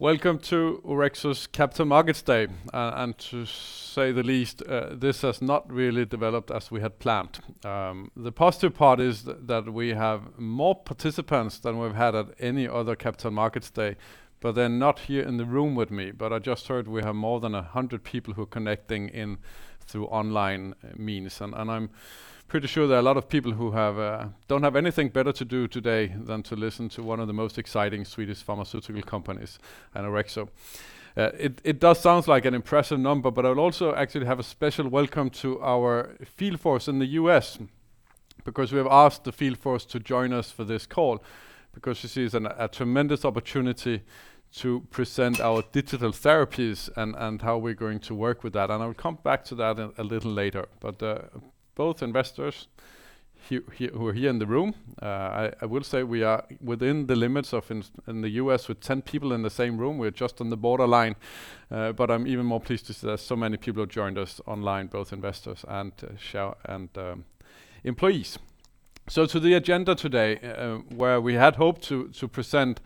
Welcome to Orexo's Capital Markets Day. To say the least, this has not really developed as we had planned. The positive part is that we have more participants than we've had at any other Capital Markets Day, but they're not here in the room with me. I just heard we have more than 100 people who are connecting in through online means, and I'm pretty sure there are a lot of people who don't have anything better to do today than to listen to one of the most exciting Swedish pharmaceutical companies and Orexo. It does sound like an impressive number. I'll also actually have a special welcome to our field force in the U.S., because we have asked the field force to join us for this call because this is a tremendous opportunity to present our digital therapies and how we're going to work with that. I will come back to that a little later. Both investors who are here in the room, I will say we are within the limits in the U.S. with 10 people in the same room. We're just on the borderline. To the agenda today, where we had hoped to present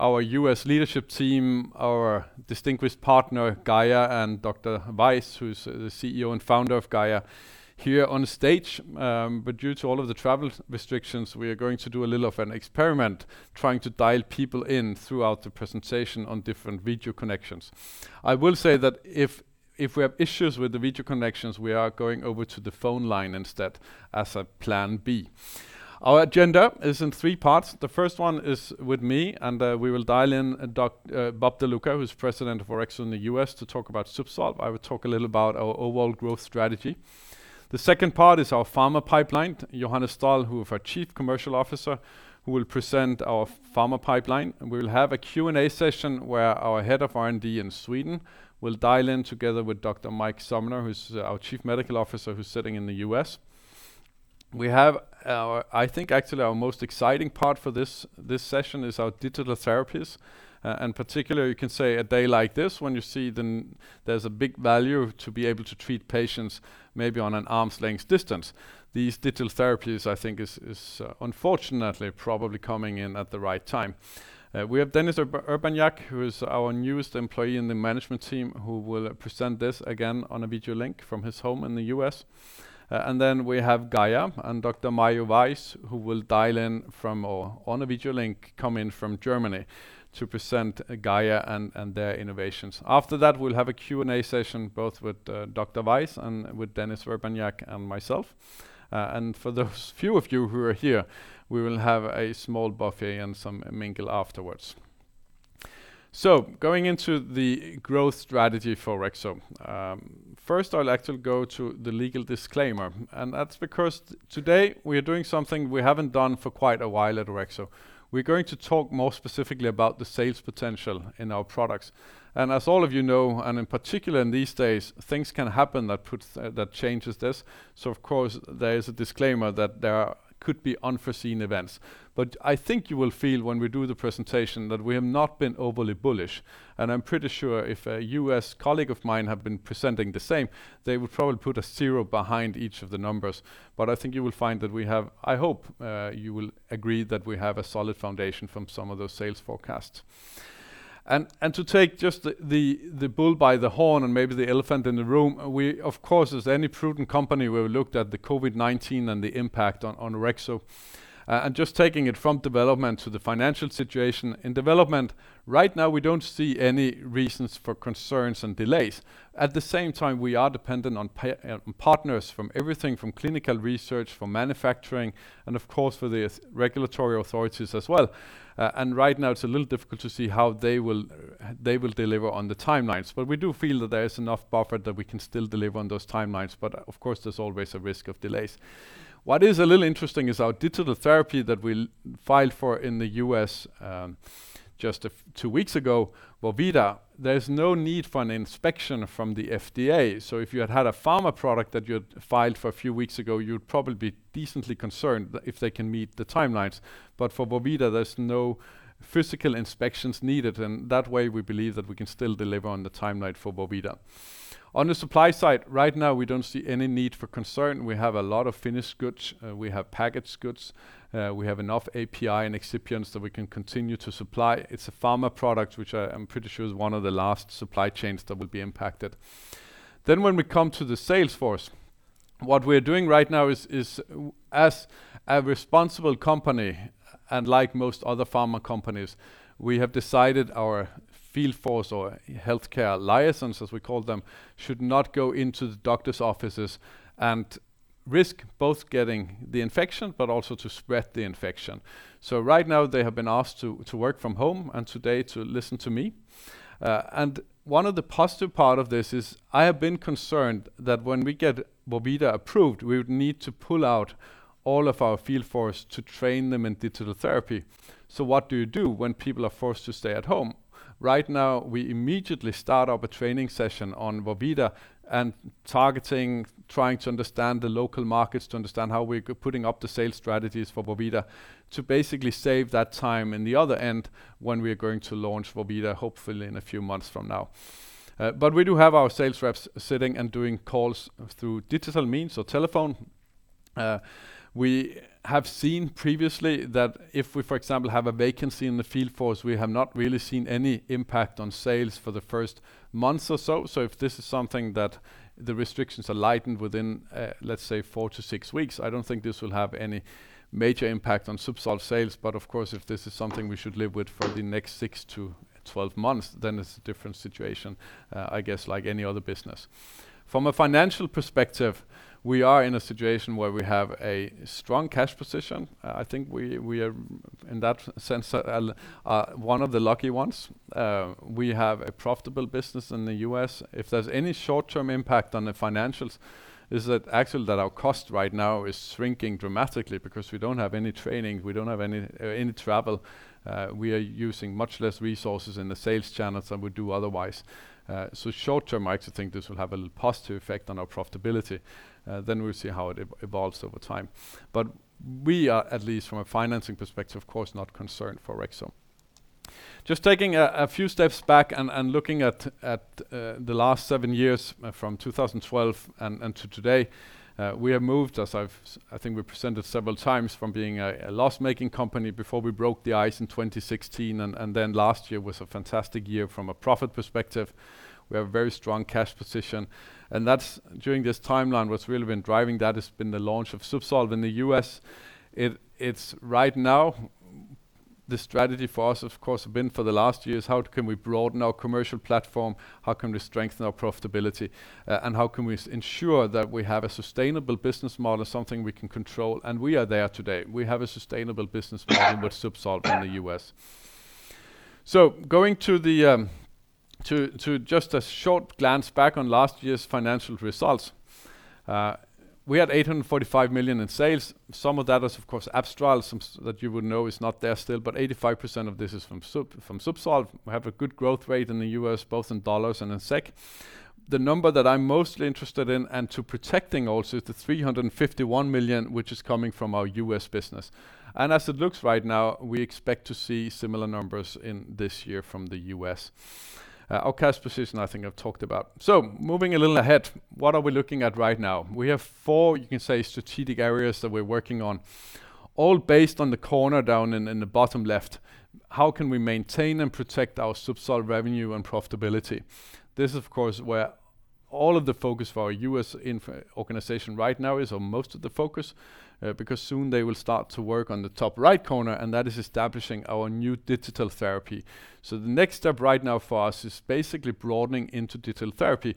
our U.S. leadership team, our distinguished partner, GAIA, and Dr. Weiss, who's the CEO and Founder of GAIA, here on stage. Due to all of the travel restrictions, we are going to do a little of an experiment trying to dial people in throughout the presentation on different video connections. I will say that if we have issues with the video connections, we are going over to the phone line instead as a plan B. Our agenda is in three parts. The first one is with me. We will dial in Bob DeLuca, who is President of Orexo in the U.S., to talk about ZUBSOLV. I will talk a little about our overall growth strategy. The second part is our pharma pipeline, Johannes Doll, who is our Chief Commercial Officer, who will present our pharma pipeline. We will have a Q&A session where our head of R&D in Sweden will dial in together with Dr. Mike Sumner, who is our Chief Medical Officer, who is sitting in the U.S. We have our, I think, actually our most exciting part for this session is our digital therapies. Particularly, you can say a day like this when you see there is a big value to be able to treat patients maybe on an arm's length distance. These digital therapies, I think is unfortunately probably coming in at the right time. We have Dennis Urbaniak, who is our newest employee in the management team, who will present this again on a video link from his home in the U.S. Then we have GAIA and Dr. Mario Weiss, who will dial in on a video link coming from Germany to present GAIA and their innovations. After that, we will have a Q&A session both with Dr. Weiss and with Dennis Urbaniak and myself. For those few of you who are here, we will have a small buffet and some mingle afterwards. Going into the growth strategy for Orexo. First, I will actually go to the legal disclaimer. That is because today we are doing something we haven't done for quite a while at Orexo. We are going to talk more specifically about the sales potential in our products. As all of you know, and in particular in these days, things can happen that changes this. Of course, there is a disclaimer that there could be unforeseen events. I think you will feel when we do the presentation that we have not been overly bullish, and I'm pretty sure if a U.S. colleague of mine have been presenting the same, they would probably put a zero behind each of the numbers. I think you will find that we have I hope you will agree that we have a solid foundation from some of those sales forecasts. To take just the bull by the horn and maybe the elephant in the room, we of course, as any prudent company, we've looked at the COVID-19 and the impact on Orexo, and just taking it from development to the financial situation. In development, right now we don't see any reasons for concerns and delays. At the same time, we are dependent on partners from everything, from clinical research, from manufacturing, for the regulatory authorities as well. Right now, it's a little difficult to see how they will deliver on the timelines. We do feel that there is enough buffer that we can still deliver on those timelines, but of course, there's always a risk of delays. What is a little interesting is our digital therapy that we filed for in the U.S. just two weeks ago, vorvida, there's no need for an inspection from the FDA. If you had had a pharma product that you had filed for a few weeks ago, you'd probably be decently concerned if they can meet the timelines. For vorvida, there's no physical inspections needed, and that way we believe that we can still deliver on the timeline for vorvida. On the supply side, right now we don't see any need for concern. We have a lot of finished goods. We have packaged goods. We have enough API and excipients that we can continue to supply. It's a pharma product, which I'm pretty sure is one of the last supply chains that will be impacted. When we come to the sales force, what we're doing right now is as a responsible company and like most other pharma companies, we have decided our field force or healthcare liaisons, as we call them, should not go into the doctor's offices and risk both getting the infection, but also to spread the infection. Right now, they have been asked to work from home and today to listen to me. One of the positive parts of this is I have been concerned that when we get vorvida approved, we would need to pull out all of our field force to train them in digital therapy. What do you do when people are forced to stay at home? Right now, we immediately start up a training session on vorvida and targeting, trying to understand the local markets, to understand how we're putting up the sales strategies for vorvida to basically save that time in the other end when we are going to launch vorvida, hopefully in a few months from now. We do have our sales reps sitting and doing calls through digital means or telephone. We have seen previously that if we, for example, have a vacancy in the field force, we have not really seen any impact on sales for the first month or so. If the restrictions are lightened within, let's say, four to six weeks, I don't think this will have any major impact on ZUBSOLV sales. Of course, if this is something we should live with for the next 6-12 months, then it's a different situation, I guess like any other business. From a financial perspective, we are in a situation where we have a strong cash position. I think we are, in that sense, one of the lucky ones. We have a profitable business in the U.S. If there's any short-term impact on the financials, is that actually that our cost right now is shrinking dramatically because we don't have any training, we don't have any travel. We are using much less resources in the sales channels than we do otherwise. Short-term, I actually think this will have a positive effect on our profitability. We'll see how it evolves over time. We are, at least from a financing perspective, of course, not concerned for Orexo. Just taking a few steps back and looking at the last seven years, from 2012 and to today, we have moved, as I think we presented several times, from being a loss-making company before we broke the ice in 2016, and last year was a fantastic year from a profit perspective. We have a very strong cash position. During this timeline, what's really been driving that has been the launch of ZUBSOLV in the U.S. Right now, the strategy for us, of course, been for the last years, how can we broaden our commercial platform, how can we strengthen our profitability, and how can we ensure that we have a sustainable business model, something we can control, and we are there today. We have a sustainable business model with ZUBSOLV in the U.S. Going to just a short glance back on last year's financial results. We had 845 million in sales. Some of that is, of course, Abstral, that you would know is not there still, but 85% of this is from ZUBSOLV. We have a good growth rate in the U.S., both in USD and in SEK. The number that I'm mostly interested in and to protecting also is the 351 million, which is coming from our U.S. business. As it looks right now, we expect to see similar numbers in this year from the U.S. Our cash position, I think I've talked about. Moving a little ahead, what are we looking at right now? We have four, you can say, strategic areas that we're working on, all based on the corner down in the bottom left. How can we maintain and protect our ZUBSOLV revenue and profitability? This, of course, where all of the focus for our U.S. organization right now is, or most of the focus, because soon they will start to work on the top right corner, and that is establishing our new digital therapy. The next step right now for us is basically broadening into digital therapy,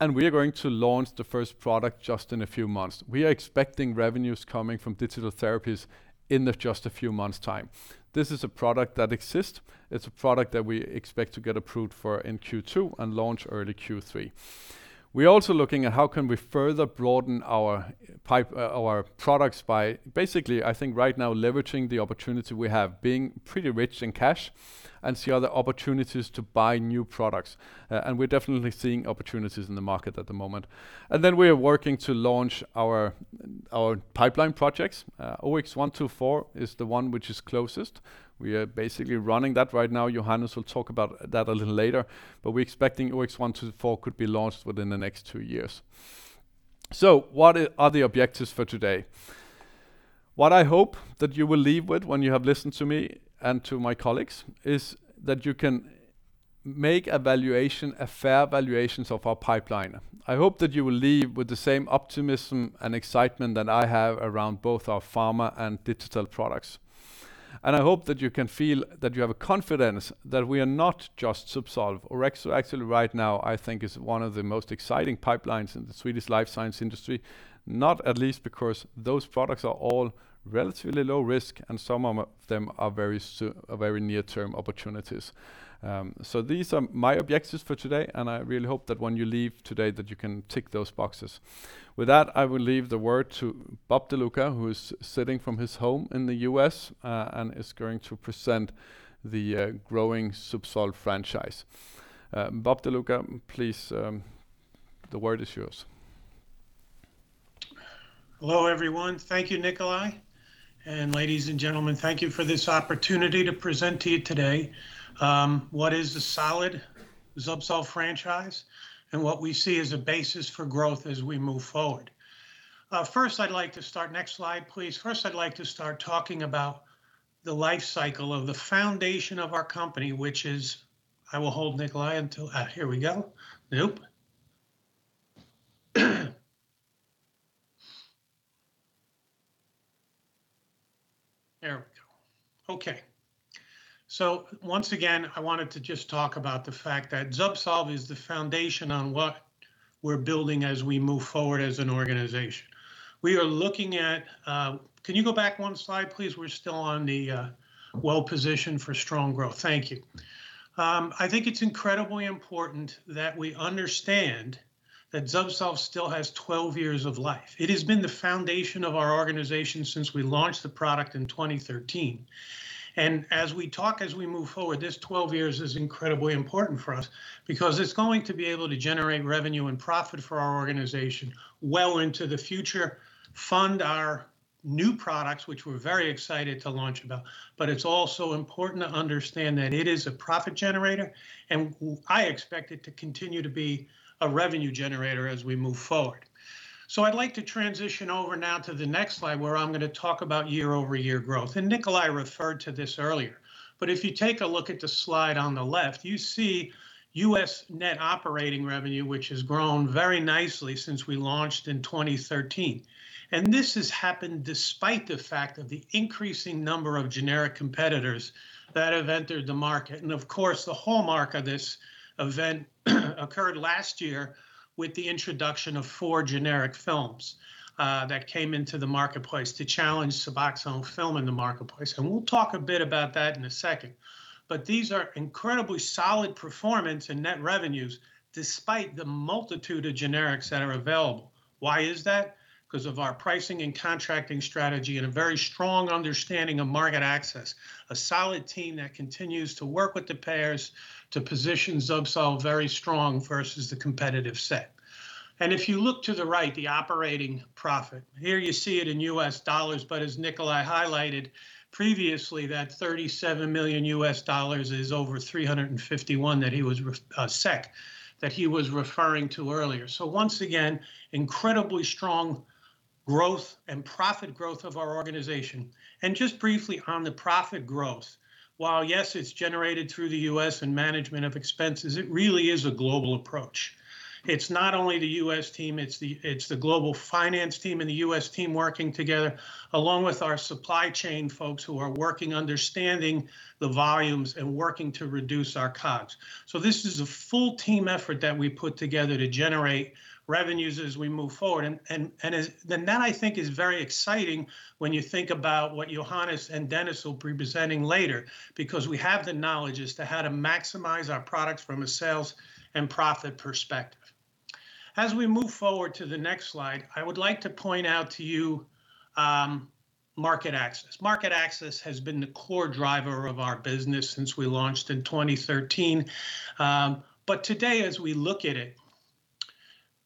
and we are going to launch the first product just in a few months. We are expecting revenues coming from digital therapies in just a few months' time. This is a product that exists. It is a product that we expect to get approved for in Q2 and launch early Q3. We are also looking at how can we further broaden our products by basically, I think right now, leveraging the opportunity we have, being pretty rich in cash, and see other opportunities to buy new products. We are definitely seeing opportunities in the market at the moment. We are working to launch our pipeline projects. OX124 is the one which is closest. We are basically running that right now. Johannes will talk about that a little later. We're expecting OX124 could be launched within the next two years. What are the objectives for today? What I hope that you will leave with when you have listened to me and to my colleagues is that you can make a fair valuations of our pipeline. I hope that you will leave with the same optimism and excitement that I have around both our pharma and digital products. I hope that you can feel that you have a confidence that we are not just ZUBSOLV. Orexo actually right now, I think is one of the most exciting pipelines in the Swedish life science industry. Not at least because those products are all relatively low risk and some of them are very near-term opportunities. These are my objectives for today, and I really hope that when you leave today, that you can tick those boxes. With that, I will leave the word to Bob DeLuca, who is sitting from his home in the U.S. and is going to present the growing ZUBSOLV franchise. Bob DeLuca, please, the word is yours. Hello, everyone. Thank you, Nikolaj. Ladies and gentlemen, thank you for this opportunity to present to you today what is a solid ZUBSOLV franchise and what we see as a basis for growth as we move forward. Next slide, please. First, I'd like to start talking about the life cycle of the foundation of our company. Once again, I wanted to just talk about the fact that ZUBSOLV is the foundation on what we're building as we move forward as an organization. Can you go back one slide, please? We're still on the well-positioned for strong growth. Thank you. I think it's incredibly important that we understand that ZUBSOLV still has 12 years of life. It has been the foundation of our organization since we launched the product in 2013. As we talk, as we move forward, this 12 years is incredibly important for us because it's going to be able to generate revenue and profit for our organization well into the future, fund our new products, which we're very excited to launch about. It's also important to understand that it is a profit generator, and I expect it to continue to be a revenue generator as we move forward. I'd like to transition over now to the next slide, where I'm going to talk about year-over-year growth. Nikolaj referred to this earlier, but if you take a look at the slide on the left, you see U.S. net operating revenue, which has grown very nicely since we launched in 2013. This has happened despite the fact of the increasing number of generic competitors that have entered the market. Of course, the hallmark of this event occurred last year with the introduction of four generic films that came into the marketplace to challenge SUBOXONE film in the marketplace. We'll talk a bit about that in a second. These are incredibly solid performance and net revenues despite the multitude of generics that are available. Why is that? Because of our pricing and contracting strategy and a very strong understanding of market access, a solid team that continues to work with the payers to position ZUBSOLV very strong versus the competitive set. If you look to the right, the operating profit. Here you see it in US dollars, but as Nikolaj highlighted previously, that $37 million is over 351 that he was referring to earlier. Once again, incredibly strong growth and profit growth of our organization. Just briefly on the profit growth, while, yes, it's generated through the U.S. and management of expenses, it really is a global approach. It's not only the U.S. team, it's the global finance team and the U.S. team working together, along with our supply chain folks who are working, understanding the volumes, and working to reduce our COGS. This is a full team effort that we put together to generate revenues as we move forward. That, I think, is very exciting when you think about what Johannes and Dennis will be presenting later, because we have the knowledge as to how to maximize our products from a sales and profit perspective. As we move forward to the next slide, I would like to point out to you market access. Market access has been the core driver of our business since we launched in 2013. Today, as we look at it,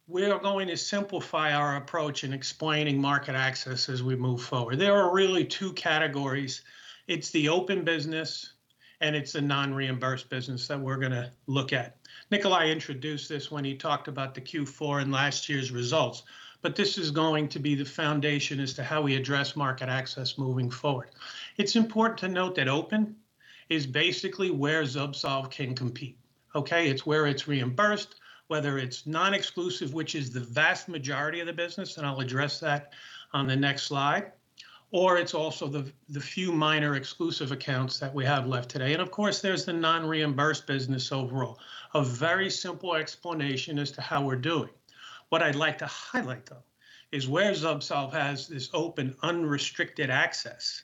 we're going to simplify our approach in explaining market access as we move forward. There are really two categories. It's the open business, and it's the non-reimbursed business that we're going to look at. Nikolaj introduced this when he talked about the Q4 and last year's results. This is going to be the foundation as to how we address market access moving forward. It's important to note that open is basically where ZUBSOLV can compete. Okay. It's where it's reimbursed, whether it's non-exclusive, which is the vast majority of the business, and I'll address that on the next slide, or it's also the few minor exclusive accounts that we have left today. Of course, there's the non-reimbursed business overall. A very simple explanation as to how we're doing. What I'd like to highlight, though, is where ZUBSOLV has this open, unrestricted access,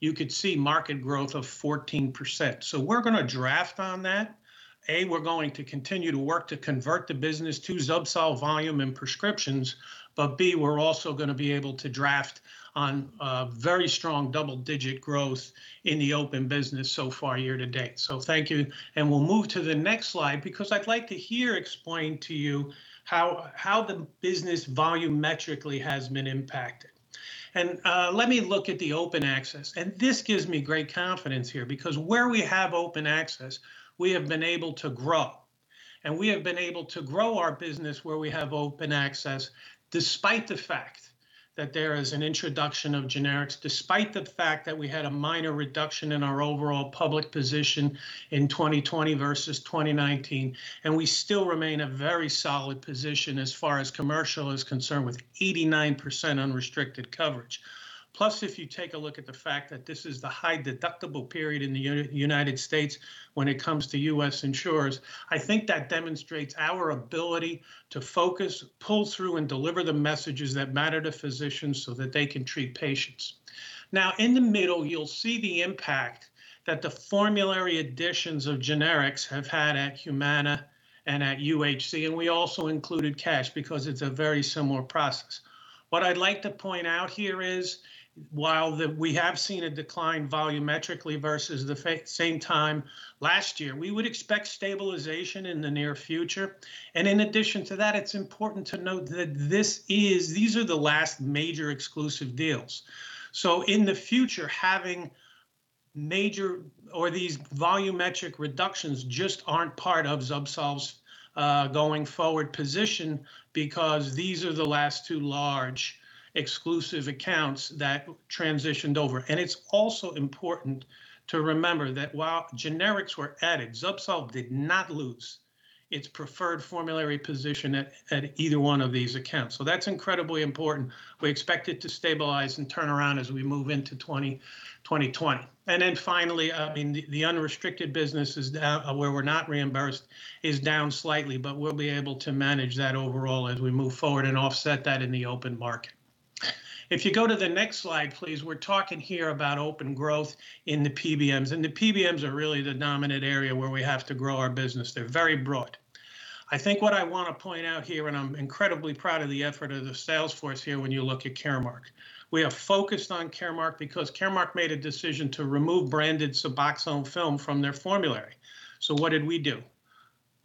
you could see market growth of 14%. We're going to draft on that. A, we're going to continue to work to convert the business to ZUBSOLV volume and prescriptions, but B, we're also going to be able to draft on very strong double-digit growth in the open business so far year-to-date. Thank you, and we'll move to the next slide because I'd like to here explain to you how the business volumetrically has been impacted. Let me look at the open access. This gives me great confidence here, because where we have open access, we have been able to grow. We have been able to grow our business where we have open access despite the fact that there is an introduction of generics, despite the fact that we had a minor reduction in our overall public position in 2020 versus 2019, and we still remain a very solid position as far as commercial is concerned with 89% unrestricted coverage. If you take a look at the fact that this is the high deductible period in the U.S. when it comes to U.S. insurers, I think that demonstrates our ability to focus, pull through, and deliver the messages that matter to physicians so that they can treat patients. In the middle, you'll see the impact that the formulary additions of generics have had at Humana and at UHC, and we also included Cash because it's a very similar process. What I'd like to point out here is while we have seen a decline volumetrically versus the same time last year, we would expect stabilization in the near future. In addition to that, it's important to note that these are the last major exclusive deals. In the future, having major or these volumetric reductions just aren't part of ZUBSOLV's going forward position because these are the last two large exclusive accounts that transitioned over. It's also important to remember that while generics were added, ZUBSOLV did not lose its preferred formulary position at either one of these accounts. That's incredibly important. We expect it to stabilize and turn around as we move into 2020. Finally, the unrestricted business where we're not reimbursed is down slightly, but we'll be able to manage that overall as we move forward and offset that in the open market. If you go to the next slide, please, we're talking here about open growth in the PBMs. The PBMs are really the dominant area where we have to grow our business. They're very broad. I think what I want to point out here, I'm incredibly proud of the effort of the sales force here when you look at Caremark. We have focused on Caremark because Caremark made a decision to remove branded SUBOXONE film from their formulary. What did we do?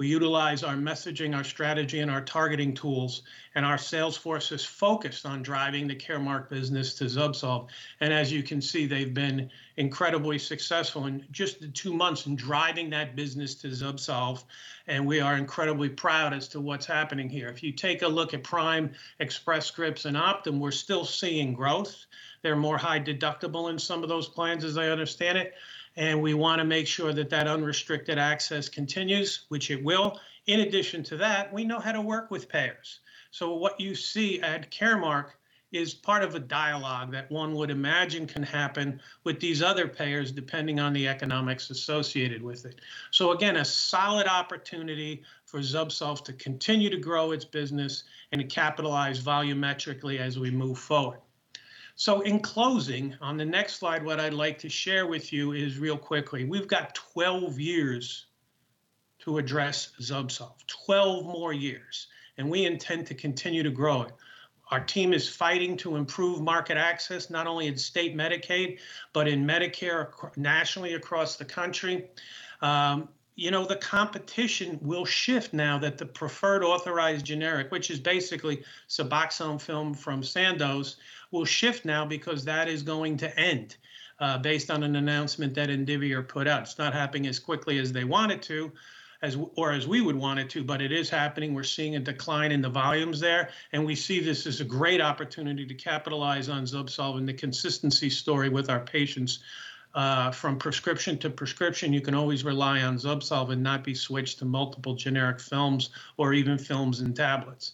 We utilize our messaging, our strategy, and our targeting tools, and our sales force is focused on driving the Caremark business to ZUBSOLV. As you can see, they've been incredibly successful in just the two months in driving that business to ZUBSOLV, and we are incredibly proud as to what's happening here. If you take a look at Prime, Express Scripts, and Optum, we're still seeing growth. They're more high deductible in some of those plans, as I understand it, and we want to make sure that that unrestricted access continues, which it will. In addition to that, we know how to work with payers. What you see at Caremark is part of a dialogue that one would imagine can happen with these other payers, depending on the economics associated with it. Again, a solid opportunity for ZUBSOLV to continue to grow its business and to capitalize volumetrically as we move forward. In closing, on the next slide, what I'd like to share with you is real quickly, we've got 12 years to address ZUBSOLV. 12 more years, and we intend to continue to grow it. Our team is fighting to improve market access, not only in state Medicaid, but in Medicare nationally across the country. The competition will shift now that the preferred authorized generic, which is basically SUBOXONE film from Sandoz, because that is going to end based on an announcement that Indivior put out. It's not happening as quickly as they want it to, or as we would want it to, but it is happening. We're seeing a decline in the volumes there, and we see this as a great opportunity to capitalize on ZUBSOLV and the consistency story with our patients. From prescription to prescription, you can always rely on ZUBSOLV and not be switched to multiple generic films or even films and tablets.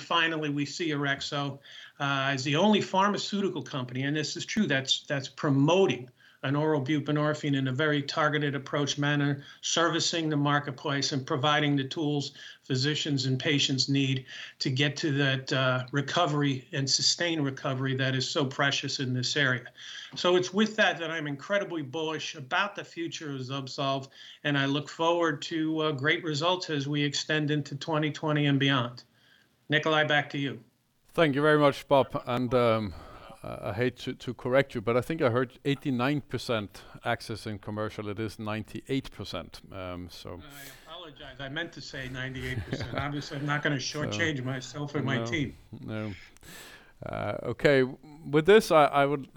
Finally, we see Orexo as the only pharmaceutical company, and this is true, that's promoting an oral buprenorphine in a very targeted approach manner, servicing the marketplace and providing the tools physicians and patients need to get to that recovery and sustain recovery that is so precious in this area. It's with that that I'm incredibly bullish about the future of ZUBSOLV, and I look forward to great results as we extend into 2020 and beyond. Nikolaj, back to you. Thank you very much, Bob, and I hate to correct you, but I think I heard 89% access in commercial. It is 98%. I apologize. I meant to say 98%. Obviously, I'm not going to shortchange myself or my team. No. Okay. With this, I would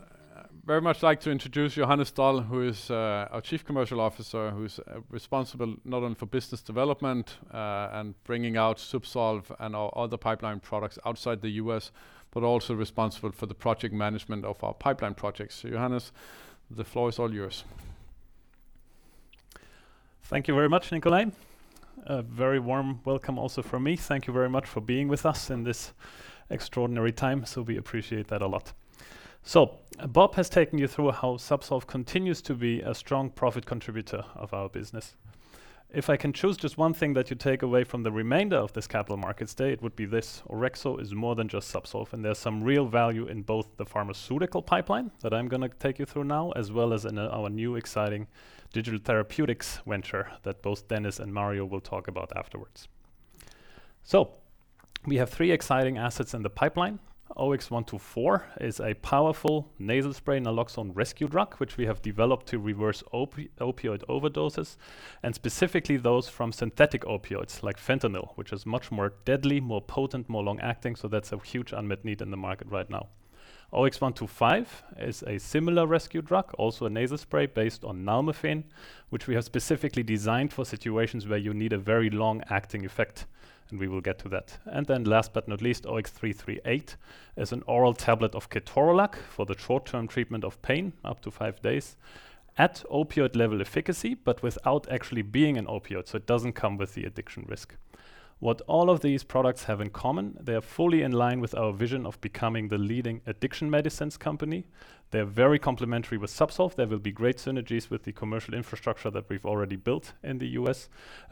very much like to introduce Johannes Doll, who is our Chief Commercial Officer, who is responsible not only for business development and bringing out ZUBSOLV and our other pipeline products outside the U.S., but also responsible for the project management of our pipeline projects. Johannes, the floor is all yours. Thank you very much, Nikolaj. A very warm welcome also from me. Thank you very much for being with us in this extraordinary time. We appreciate that a lot. Bob has taken you through how ZUBSOLV continues to be a strong profit contributor of our business. If I can choose just one thing that you take away from the remainder of this capital markets day, it would be this. Orexo is more than just ZUBSOLV, and there's some real value in both the pharmaceutical pipeline that I'm going to take you through now, as well as in our new exciting digital therapeutics venture that both Dennis and Mario will talk about afterwards. We have three exciting assets in the pipeline. OX124 is a powerful nasal spray naloxone rescue drug, which we have developed to reverse opioid overdoses, specifically those from synthetic opioids like fentanyl, which is much more deadly, more potent, more long-acting. That's a huge unmet need in the market right now. OX125 is a similar rescue drug, also a nasal spray based on nalmefene, which we have specifically designed for situations where you need a very long-acting effect, we will get to that. Last but not least, OX338 is an oral tablet of ketorolac for the short-term treatment of pain, up to five days, at opioid-level efficacy, without actually being an opioid. It doesn't come with the addiction risk. What all of these products have in common, they are fully in line with our vision of becoming the leading addiction medicines company. They're very complementary with ZUBSOLV. There will be great synergies with the commercial infrastructure that we've already built in the U.S.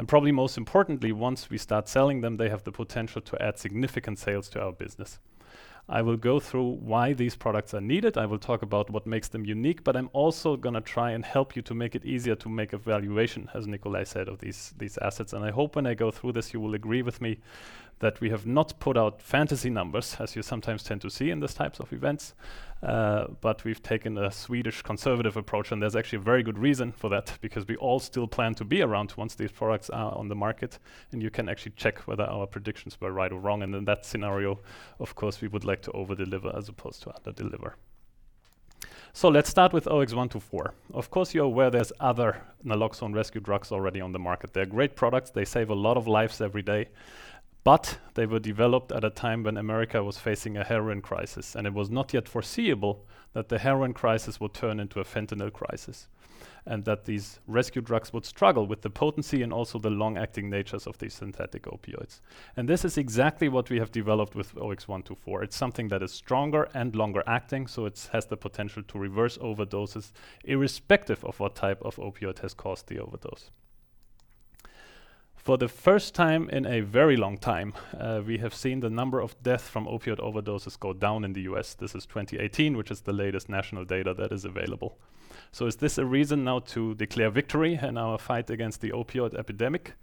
Probably most importantly, once we start selling them, they have the potential to add significant sales to our business. I will go through why these products are needed. I will talk about what makes them unique, but I'm also going to try and help you to make it easier to make a valuation, as Nikolaj said, of these assets. I hope when I go through this, you will agree with me that we have not put out fantasy numbers, as you sometimes tend to see in these types of events. We've taken a Swedish conservative approach, and there's actually a very good reason for that, because we all still plan to be around once these products are on the market, and you can actually check whether our predictions were right or wrong. In that scenario, of course, we would like to over-deliver as opposed to under-deliver. Let's start with OX124. Of course, you're aware there's other naloxone rescue drugs already on the market. They're great products. They save a lot of lives every day. They were developed at a time when America was facing a heroin crisis, and it was not yet foreseeable that the heroin crisis would turn into a fentanyl crisis, and that these rescue drugs would struggle with the potency and also the long-acting natures of these synthetic opioids. This is exactly what we have developed with OX124. It's something that is stronger and longer acting, so it has the potential to reverse overdoses irrespective of what type of opioid has caused the overdose. For the first time in a very long time, we have seen the number of deaths from opioid overdoses go down in the U.S. This is 2018, which is the latest national data that is available. Is this a reason now to declare victory in our fight against the opioid epidemic?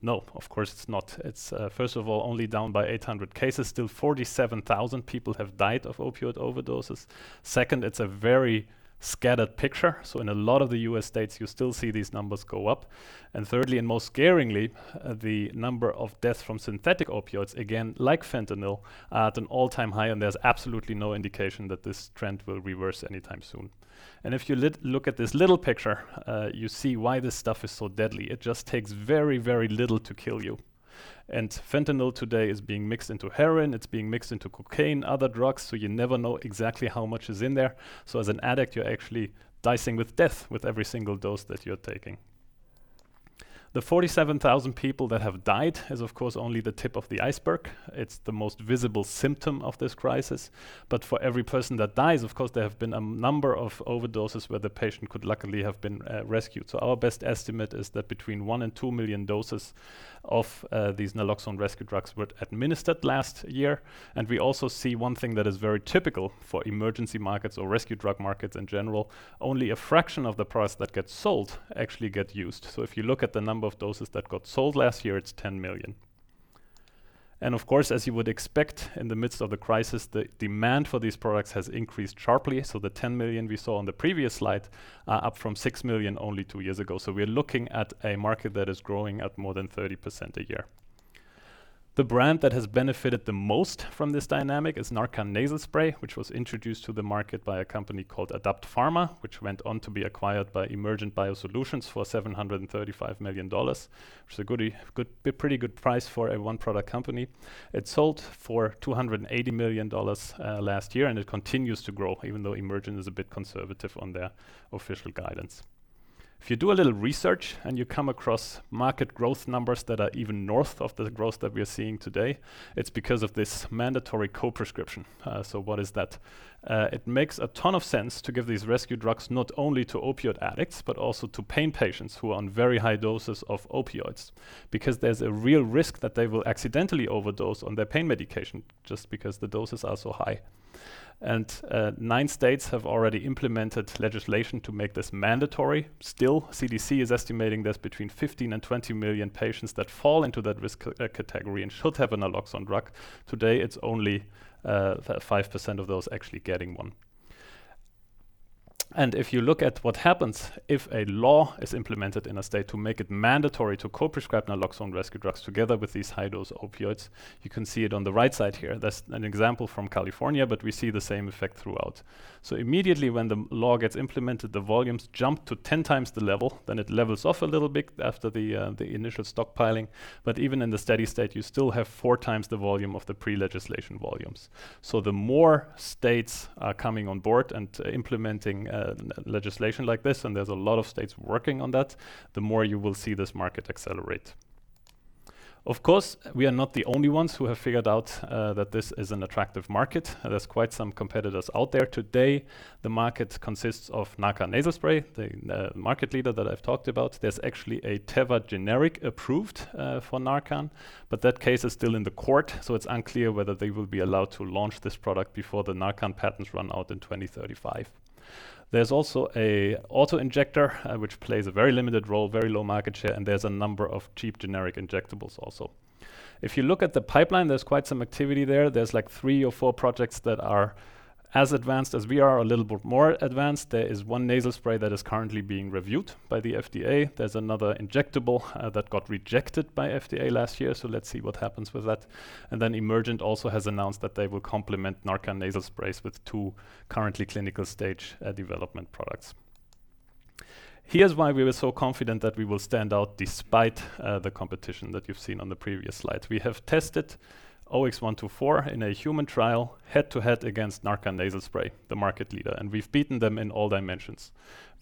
No, of course it's not. It's, first of all, only down by 800 cases. Still 47,000 people have died of opioid overdoses. Second, it's a very scattered picture, so in a lot of the U.S. states, you still see these numbers go up. Thirdly, and most scarily, the number of deaths from synthetic opioids, again, like fentanyl, are at an all-time high, there's absolutely no indication that this trend will reverse anytime soon. If you look at this little picture, you see why this stuff is so deadly. It just takes very little to kill you. Fentanyl today is being mixed into heroin. It's being mixed into cocaine, other drugs, so you never know exactly how much is in there. As an addict, you're actually dicing with death with every single dose that you're taking. The 47,000 people that have died is, of course, only the tip of the iceberg. It's the most visible symptom of this crisis. For every person that dies, of course, there have been a number of overdoses where the patient could luckily have been rescued. Our best estimate is that between one and two million doses of these naloxone rescue drugs were administered last year. We also see one thing that is very typical for emergency markets or rescue drug markets in general, only a fraction of the products that get sold actually get used. If you look at the number of doses that got sold last year, it's 10 million. Of course, as you would expect in the midst of the crisis, the demand for these products has increased sharply. The 10 million we saw on the previous slide are up from six million only two years ago. We're looking at a market that is growing at more than 30% a year. The brand that has benefited the most from this dynamic is NARCAN nasal spray, which was introduced to the market by a company called Adapt Pharma, which went on to be acquired by Emergent BioSolutions for $735 million, which is a pretty good price for a one-product company. It sold for $280 million last year, and it continues to grow, even though Emergent is a bit conservative on their official guidance. If you do a little research and you come across market growth numbers that are even north of the growth that we're seeing today, it's because of this mandatory co-prescription. What is that? It makes a ton of sense to give these rescue drugs not only to opioid addicts but also to pain patients who are on very high doses of opioids because there's a real risk that they will accidentally overdose on their pain medication just because the doses are so high. Nine states have already implemented legislation to make this mandatory. CDC is estimating there's between 15 million and 20 million patients that fall into that risk category and should have a naloxone drug. Today, it's only 5% of those actually getting one. If you look at what happens if a law is implemented in a state to make it mandatory to co-prescribe naloxone rescue drugs together with these high-dose opioids, you can see it on the right side here. That's an example from California, but we see the same effect throughout. Immediately when the law gets implemented, the volumes jump to 10 times the level. It levels off a little bit after the initial stockpiling. Even in the steady state, you still have four times the volume of the pre-legislation volumes. The more states are coming on board and implementing legislation like this, and there's a lot of states working on that, the more you will see this market accelerate. Of course, we are not the only ones who have figured out that this is an attractive market. There's quite some competitors out there today. The market consists of NARCAN nasal spray, the market leader that I've talked about. There's actually a Teva generic approved for NARCAN, but that case is still in the court, so it's unclear whether they will be allowed to launch this product before the NARCAN patents run out in 2035. There's also an auto-injector, which plays a very limited role, very low market share, and there's a number of cheap generic injectables also. If you look at the pipeline, there's quite some activity there. There's three or four projects that are as advanced as we are, a little bit more advanced. There is one nasal spray that is currently being reviewed by the FDA. There's another injectable that got rejected by FDA last year. Let's see what happens with that. Emergent also has announced that they will complement NARCAN nasal sprays with two currently clinical stage development products. Here's why we were so confident that we will stand out despite the competition that you've seen on the previous slide. We have tested OX124 in a human trial head-to-head against NARCAN nasal spray, the market leader, and we've beaten them in all dimensions.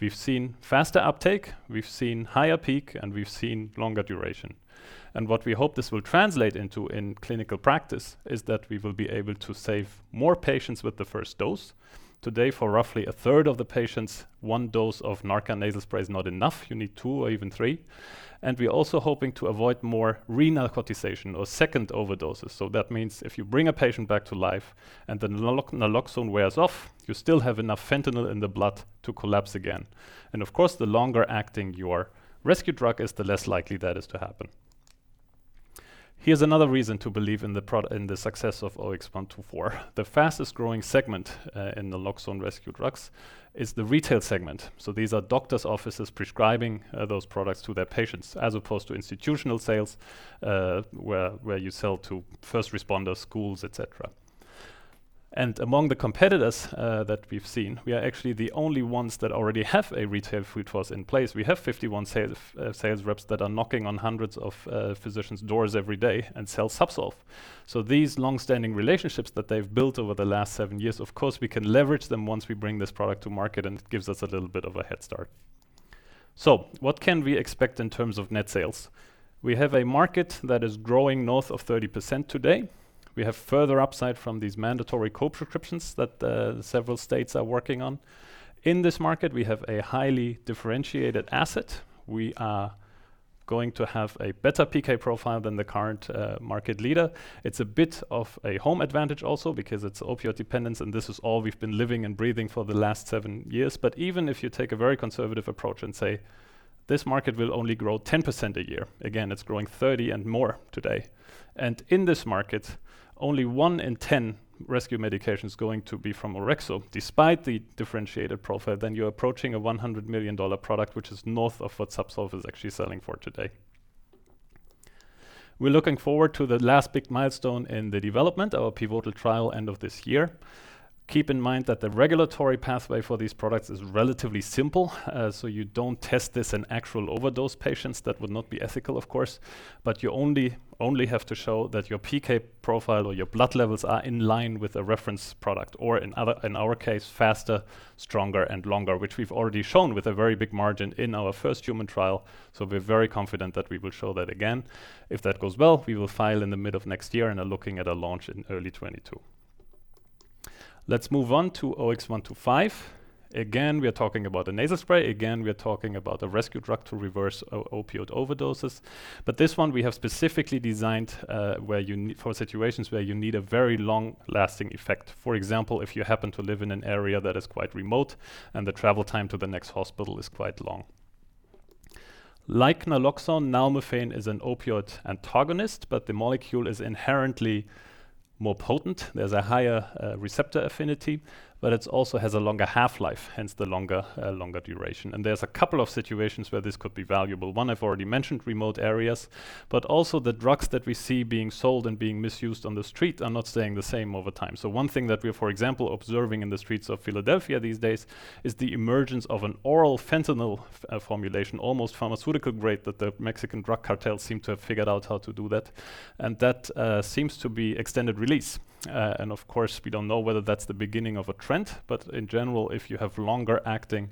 We've seen faster uptake, we've seen higher peak, and we've seen longer duration. What we hope this will translate into in clinical practice is that we will be able to save more patients with the first dose. Today, for roughly a third of the patients, one dose of NARCAN nasal spray is not enough. You need two or even three. We're also hoping to avoid more re-narcotization or second overdoses. That means if you bring a patient back to life and the naloxone wears off, you still have enough fentanyl in the blood to collapse again. Of course, the longer acting your rescue drug is, the less likely that is to happen. Here's another reason to believe in the success of OX124. The fastest-growing segment in naloxone rescue drugs is the retail segment. These are doctor's offices prescribing those products to their patients as opposed to institutional sales, where you sell to first responders, schools, et cetera. Among the competitors that we've seen, we are actually the only ones that already have a retail force in place. We have 51 sales reps that are knocking on hundreds of physicians' doors every day and sell ZUBSOLV. These longstanding relationships that they've built over the last seven years, of course, we can leverage them once we bring this product to market, and it gives us a little bit of a head start. What can we expect in terms of net sales? We have a market that is growing north of 30% today. We have further upside from these mandatory co-prescriptions that several states are working on. In this market, we have a highly differentiated asset. We are going to have a better PK profile than the current market leader. It's a bit of a home advantage also because it's opioid dependence, and this is all we've been living and breathing for the last seven years. Even if you take a very conservative approach and say this market will only grow 10% a year, again, it's growing 30% and more today. In this market, only one in 10 rescue medication is going to be from Orexo, despite the differentiated profile, then you're approaching a $100 million product, which is north of what ZUBSOLV is actually selling for today. We're looking forward to the last big milestone in the development, our pivotal trial end of this year. Keep in mind that the regulatory pathway for these products is relatively simple. You don't test this in actual overdose patients. That would not be ethical, of course. You only have to show that your PK profile or your blood levels are in line with a reference product or in our case, faster, stronger, and longer, which we've already shown with a very big margin in our first human trial. We're very confident that we will show that again. If that goes well, we will file in the middle of next year and are looking at a launch in early 2022. Let's move on to OX125. Again, we are talking about a nasal spray. Again, we are talking about a rescue drug to reverse opioid overdoses. This one we have specifically designed for situations where you need a very long-lasting effect. For example, if you happen to live in an area that is quite remote and the travel time to the next hospital is quite long. Like naloxone, nalmefene is an opioid antagonist, but the molecule is inherently more potent. There's a higher receptor affinity, but it also has a longer half-life, hence the longer duration. There's a couple of situations where this could be valuable. One I've already mentioned, remote areas, but also the drugs that we see being sold and being misused on the street are not staying the same over time. One thing that we're, for example, observing in the streets of Philadelphia these days is the emergence of an oral fentanyl formulation, almost pharmaceutical grade, that the Mexican drug cartels seem to have figured out how to do that. That seems to be extended release. Of course, we don't know whether that's the beginning of a trend. In general, if you have longer acting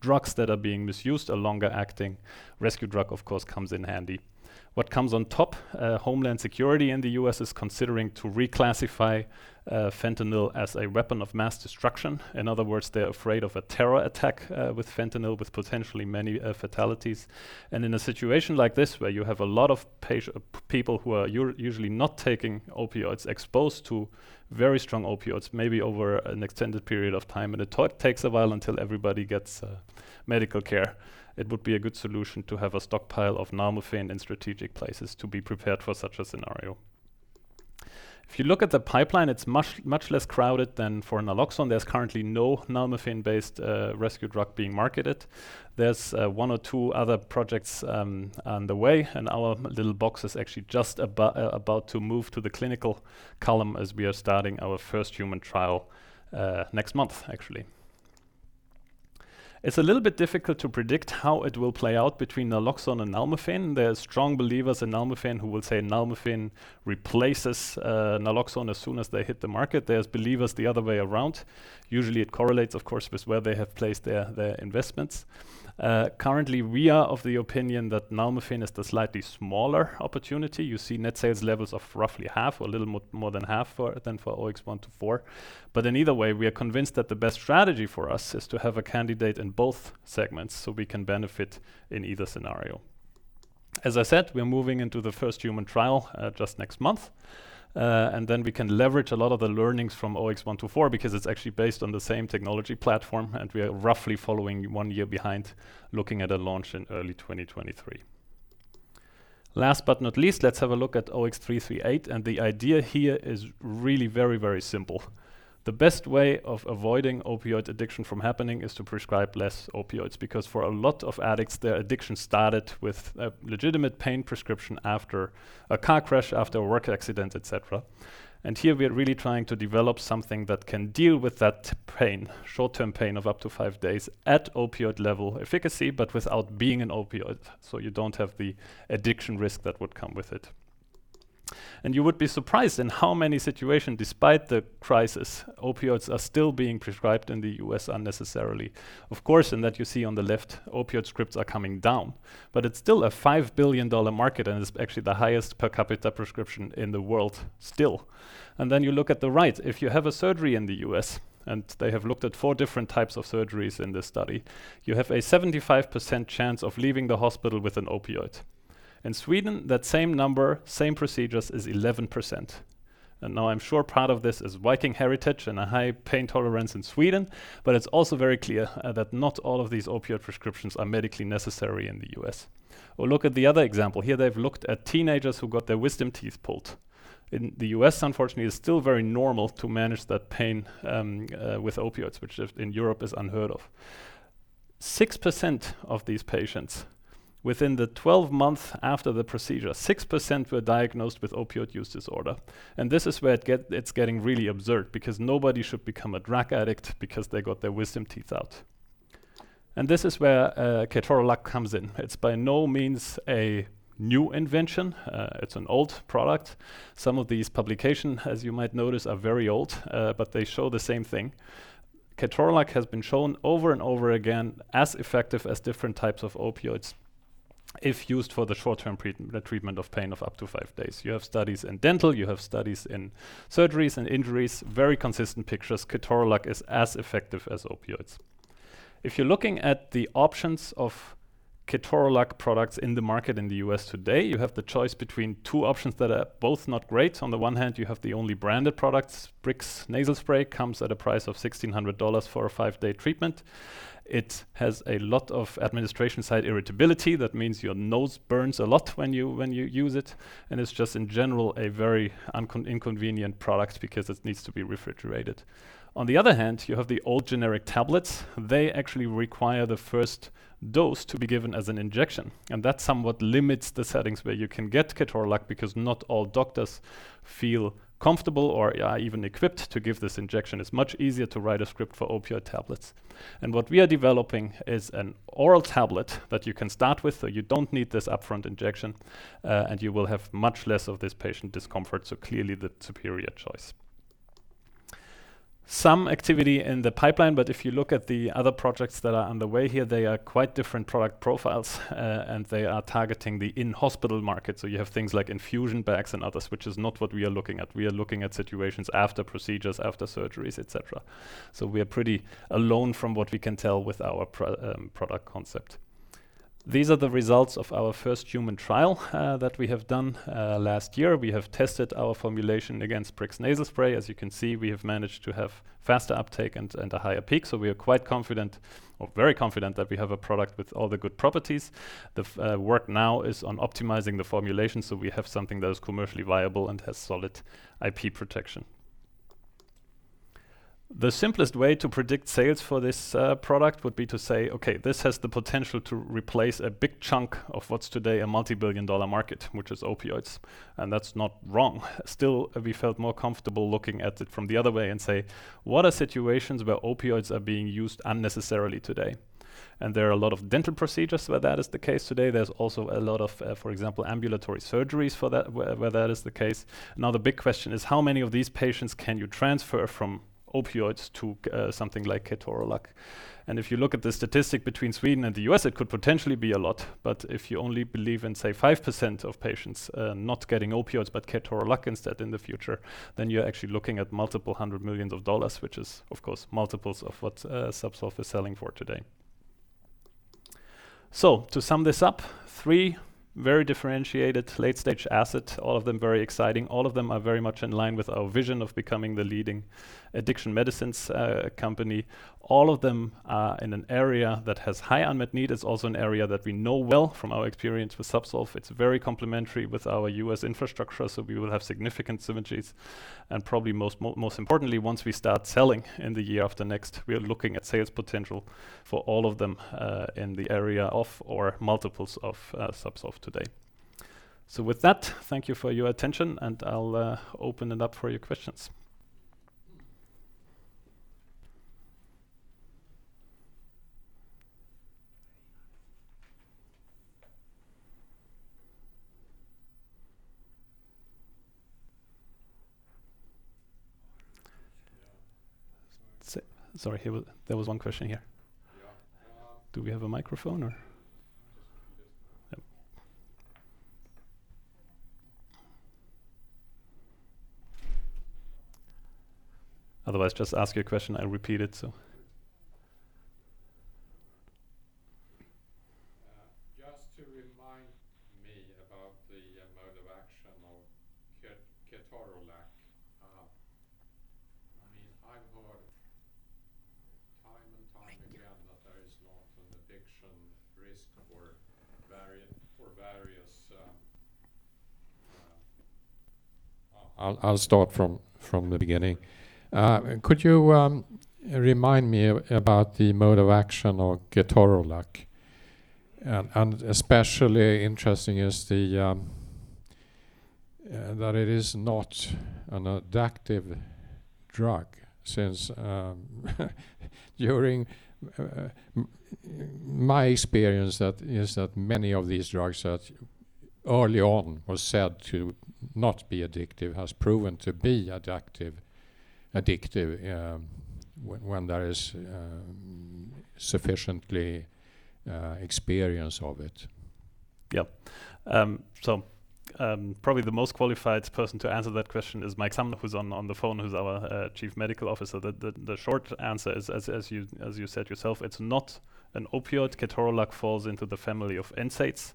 drugs that are being misused, a longer acting rescue drug, of course, comes in handy. What comes on top, Homeland Security in the U.S. is considering to reclassify fentanyl as a weapon of mass destruction. In other words, they're afraid of a terror attack with fentanyl with potentially many fatalities. In a situation like this, where you have a lot of people who are usually not taking opioids exposed to very strong opioids, maybe over an extended period of time, and it takes a while until everybody gets medical care, it would be a good solution to have a stockpile of nalmefene in strategic places to be prepared for such a scenario. If you look at the pipeline, it's much less crowded than for naloxone. There's currently no nalmefene-based rescue drug being marketed. There is one or two other projects on the way, and our little box is actually just about to move to the clinical column as we are starting our first human trial next month, actually. It is a little bit difficult to predict how it will play out between naloxone and nalmefene. There are strong believers in nalmefene who will say nalmefene replaces naloxone as soon as they hit the market. There is believers the other way around. Usually, it correlates, of course, with where they have placed their investments. Currently, we are of the opinion that nalmefene is the slightly smaller opportunity. You see net sales levels of roughly half or a little more than half than for OX124. In either way, we are convinced that the best strategy for us is to have a candidate in both segments so we can benefit in either scenario. As I said, we're moving into the first human trial just next month. We can leverage a lot of the learnings from OX124 because it's actually based on the same technology platform, and we are roughly following one year behind, looking at a launch in early 2023. Last but not least, let's have a look at OX338, the idea here is really very simple. The best way of avoiding opioid addiction from happening is to prescribe less opioids because for a lot of addicts, their addiction started with a legitimate pain prescription after a car crash, after a work accident, et cetera. Here we are really trying to develop something that can deal with that pain, short-term pain of up to five days at opioid level efficacy, but without being an opioid. You don't have the addiction risk that would come with it. You would be surprised in how many situations, despite the crisis, opioids are still being prescribed in the U.S. unnecessarily. Of course, in that you see on the left, opioid scripts are coming down, but it's still a $5 billion market and is actually the highest per capita prescription in the world still. You look at the right. If you have a surgery in the U.S., and they have looked at four different types of surgeries in this study, you have a 75% chance of leaving the hospital with an opioid. In Sweden, that same number, same procedures is 11%. Now I'm sure part of this is Viking heritage and a high pain tolerance in Sweden, but it's also very clear that not all of these opioid prescriptions are medically necessary in the U.S. Look at the other example. Here they've looked at teenagers who got their wisdom teeth pulled. In the U.S., unfortunately, it's still very normal to manage that pain with opioids, which in Europe is unheard of. 6% of these patients within the 12 months after the procedure, 6% were diagnosed with opioid use disorder. This is where it's getting really absurd because nobody should become a drug addict because they got their wisdom teeth out. This is where ketorolac comes in. It's by no means a new invention. It's an old product. Some of these publications, as you might notice, are very old, but they show the same thing. Ketorolac has been shown over and over again as effective as different types of opioids if used for the short-term treatment of pain of up to five days. You have studies in dental, you have studies in surgeries and injuries, very consistent pictures ketorolac is as effective as opioids. If you're looking at the options of ketorolac products in the market in the U.S. today, you have the choice between two options that are both not great. On the one hand, you have the only branded products. SPRIX nasal spray comes at a price of $1,600 for a five-day treatment. It has a lot of administration site irritability. That means your nose burns a lot when you use it, and it's just in general a very inconvenient product because it needs to be refrigerated. On the other hand, you have the old generic tablets. They actually require the first dose to be given as an injection, and that somewhat limits the settings where you can get ketorolac because not all doctors feel comfortable or are even equipped to give this injection. It's much easier to write a script for opioid tablets. What we are developing is an oral tablet that you can start with, so you don't need this upfront injection, and you will have much less of this patient discomfort, so clearly the superior choice. Some activity in the pipeline. If you look at the other projects that are underway here, they are quite different product profiles, and they are targeting the in-hospital market. You have things like infusion bags and others, which is not what we are looking at. We are looking at situations after procedures, after surgeries, et cetera. We are pretty alone from what we can tell with our product concept. These are the results of our first human trial that we have done last year. We have tested our formulation against SPRIX nasal spray. As you can see, we have managed to have faster uptake and a higher peak. We are quite confident or very confident that we have a product with all the good properties. The work now is on optimizing the formulation so we have something that is commercially viable and has solid IP protection. The simplest way to predict sales for this product would be to say, okay, this has the potential to replace a big chunk of what's today a multi-billion dollar market, which is opioids. That's not wrong. We felt more comfortable looking at it from the other way and say, what are situations where opioids are being used unnecessarily today? There are a lot of dental procedures where that is the case today. There's also a lot of, for example, ambulatory surgeries where that is the case. The big question is how many of these patients can you transfer from opioids to something like ketorolac? If you look at the statistic between Sweden and the U.S., it could potentially be a lot. If you only believe in, say, 5% of patients not getting opioids but ketorolac instead in the future, you're actually looking at multiple hundred millions of dollars, which is, of course, multiples of what ZUBSOLV is selling for today. To sum this up, three very differentiated late-stage assets, all of them very exciting. All of them are very much in line with our vision of becoming the leading addiction medicines company. All of them are in an area that has high unmet need. It's also an area that we know well from our experience with ZUBSOLV. It's very complementary with our U.S. infrastructure. We will have significant synergies and probably most importantly, once we start selling in the year after next, we are looking at sales potential for all of them, in the area of or multiples of ZUBSOLV today. With that, thank you for your attention and I'll open it up for your questions. Sorry, there was one question here. Do we have a microphone or? Otherwise, just ask your question. I will repeat it. Just to remind me about the mode of action of ketorolac. I mean, I've got a lot, time time again that there is not an addiction risk or various. I'll start from the beginning. Could you remind me about the mode of action of ketorolac? Especially interesting is that it is not an addictive drug since during my experience that is that many of these drugs that early on were said to not be addictive, has proven to be addictive, when there is sufficiently experience of it. Yeah. Probably the most qualified person to answer that question is Mike Sumner, who's on the phone, who's our Chief Medical Officer. The short answer is, as you said yourself, it's not an opioid. ketorolac falls into the family of NSAIDs.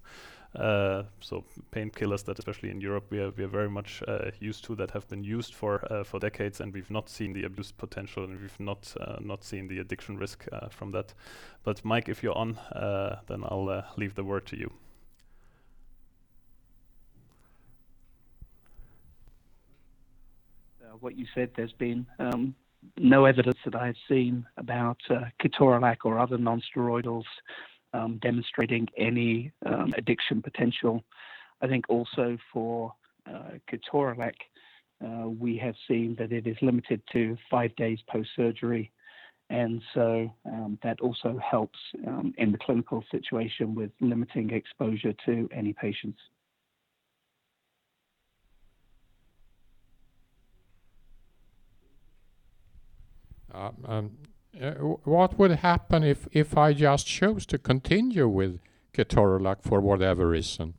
Painkillers that, especially in Europe, we are very much used to that have been used for decades, and we've not seen the abuse potential, and we've not seen the addiction risk from that. Mike, if you're on, then I'll leave the word to you. What you said, there's been no evidence that I've seen about ketorolac or other nonsteroidals demonstrating any addiction potential. I think also for ketorolac, we have seen that it is limited to five days post-surgery, and so that also helps in the clinical situation with limiting exposure to any patients. What would happen if I just chose to continue with ketorolac for whatever reason?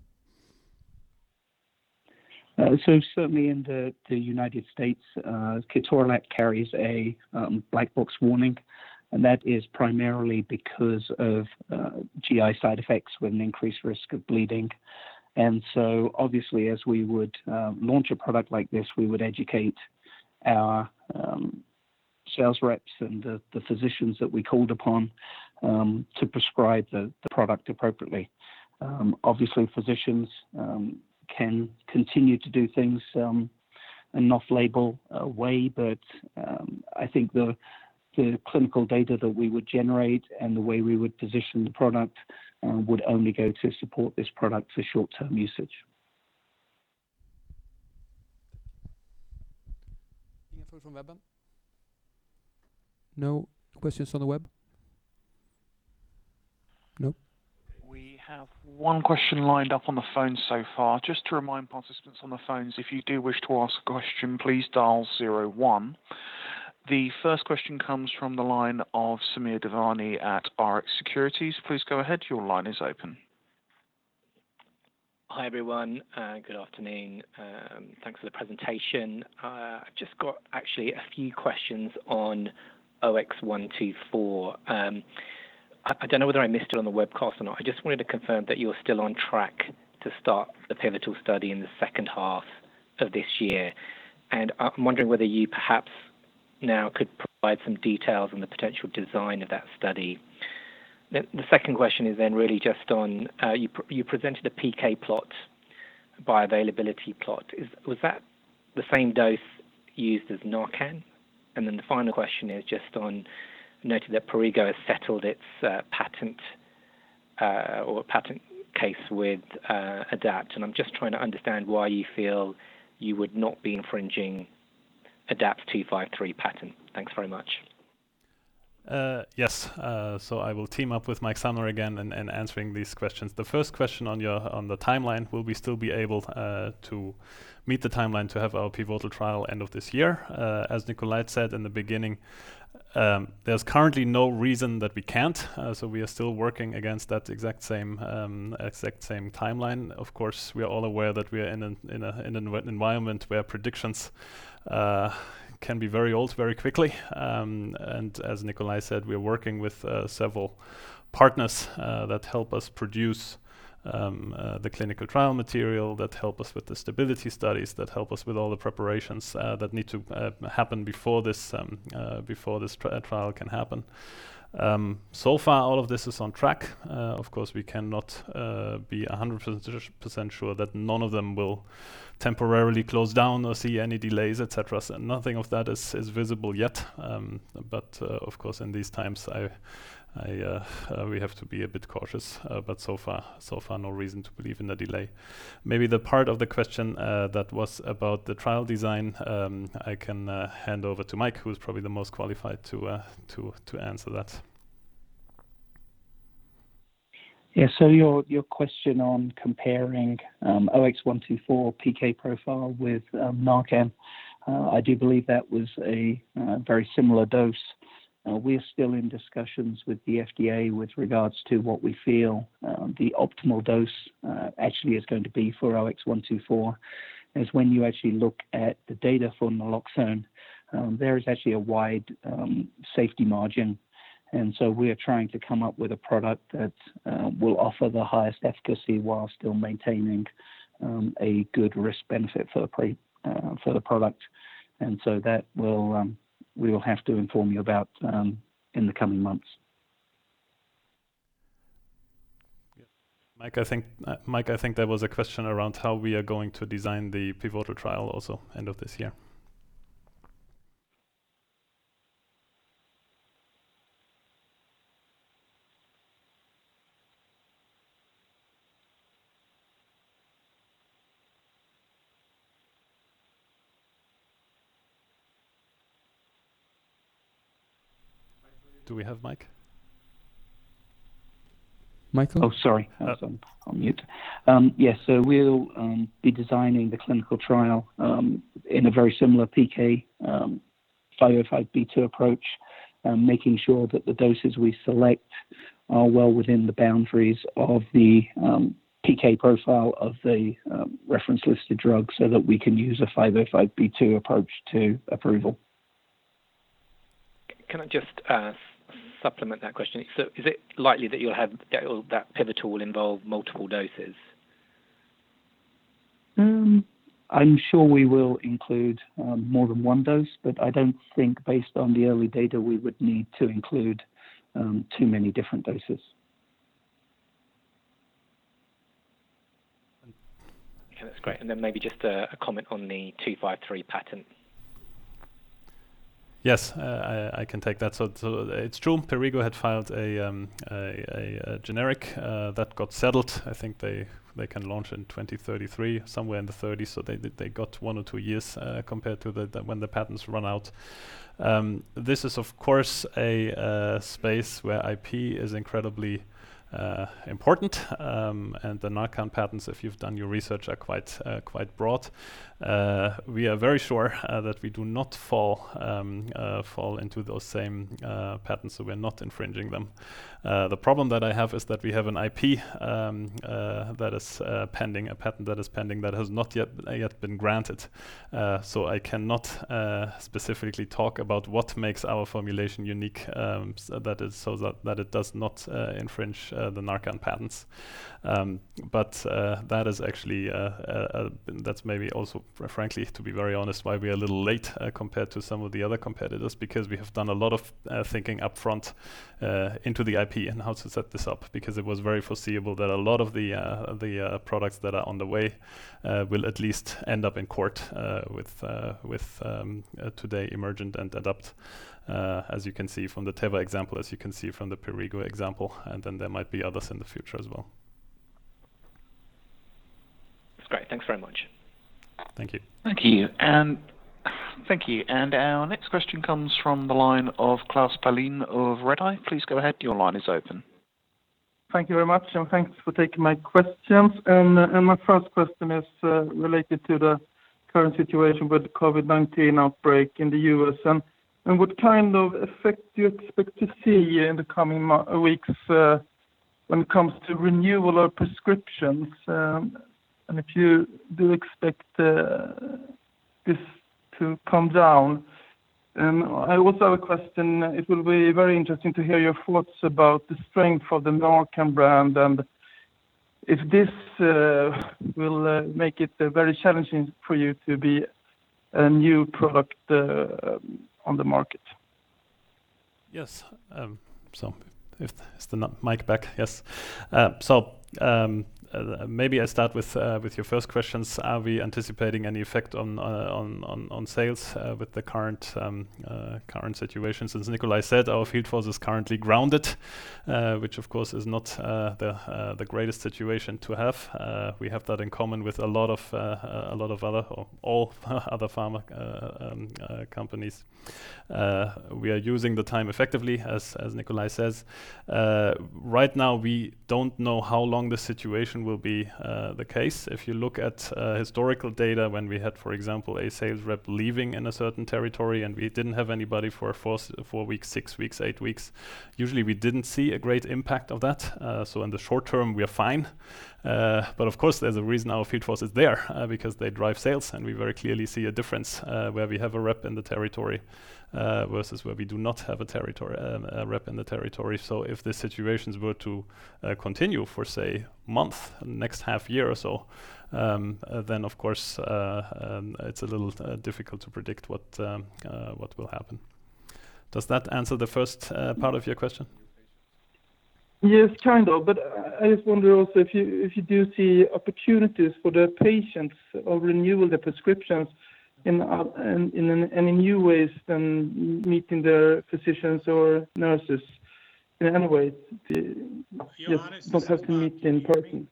Certainly in the United States, ketorolac carries a black box warning, and that is primarily because of GI side effects with an increased risk of bleeding. Obviously as we would launch a product like this, we would educate our sales reps and the physicians that we called upon to prescribe the product appropriately. Obviously, physicians can continue to do things in an off-label way, but I think the clinical data that we would generate and the way we would position the product would only go to support this product for short-term usage. Any info from web? No questions on the web? No. We have one question lined up on the phone so far. Just to remind participants on the phones, if you do wish to ask a question, please dial zero one. The first question comes from the line of Samir Devani at Rx Securities. Please go ahead. Your line is open. Hi, everyone. Good afternoon. Thanks for the presentation. I've just got actually a few questions on OX124. I don't know whether I missed it on the webcast or not. I just wanted to confirm that you're still on track to start the pivotal study in the second half of this year. I'm wondering whether you perhaps now could provide some details on the potential design of that study. The second question is really just on, you presented a PK plot, bioavailability plot. Was that the same dose used as NARCAN? The final question is just on noting that Perrigo has settled its patent or patent case with Adapt. I'm just trying to understand why you feel you would not be infringing Adapt '253 patent. Thanks very much. Yes. I will team up with Mike Sumner again in answering these questions. The first question on the timeline, will we still be able to meet the timeline to have our pivotal trial end of this year? As Nikolaj said in the beginning, there’s currently no reason that we can’t. We are still working against that exact same timeline. Of course, we are all aware that we are in an environment where predictions can be very old very quickly. As Nikolaj said, we are working with several partners that help us produce the clinical trial material, that help us with the stability studies, that help us with all the preparations that need to happen before this trial can happen. So far, all of this is on track. Of course, we cannot be 100% sure that none of them will temporarily close down or see any delays, et cetera. Nothing of that is visible yet. Of course, in these times, we have to be a bit cautious. So far, no reason to believe in a delay. Maybe the part of the question that was about the trial design, I can hand over to Mike, who's probably the most qualified to answer that. Yeah. Your question on comparing OX124 PK profile with NARCAN, I do believe that was a very similar dose. We're still in discussions with the FDA with regards to what we feel the optimal dose actually is going to be for OX124. When you actually look at the data for naloxone, there is actually a wide safety margin. We're trying to come up with a product that will offer the highest efficacy while still maintaining a good risk-benefit for the product. That we will have to inform you about in the coming months. Mike, I think there was a question around how we are going to design the pivotal trial also end of this year. Do we have Mike? Michael? Oh, sorry. I was on mute. Yes. We'll be designing the clinical trial in a very similar PK 505(b)(2) approach, making sure that the doses we select are well within the boundaries of the PK profile of the reference-listed drug so that we can use a 505(b)(2) approach to approval. Can I just supplement that question? Is it likely that you'll have that pivotal involve multiple doses? I'm sure we will include more than one dose, but I don't think based on the early data, we would need to include too many different doses. Okay, that's great. Maybe just a comment on the 253 patent. Yes, I can take that. It's true, Perrigo had filed a generic that got settled. I think they can launch in 2033, somewhere in the '30s. They got one or two years compared to when the patents run out. This is, of course, a space where IP is incredibly important. The Narcan patents, if you've done your research, are quite broad. We are very sure that we do not fall into those same patents, so we're not infringing them. The problem that I have is that we have an IP that is pending, a patent that is pending that has not yet been granted. I cannot specifically talk about what makes our formulation unique so that it does not infringe the Narcan patents. That's maybe also, frankly, to be very honest, why we are a little late compared to some of the other competitors, because we have done a lot of thinking upfront into the IP and how to set this up, because it was very foreseeable that a lot of the products that are on the way will at least end up in court with today Emergent and Adapt, as you can see from the Teva example, as you can see from the Perrigo example, and then there might be others in the future as well. That's great. Thanks very much. Thank you. Thank you. Our next question comes from the line of Klas Palin of Redeye. Please go ahead. Your line is open. Thank you very much, thanks for taking my questions. My first question is related to the current situation with the COVID-19 outbreak in the U.S., and what kind of effect do you expect to see in the coming weeks when it comes to renewal of prescriptions, and if you do expect this to come down? I also have a question. It will be very interesting to hear your thoughts about the strength of the NARCAN brand and if this will make it very challenging for you to be a new product on the market. Yes. Is the mic back? Yes. Maybe I start with your first questions. Are we anticipating any effect on sales with the current situation? As Nikolaj said, our field force is currently grounded. Which, of course, is not the greatest situation to have. We have that in common with a lot of other, or all other pharma companies. We are using the time effectively, as Nikolaj says. Right now, we don't know how long the situation will be the case. If you look at historical data, when we had, for example, a sales rep leaving in a certain territory, and we didn't have anybody for four weeks, six weeks, eight weeks. Usually, we didn't see a great impact of that. In the short term, we are fine. Of course, there's a reason our field force is there, because they drive sales, and we very clearly see a difference where we have a rep in the territory, versus where we do not have a rep in the territory. If the situations were to continue for, say, month, next half year or so, then of course, it's a little difficult to predict what will happen. Does that answer the first part of your question? Yes, kind of. I just wonder also if you do see opportunities for the patients of renewing the prescriptions in any new ways than meeting the physicians or nurses in any way, just not having to meet in person.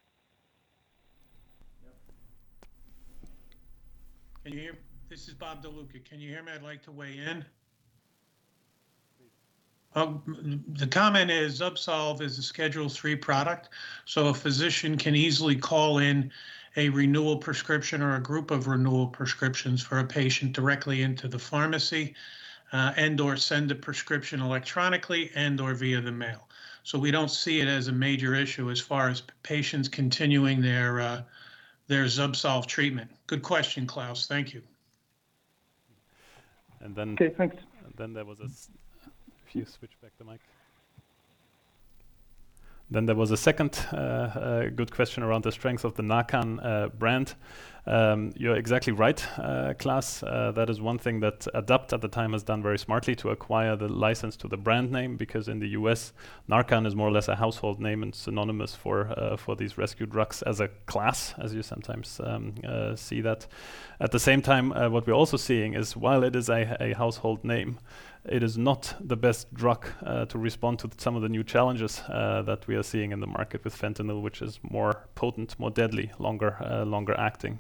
Can you hear? This is Bob DeLuca. Can you hear me? I'd like to weigh in. The comment is ZUBSOLV is a Schedule III product, so a physician can easily call in a renewal prescription or a group of renewal prescriptions for a patient directly into the pharmacy, and/or send a prescription electronically and/or via the mail. We don't see it as a major issue as far as patients continuing their ZUBSOLV treatment. Good question, Klas. Thank you. Okay, thanks. If you switch back the mic. There was a second good question around the strength of the NARCAN brand. You're exactly right, Klas. That is one thing that Adapt at the time has done very smartly to acquire the license to the brand name, because in the U.S., NARCAN is more or less a household name and synonymous for these rescue drugs as a class, as you sometimes see that. At the same time, what we're also seeing is while it is a household name, it is not the best drug to respond to some of the new challenges that we are seeing in the market with fentanyl, which is more potent, more deadly, longer acting.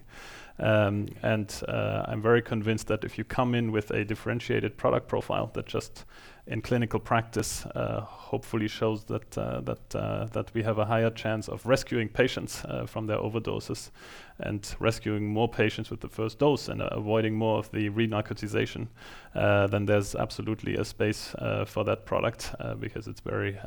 I'm very convinced that if you come in with a differentiated product profile that just in clinical practice hopefully shows that we have a higher chance of rescuing patients from their overdoses and rescuing more patients with the first dose and avoiding more of the re-narcotization. There's absolutely a space for that product because it's very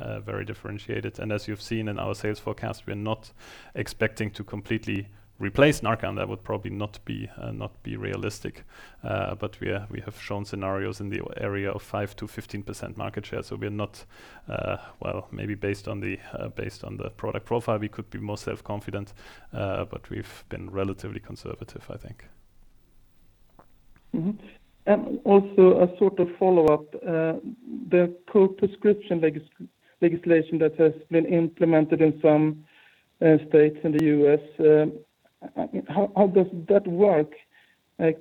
differentiated. As you've seen in our sales forecast, we're not expecting to completely replace NARCAN. That would probably not be realistic. We have shown scenarios in the area of 5%-15% market share. Well, maybe based on the product profile, we could be more self-confident. We've been relatively conservative, I think. Mm-hmm. Also a sort of follow-up. The co-prescription legislation that has been implemented in some states in the U.S. How does that work? Is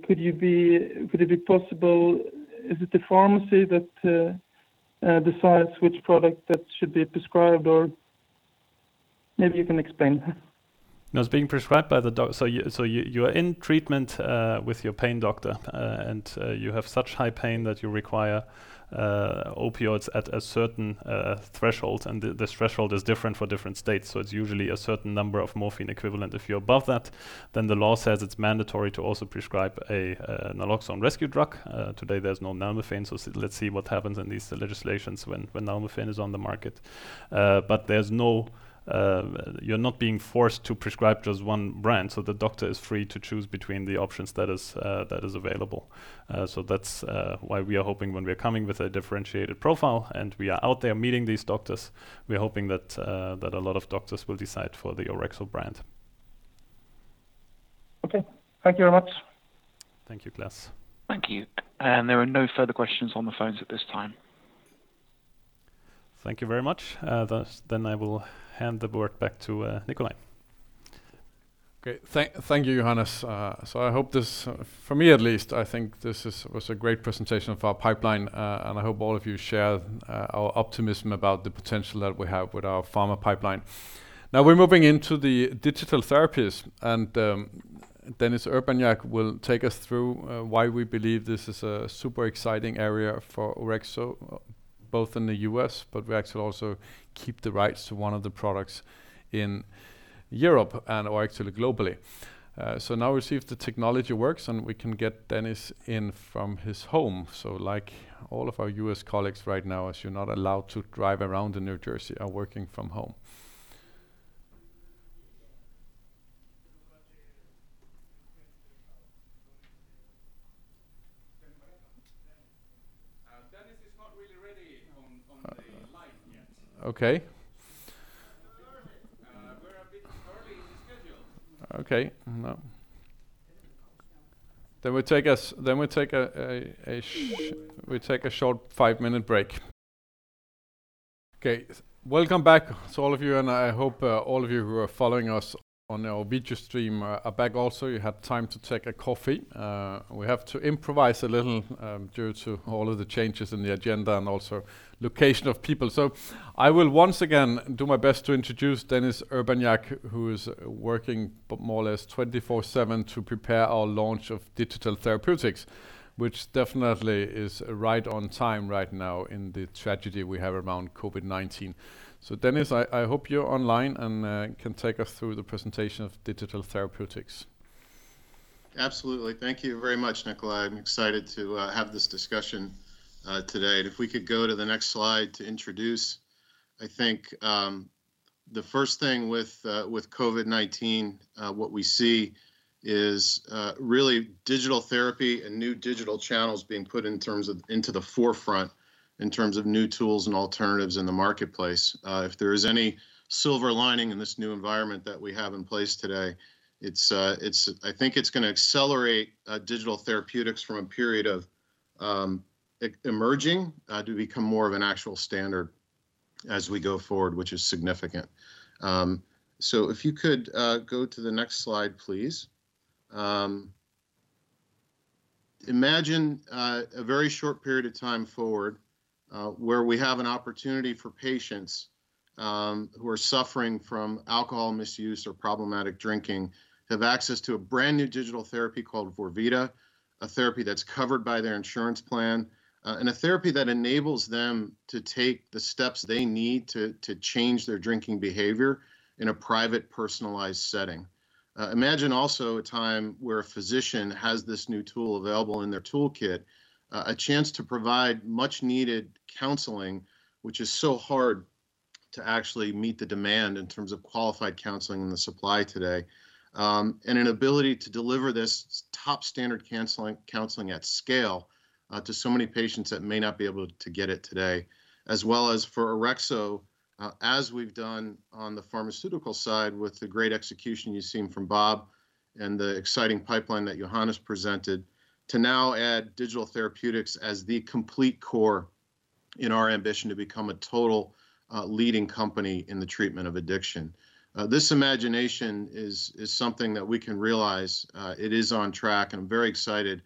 it the pharmacy that decides which product that should be prescribed? Or maybe you can explain? It's being prescribed by the doctor. You are in treatment with your pain doctor, and you have such high pain that you require opioids at a certain threshold, and this threshold is different for different states. It's usually a certain number of morphine equivalent. If you're above that, the law says it's mandatory to also prescribe a naloxone rescue drug. Today there's no nalmefene, let's see what happens in these legislations when nalmefene is on the market. You're not being forced to prescribe just one brand, the doctor is free to choose between the options that is available. That's why we are hoping when we're coming with a differentiated profile and we are out there meeting these doctors, we're hoping that a lot of doctors will decide for the Orexo brand. Okay. Thank you very much. Thank you, Klas. Thank you. There are no further questions on the phones at this time. Thank you very much. I will hand the board back to Nikolaj. Great. Thank you, Johannes. For me at least, I think this was a great presentation of our pipeline, and I hope all of you share our optimism about the potential that we have with our pharma pipeline. We're moving into the digital therapies, and Dennis Urbaniak will take us through why we believe this is a super exciting area for Orexo, both in the U.S., but we actually also keep the rights to one of the products in Europe, and actually globally. We'll see if the technology works and we can get Dennis in from his home. Like all of our U.S. colleagues right now, as you're not allowed to drive around in New Jersey, are working from home. Dennis is not really ready on the line yet. Okay. We're a bit early in the schedule. Okay. We take a short five-minute break. Okay. Welcome back to all of you. I hope all of you who are following us on our video stream are back also. You had time to take a coffee. We have to improvise a little due to all of the changes in the agenda and also location of people. I will once again do my best to introduce Dennis Urbaniak, who is working more or less 24/7 to prepare our launch of digital therapeutics, which definitely is right on time right now in the tragedy we have around COVID-19. Dennis, I hope you're online and can take us through the presentation of digital therapeutics. Absolutely. Thank you very much, Nikolaj. I'm excited to have this discussion today. If we could go to the next slide to introduce, I think the first thing with COVID-19, what we see is really digital therapy and new digital channels being put into the forefront in terms of new tools and alternatives in the marketplace. If there is any silver lining in this new environment that we have in place today, I think it's going to accelerate digital therapeutics from a period of emerging to become more of an actual standard as we go forward, which is significant. If you could go to the next slide, please. Imagine a very short period of time forward, where we have an opportunity for patients who are suffering from alcohol misuse or problematic drinking, have access to a brand-new digital therapy called vorvida, a therapy that's covered by their insurance plan, and a therapy that enables them to take the steps they need to change their drinking behavior in a private, personalized setting. Imagine also a time where a physician has this new tool available in their toolkit, a chance to provide much needed counseling, which is so hard to actually meet the demand in terms of qualified counseling and the supply today, and an ability to deliver this top standard counseling at scale to so many patients that may not be able to get it today, as well as for Orexo, as we've done on the pharmaceutical side with the great execution you've seen from Bob and the exciting pipeline that Johannes presented, to now add digital therapeutics as the complete core in our ambition to become a total leading company in the treatment of addiction. This imagination is something that we can realize. It is on track, and I'm very excited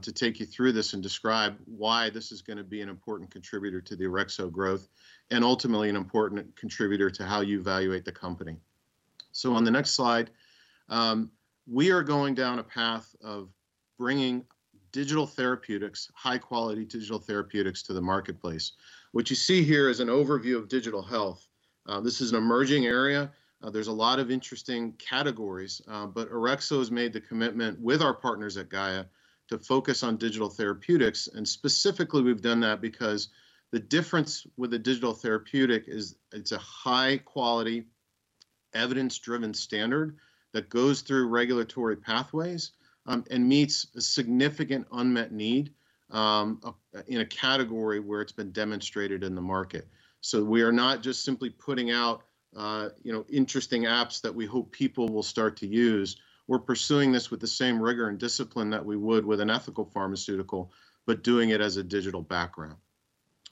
to take you through this and describe why this is going to be an important contributor to the Orexo growth, and ultimately an important contributor to how you evaluate the company. On the next slide, we are going down a path of bringing digital therapeutics, high-quality digital therapeutics to the marketplace. What you see here is an overview of digital health. This is an emerging area. There's a lot of interesting categories. Orexo has made the commitment with our partners at GAIA to focus on digital therapeutics. Specifically, we've done that because the difference with a digital therapeutic is it's a high-quality, evidence-driven standard that goes through regulatory pathways and meets a significant unmet need in a category where it's been demonstrated in the market. We are not just simply putting out interesting apps that we hope people will start to use. We're pursuing this with the same rigor and discipline that we would with an ethical pharmaceutical, but doing it as a digital background.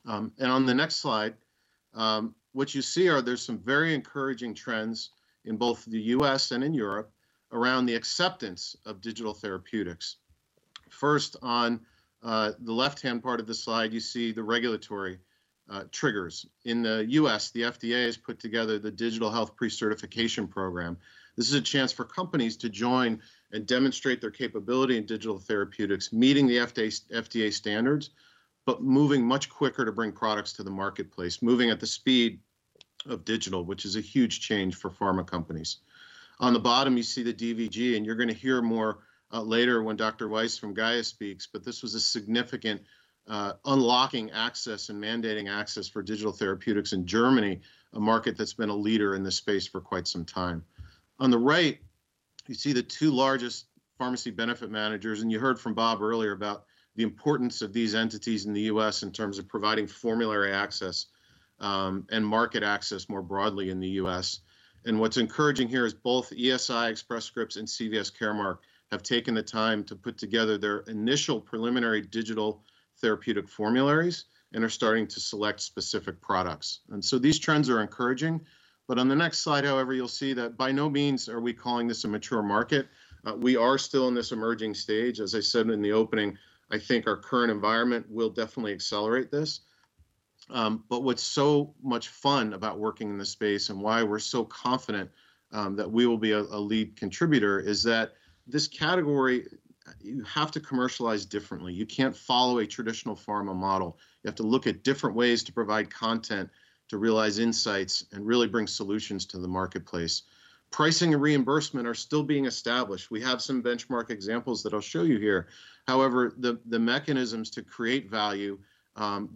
On the next slide, what you see are there's some very encouraging trends in both the U.S. and in Europe around the acceptance of digital therapeutics. First, on the left-hand part of the slide, you see the regulatory triggers. In the U.S., the FDA has put together the Digital Health Precertification Program. This is a chance for companies to join and demonstrate their capability in digital therapeutics, meeting the FDA standards, but moving much quicker to bring products to the marketplace, moving at the speed of digital, which is a huge change for pharma companies. On the bottom, you see the DVG, and you're going to hear more later when Dr. Weiss from GAIA speaks, but this was a significant unlocking access and mandating access for digital therapeutics in Germany, a market that's been a leader in this space for quite some time. On the right, you see the two largest pharmacy benefit managers, and you heard from Bob earlier about the importance of these entities in the U.S. in terms of providing formulary access, and market access more broadly in the U.S. What's encouraging here is both ESI, Express Scripts, and CVS Caremark have taken the time to put together their initial preliminary digital therapeutic formularies and are starting to select specific products. These trends are encouraging, but on the next slide, however, you'll see that by no means are we calling this a mature market. We are still in this emerging stage. As I said in the opening, I think our current environment will definitely accelerate this. What's so much fun about working in this space and why we're so confident that we will be a lead contributor is that this category, you have to commercialize differently. You can't follow a traditional pharma model. You have to look at different ways to provide content, to realize insights, and really bring solutions to the marketplace. Pricing and reimbursement are still being established. We have some benchmark examples that I'll show you here. However, the mechanisms to create value,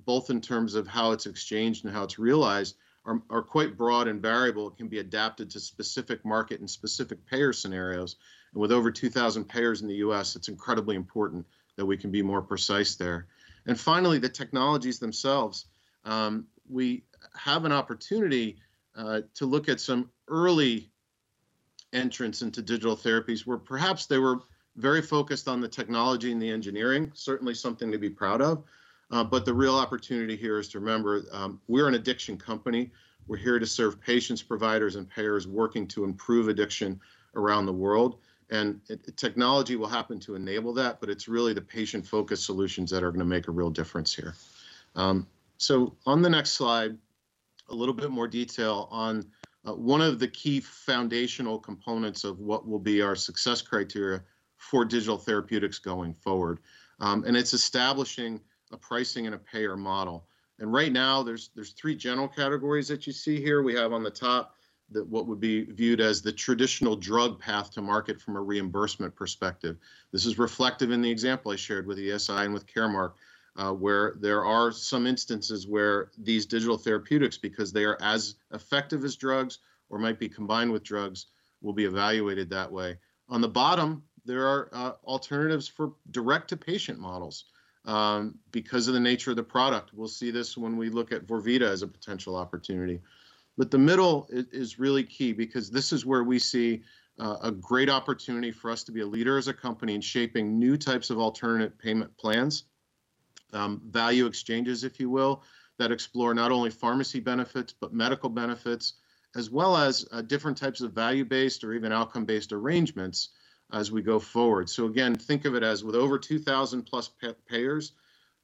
both in terms of how it's exchanged and how it's realized, are quite broad and variable and can be adapted to specific market and specific payer scenarios. With over 2,000 payers in the U.S., it's incredibly important that we can be more precise there. Finally, the technologies themselves. We have an opportunity to look at some early entrants into digital therapies, where perhaps they were very focused on the technology and the engineering, certainly something to be proud of. The real opportunity here is to remember, we're an addiction company. We're here to serve patients, providers, and payers working to improve addiction around the world. Technology will happen to enable that, but it's really the patient-focused solutions that are going to make a real difference here. On the next slide, a little bit more detail on one of the key foundational components of what will be our success criteria for digital therapeutics going forward. It's establishing a pricing and a payer model. Right now, there's three general categories that you see here. We have on the top what would be viewed as the traditional drug path to market from a reimbursement perspective. This is reflected in the example I shared with ESI and with Caremark, where there are some instances where these digital therapeutics, because they are as effective as drugs or might be combined with drugs, will be evaluated that way. On the bottom, there are alternatives for direct-to-patient models because of the nature of the product. We'll see this when we look at vorvida as a potential opportunity. The middle is really key because this is where we see a great opportunity for us to be a leader as a company in shaping new types of alternative payment plans, value exchanges, if you will, that explore not only pharmacy benefits, but medical benefits, as well as different types of value-based or even outcome-based arrangements as we go forward. Again, think of it as with over 2,000 plus payers,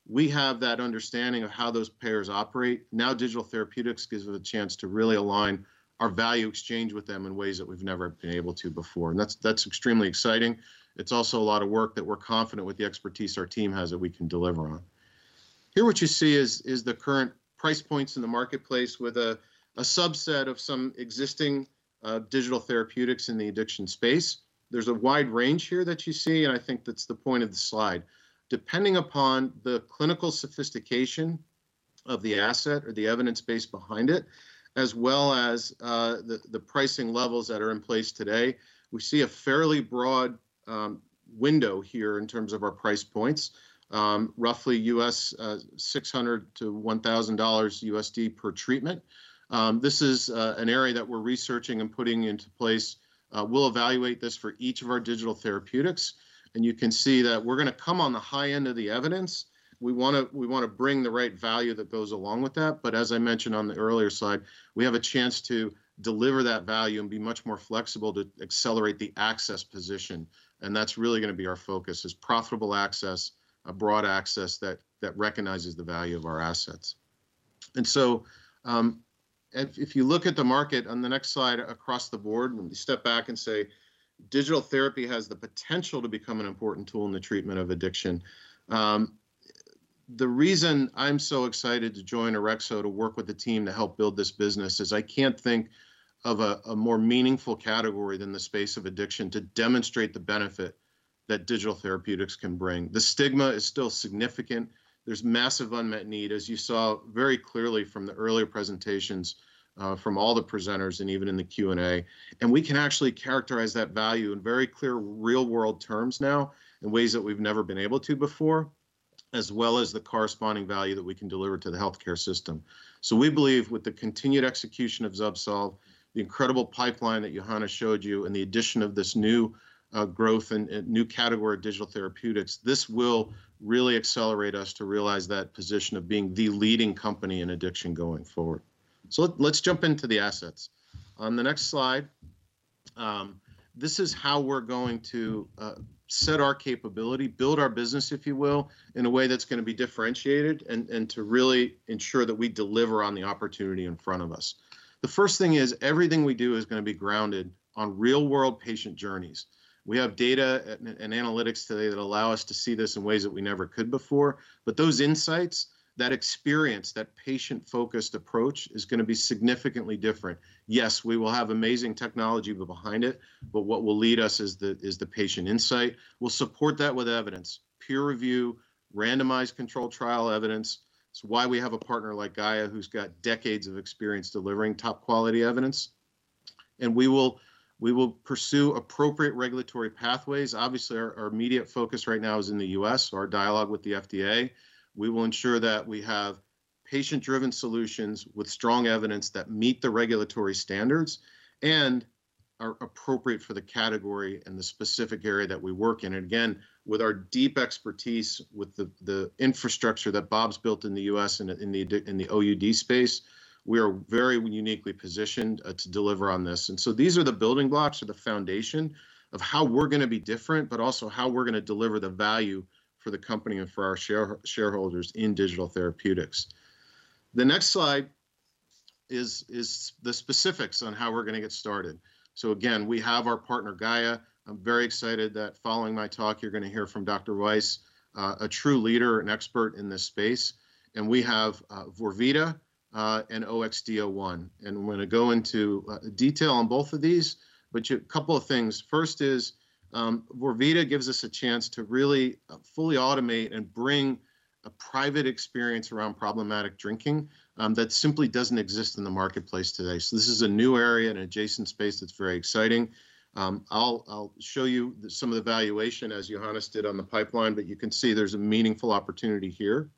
we have that understanding of how those payers operate. Digital therapeutics gives us a chance to really align our value exchange with them in ways that we've never been able to before. That's extremely exciting. It's also a lot of work that we're confident with the expertise our team has that we can deliver on. Here, what you see is the current price points in the marketplace with a subset of some existing digital therapeutics in the addiction space. There's a wide range here that you see, and I think that's the point of the slide. Depending upon the clinical sophistication of the asset or the evidence base behind it, as well as the pricing levels that are in place today, we see a fairly broad window here in terms of our price points. Roughly $600-$1,000/treatment. This is an area that we're researching and putting into place. We'll evaluate this for each of our digital therapeutics, and you can see that we're going to come on the high end of the evidence. We want to bring the right value that goes along with that. As I mentioned on the earlier slide, we have a chance to deliver that value and be much more flexible to accelerate the access position. That's really going to be our focus is profitable access, a broad access that recognizes the value of our assets. If you look at the market on the next slide across the board, when we step back and say digital therapy has the potential to become an important tool in the treatment of addiction. The reason I'm so excited to join Orexo to work with the team to help build this business is I can't think of a more meaningful category than the space of addiction to demonstrate the benefit that digital therapeutics can bring. The stigma is still significant. There's massive unmet need, as you saw very clearly from the earlier presentations from all the presenters and even in the Q&A. We can actually characterize that value in very clear, real-world terms now in ways that we've never been able to before, as well as the corresponding value that we can deliver to the healthcare system. We believe with the continued execution of ZUBSOLV, the incredible pipeline that Johannes showed you, and the addition of this new growth and new category of digital therapeutics, this will really accelerate us to realize that position of being the leading company in addiction going forward. Let's jump into the assets. On the next slide, this is how we're going to set our capability, build our business, if you will, in a way that's going to be differentiated and to really ensure that we deliver on the opportunity in front of us. The first thing is everything we do is going to be grounded on real-world patient journeys. We have data and analytics today that allow us to see this in ways that we never could before, but those insights, that experience, that patient-focused approach is going to be significantly different. We will have amazing technology behind it, but what will lead us is the patient insight. We'll support that with evidence, peer review, randomized controlled trial evidence. It's why we have a partner like GAIA who's got decades of experience delivering top-quality evidence. We will pursue appropriate regulatory pathways. Obviously, our immediate focus right now is in the U.S., our dialogue with the FDA. We will ensure that we have patient-driven solutions with strong evidence that meet the regulatory standards and are appropriate for the category and the specific area that we work in. Again, with our deep expertise with the infrastructure that Bob's built in the U.S. and in the OUD space, we are very uniquely positioned to deliver on this. These are the building blocks or the foundation of how we're going to be different, but also how we're going to deliver the value for the company and for our shareholders in digital therapeutics. The next slide is the specifics on how we're going to get started. Again, we have our partner, GAIA. I'm very excited that following my talk, you're going to hear from Dr. Weiss, a true leader and expert in this space. We have vorvida, and OXD-01. I'm going to go into detail on both of these, but a couple of things. First is vorvida gives us a chance to really fully automate and bring a private experience around problematic drinking that simply doesn't exist in the marketplace today. This is a new area and adjacent space that's very exciting. I'll show you some of the valuation as Johannes did on the pipeline. You can see there's a meaningful opportunity here.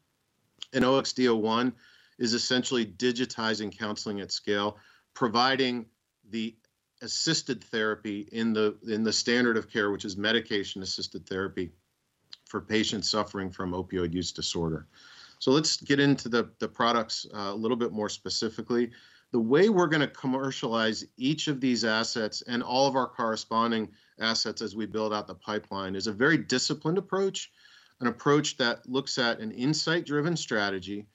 OXD-01 is essentially digitizing counseling at scale, providing the assisted therapy in the standard of care, which is medication-assisted therapy for patients suffering from opioid use disorder. Let's get into the products a little bit more specifically. The way we're going to commercialize each of these assets and all of our corresponding assets as we build out the pipeline is a very disciplined approach, an approach that looks at an insight-driven strategy,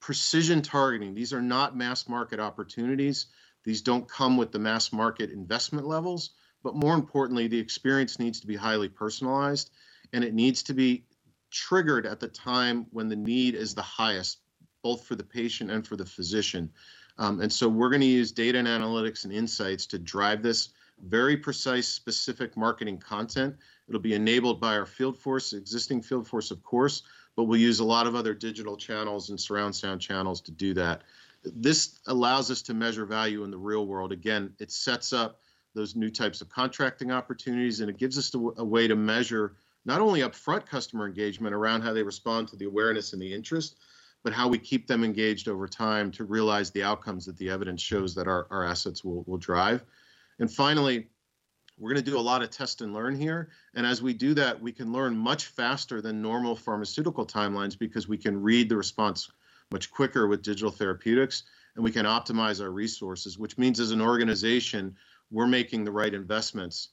precision targeting. These are not mass market opportunities. These don't come with the mass market investment levels. More importantly, the experience needs to be highly personalized, and it needs to be triggered at the time when the need is the highest, both for the patient and for the physician. We're going to use data and analytics and insights to drive this very precise, specific marketing content. It'll be enabled by our field force, existing field force of course, but we'll use a lot of other digital channels and surround sound channels to do that. This allows us to measure value in the real world. Again, it sets up those new types of contracting opportunities, and it gives us a way to measure not only upfront customer engagement around how they respond to the awareness and the interest, but how we keep them engaged over time to realize the outcomes that the evidence shows that our assets will drive. Finally, we're going to do a lot of test and learn here. As we do that, we can learn much faster than normal pharmaceutical timelines because we can read the response much quicker with digital therapeutics, and we can optimize our resources, which means as an organization, we're making the right investments,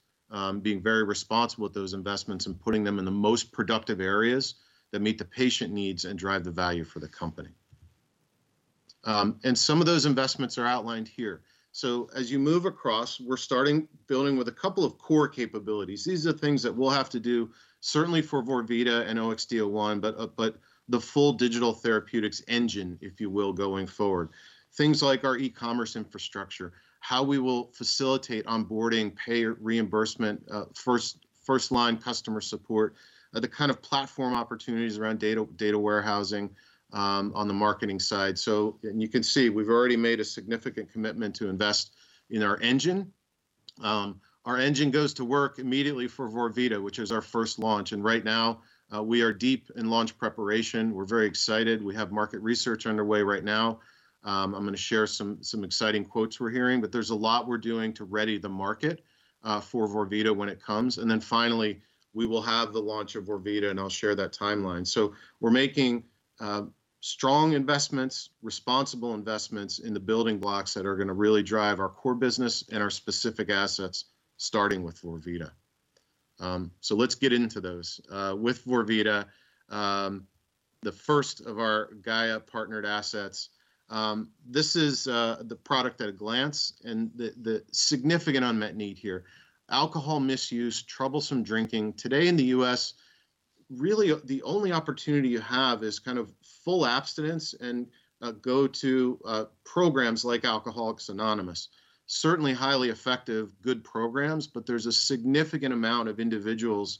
being very responsible with those investments and putting them in the most productive areas that meet the patient needs and drive the value for the company. Some of those investments are outlined here. As you move across, we're starting building with a couple of core capabilities. These are things that we'll have to do certainly for vorvida and OXD-01, but the full digital therapeutics engine, if you will, going forward. Things like our e-commerce infrastructure, how we will facilitate onboarding payer reimbursement, first line customer support, the kind of platform opportunities around data warehousing on the marketing side. You can see we've already made a significant commitment to invest in our engine. Our engine goes to work immediately for vorvida, which is our first launch. Right now, we are deep in launch preparation. We're very excited. We have market research underway right now. I'm going to share some exciting quotes we're hearing, there's a lot we're doing to ready the market for vorvida when it comes. Finally, we will have the launch of vorvida, I'll share that timeline. We're making strong investments, responsible investments in the building blocks that are going to really drive our core business and our specific assets, starting with vorvida. Let's get into those. With vorvida, the first of our GAIA partnered assets, this is the product at a glance the significant unmet need here. Alcohol misuse, troublesome drinking. Today in the U.S., really the only opportunity you have is kind of full abstinence and go to programs like Alcoholics Anonymous. Certainly highly effective, good programs, but there is a significant amount of individuals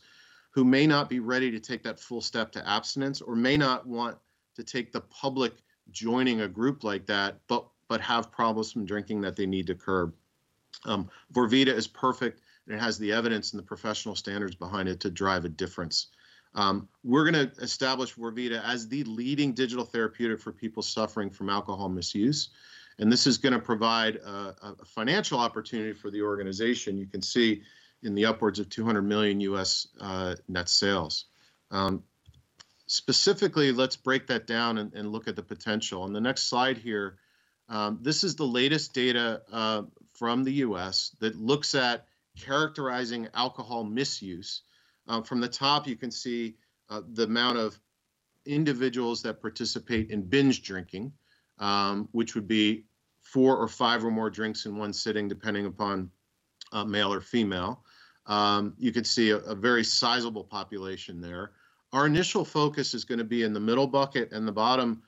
who may not be ready to take that full step to abstinence or may not want to take the public joining a group like that but have problems from drinking that they need to curb. vorvida is perfect and it has the evidence and the professional standards behind it to drive a difference. We are going to establish vorvida as the leading digital therapeutic for people suffering from alcohol misuse, and this is going to provide a financial opportunity for the organization. You can see in the upwards of $200 million U.S. net sales. Specifically, let's break that down and look at the potential. On the next slide here, this is the latest data from the U.S. that looks at characterizing alcohol misuse. From the top, you can see the amount of individuals that participate in binge drinking, which would be four or five or more drinks in one sitting, depending upon male or female. You could see a very sizable population there. Our initial focus is going to be in the middle bucket and the bottom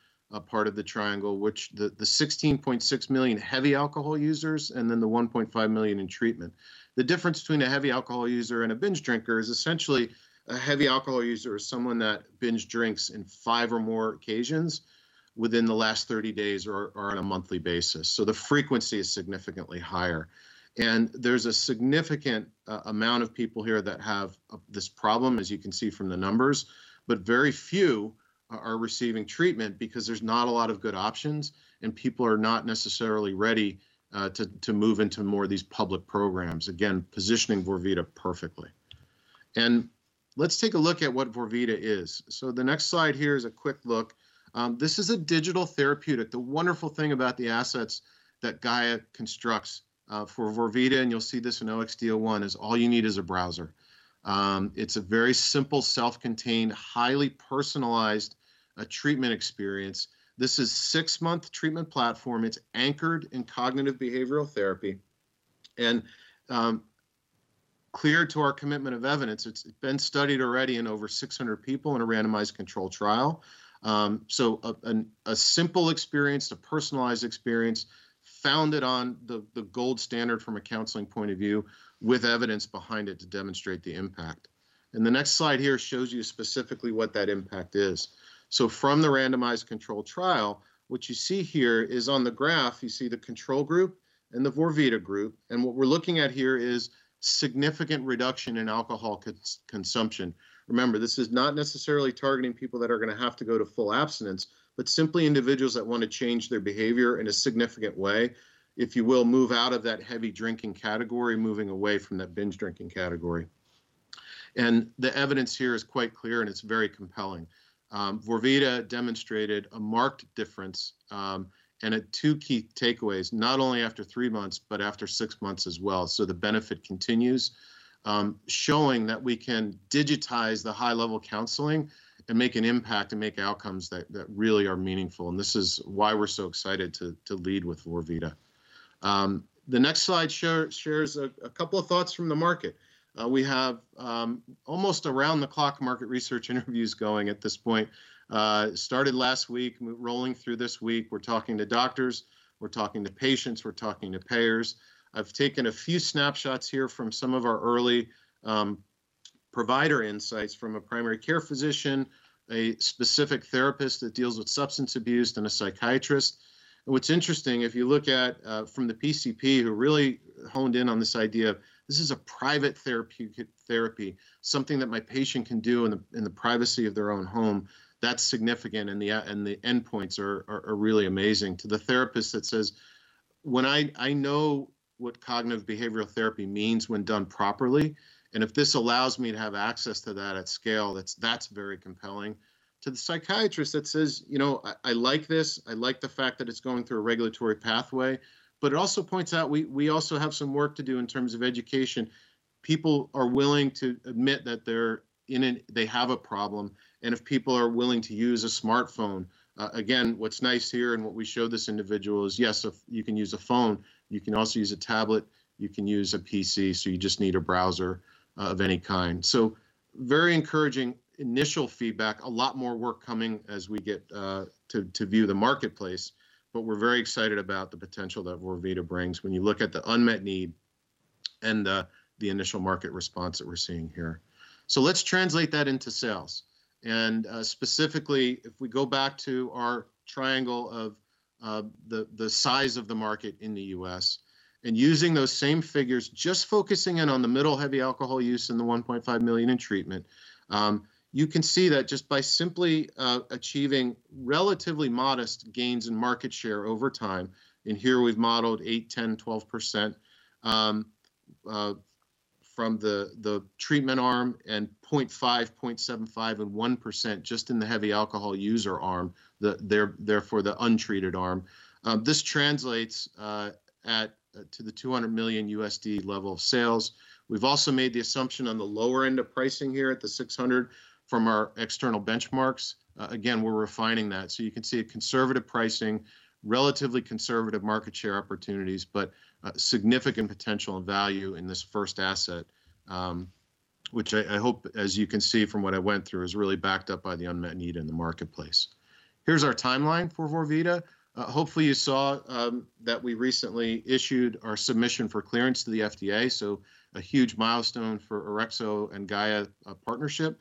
part of the triangle, which the 16.6 million heavy alcohol users, and then the 1.5 million in treatment. The difference between a heavy alcohol user and a binge drinker is essentially a heavy alcohol user is someone that binge drinks in five or more occasions within the last 30 days or on a monthly basis. The frequency is significantly higher. There's a significant amount of people here that have this problem, as you can see from the numbers. Very few are receiving treatment because there's not a lot of good options, and people are not necessarily ready to move into more of these public programs, again, positioning vorvida perfectly. Let's take a look at what vorvida is. The next slide here is a quick look. This is a digital therapeutic. The wonderful thing about the assets that GAIA constructs for vorvida, and you'll see this in OXD-01, is all you need is a browser. It's a very simple, self-contained, highly personalized treatment experience. This is a six-month treatment platform. It's anchored in cognitive behavioral therapy, and clear to our commitment of evidence. It's been studied already in over 600 people in a randomized control trial. A simple experience, a personalized experience, founded on the gold standard from a counseling point of view, with evidence behind it to demonstrate the impact. The next slide here shows you specifically what that impact is. From the randomized control trial, what you see here is on the graph, you see the control group and the vorvida group, and what we're looking at here is significant reduction in alcohol consumption. Remember, this is not necessarily targeting people that are going to have to go to full abstinence, but simply individuals that want to change their behavior in a significant way, if you will, move out of that heavy drinking category, moving away from that binge drinking category. The evidence here is quite clear, and it's very compelling. vorvida demonstrated a marked difference, and at two key takeaways, not only after three months, but after six months as well. The benefit continues, showing that we can digitize the high-level counseling and make an impact and make outcomes that really are meaningful, and this is why we're so excited to lead with vorvida. The next slide shares a couple of thoughts from the market. We have almost around-the-clock market research interviews going at this point. Started last week, rolling through this week. We're talking to doctors, we're talking to patients, we're talking to payers. I've taken a few snapshots here from some of our early provider insights from a primary care physician, a specific therapist that deals with substance abuse, and a psychiatrist. What's interesting, if you look at from the PCP, who really honed in on this idea of this is a private therapeutic therapy, something that my patient can do in the privacy of their own home. That's significant, and the endpoints are really amazing. To the therapist that says, "I know what cognitive behavioral therapy means when done properly, and if this allows me to have access to that at scale, that's very compelling." To the psychiatrist that says, "I like this. I like the fact that it's going through a regulatory pathway." It also points out we also have some work to do in terms of education. People are willing to admit that they have a problem, and if people are willing to use a smartphone. What's nice here and what we show this individual is, yes, you can use a phone. You can also use a tablet. You can use a PC. You just need a browser of any kind. Very encouraging initial feedback. A lot more work coming as we get to view the marketplace. We're very excited about the potential that vorvida brings when you look at the unmet need and the initial market response that we're seeing here. Let's translate that into sales, and specifically, if we go back to our triangle of the size of the market in the U.S., and using those same figures, just focusing in on the middle heavy alcohol use and the 1.5 million in treatment. You can see that just by simply achieving relatively modest gains in market share over time, and here we've modeled 8%, 10%, 12% from the treatment arm, and 0.5%, 0.75%, and 1% just in the heavy alcohol user arm, therefore the untreated arm. This translates to the $200 million level of sales. We've also made the assumption on the lower end of pricing here at the 600 from our external benchmarks. We're refining that, so you can see a conservative pricing, relatively conservative market share opportunities, but significant potential and value in this first asset, which I hope, as you can see from what I went through, is really backed up by the unmet need in the marketplace. Here's our timeline for vorvida. Hopefully, you saw that we recently issued our submission for clearance to the FDA, so a huge milestone for Orexo and GAIA partnership.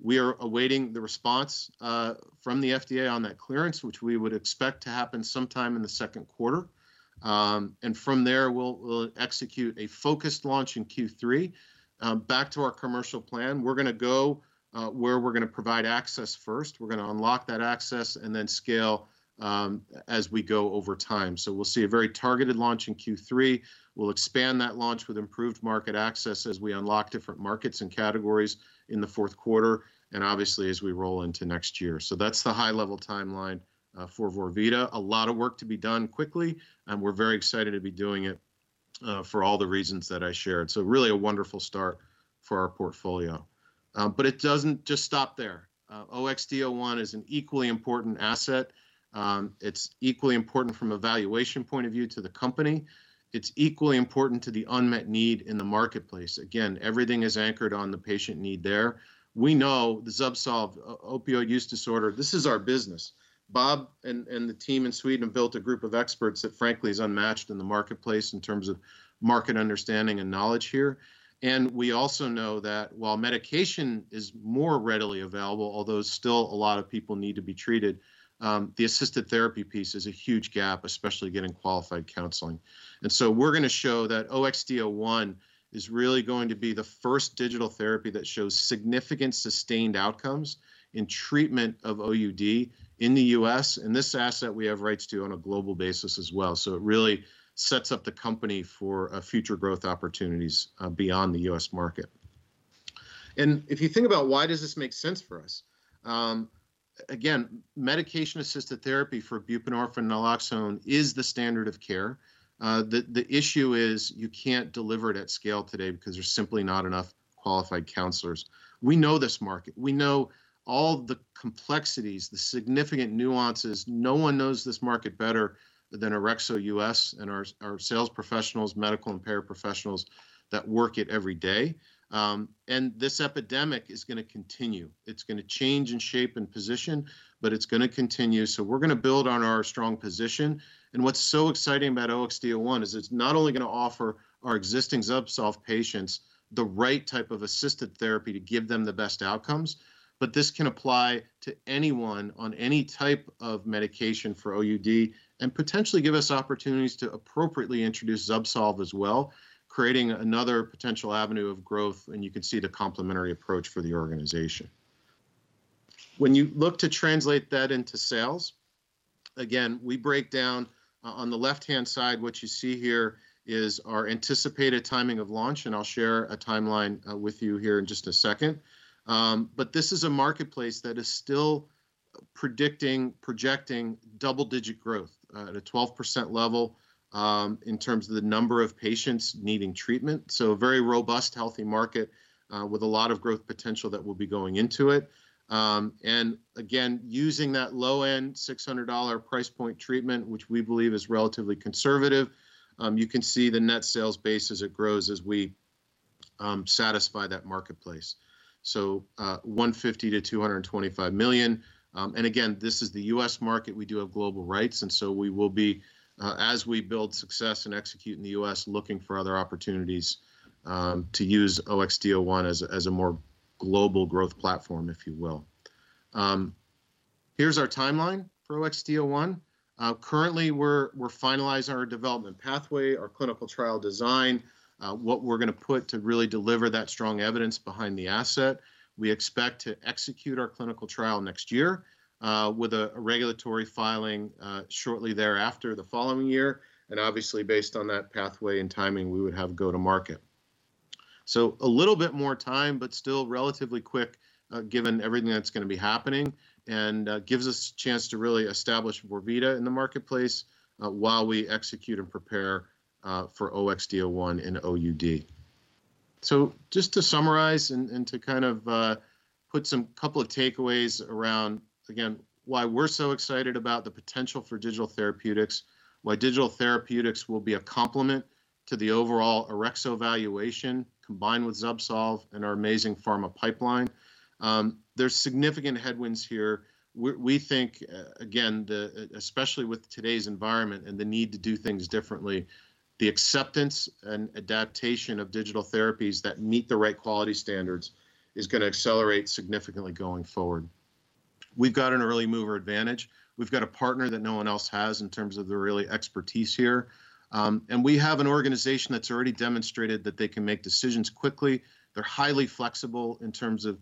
We are awaiting the response from the FDA on that clearance, which we would expect to happen sometime in the second quarter. From there, we'll execute a focused launch in Q3. Back to our commercial plan. We're going to go where we're going to provide access first. We're going to unlock that access and then scale as we go over time. We'll see a very targeted launch in Q3. We'll expand that launch with improved market access as we unlock different markets and categories in the fourth quarter, and obviously as we roll into next year. That's the high-level timeline for vorvida. A lot of work to be done quickly, and we're very excited to be doing it for all the reasons that I shared. Really a wonderful start for our portfolio. It doesn't just stop there. OXD-01 is an equally important asset. It's equally important from a valuation point of view to the company. It's equally important to the unmet need in the marketplace. Again, everything is anchored on the patient need there. We know the ZUBSOLV opioid use disorder. This is our business. Bob and the team in Sweden built a group of experts that frankly is unmatched in the marketplace in terms of market understanding and knowledge here. We also know that while medication is more readily available, although still a lot of people need to be treated, the assisted therapy piece is a huge gap, especially getting qualified counseling. We're going to show that OXD-01 is really going to be the first digital therapy that shows significant sustained outcomes in treatment of OUD in the U.S., and this asset we have rights to on a global basis as well. It really sets up the company for future growth opportunities beyond the U.S. market. If you think about why does this make sense for us, again, medication-assisted therapy for buprenorphine, naloxone is the standard of care. The issue is you can't deliver it at scale today because there's simply not enough qualified counselors. We know this market. We know all the complexities, the significant nuances. No one knows this market better than Orexo US and our sales professionals, medical and paraprofessionals that work it every day. This epidemic is going to continue. It's going to change in shape and position, but it's going to continue. We're going to build on our strong position, and what's so exciting about OXD-01 is it's not only going to offer our existing ZUBSOLV patients the right type of assisted therapy to give them the best outcomes, but this can apply to anyone on any type of medication for OUD and potentially give us opportunities to appropriately introduce ZUBSOLV as well, creating another potential avenue of growth. You could see the complementary approach for the organization. When you look to translate that into sales, again, we break down on the left-hand side, what you see here is our anticipated timing of launch, and I'll share a timeline with you here in just a second. This is a marketplace that is still predicting, projecting double-digit growth at a 12% level in terms of the number of patients needing treatment. A very robust, healthy market with a lot of growth potential that we'll be going into it. Again, using that low-end $600 price point treatment, which we believe is relatively conservative, you can see the net sales base as it grows as we satisfy that marketplace. 150 million-225 million. Again, this is the U.S. market. We do have global rights. We will be, as we build success and execute in the U.S., looking for other opportunities to use OXD-01 as a more global growth platform, if you will. Here's our timeline for OXD-01. Currently, we're finalizing our development pathway, our clinical trial design, what we're going to put to really deliver that strong evidence behind the asset. We expect to execute our clinical trial next year with a regulatory filing shortly thereafter the following year. Obviously, based on that pathway and timing, we would have go to market. A little bit more time, but still relatively quick given everything that's going to be happening and gives us a chance to really establish vorvida in the marketplace while we execute and prepare for OXD-01 and OUD. Just to summarize and to kind of put some couple of takeaways around, again, why we're so excited about the potential for digital therapeutics, why digital therapeutics will be a complement to the overall Orexo valuation combined with ZUBSOLV and our amazing pharma pipeline. There's significant headwinds here. We think, again, especially with today's environment and the need to do things differently, the acceptance and adaptation of digital therapies that meet the right quality standards is going to accelerate significantly going forward. We've got an early mover advantage. We've got a partner that no one else has in terms of the really expertise here. We have an organization that's already demonstrated that they can make decisions quickly. They're highly flexible in terms of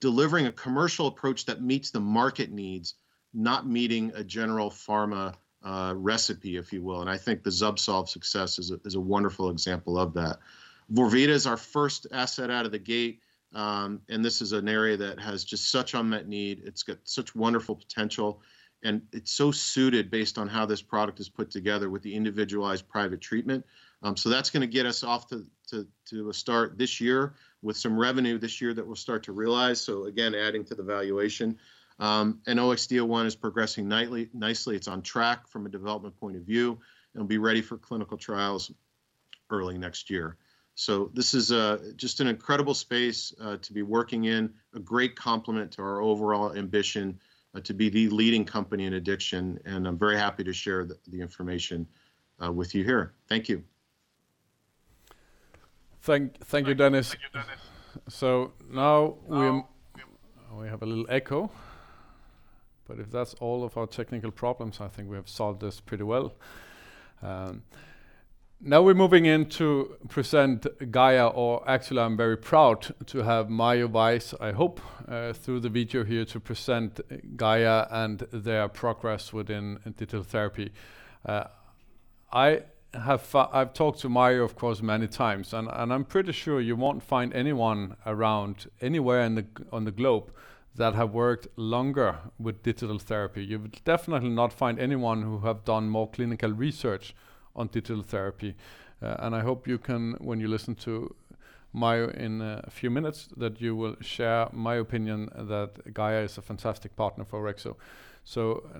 delivering a commercial approach that meets the market needs, not meeting a general pharma recipe, if you will. I think the ZUBSOLV success is a wonderful example of that. vorvida is our first asset out of the gate, and this is an area that has just such unmet need. It's got such wonderful potential, and it's so suited based on how this product is put together with the individualized private treatment. That's going to get us off to a start this year with some revenue this year that we'll start to realize. Again, adding to the valuation. OXD-01 is progressing nicely. It's on track from a development point of view. It'll be ready for clinical trials early next year. This is just an incredible space to be working in, a great complement to our overall ambition to be the leading company in addiction, and I'm very happy to share the information with you here. Thank you. Thank you, Dennis. Now we have a little echo. If that's all of our technical problems, I think we have solved this pretty well. Now we're moving into present GAIA, or actually, I'm very proud to have Mario Weiss, I hope, through the video here to present GAIA and their progress within digital therapy. I've talked to Mario, of course, many times, and I'm pretty sure you won't find anyone around anywhere on the globe that have worked longer with digital therapy. You would definitely not find anyone who have done more clinical research on digital therapy. I hope you can, when you listen to Mario in a few minutes, that you will share my opinion that GAIA is a fantastic partner for Orexo.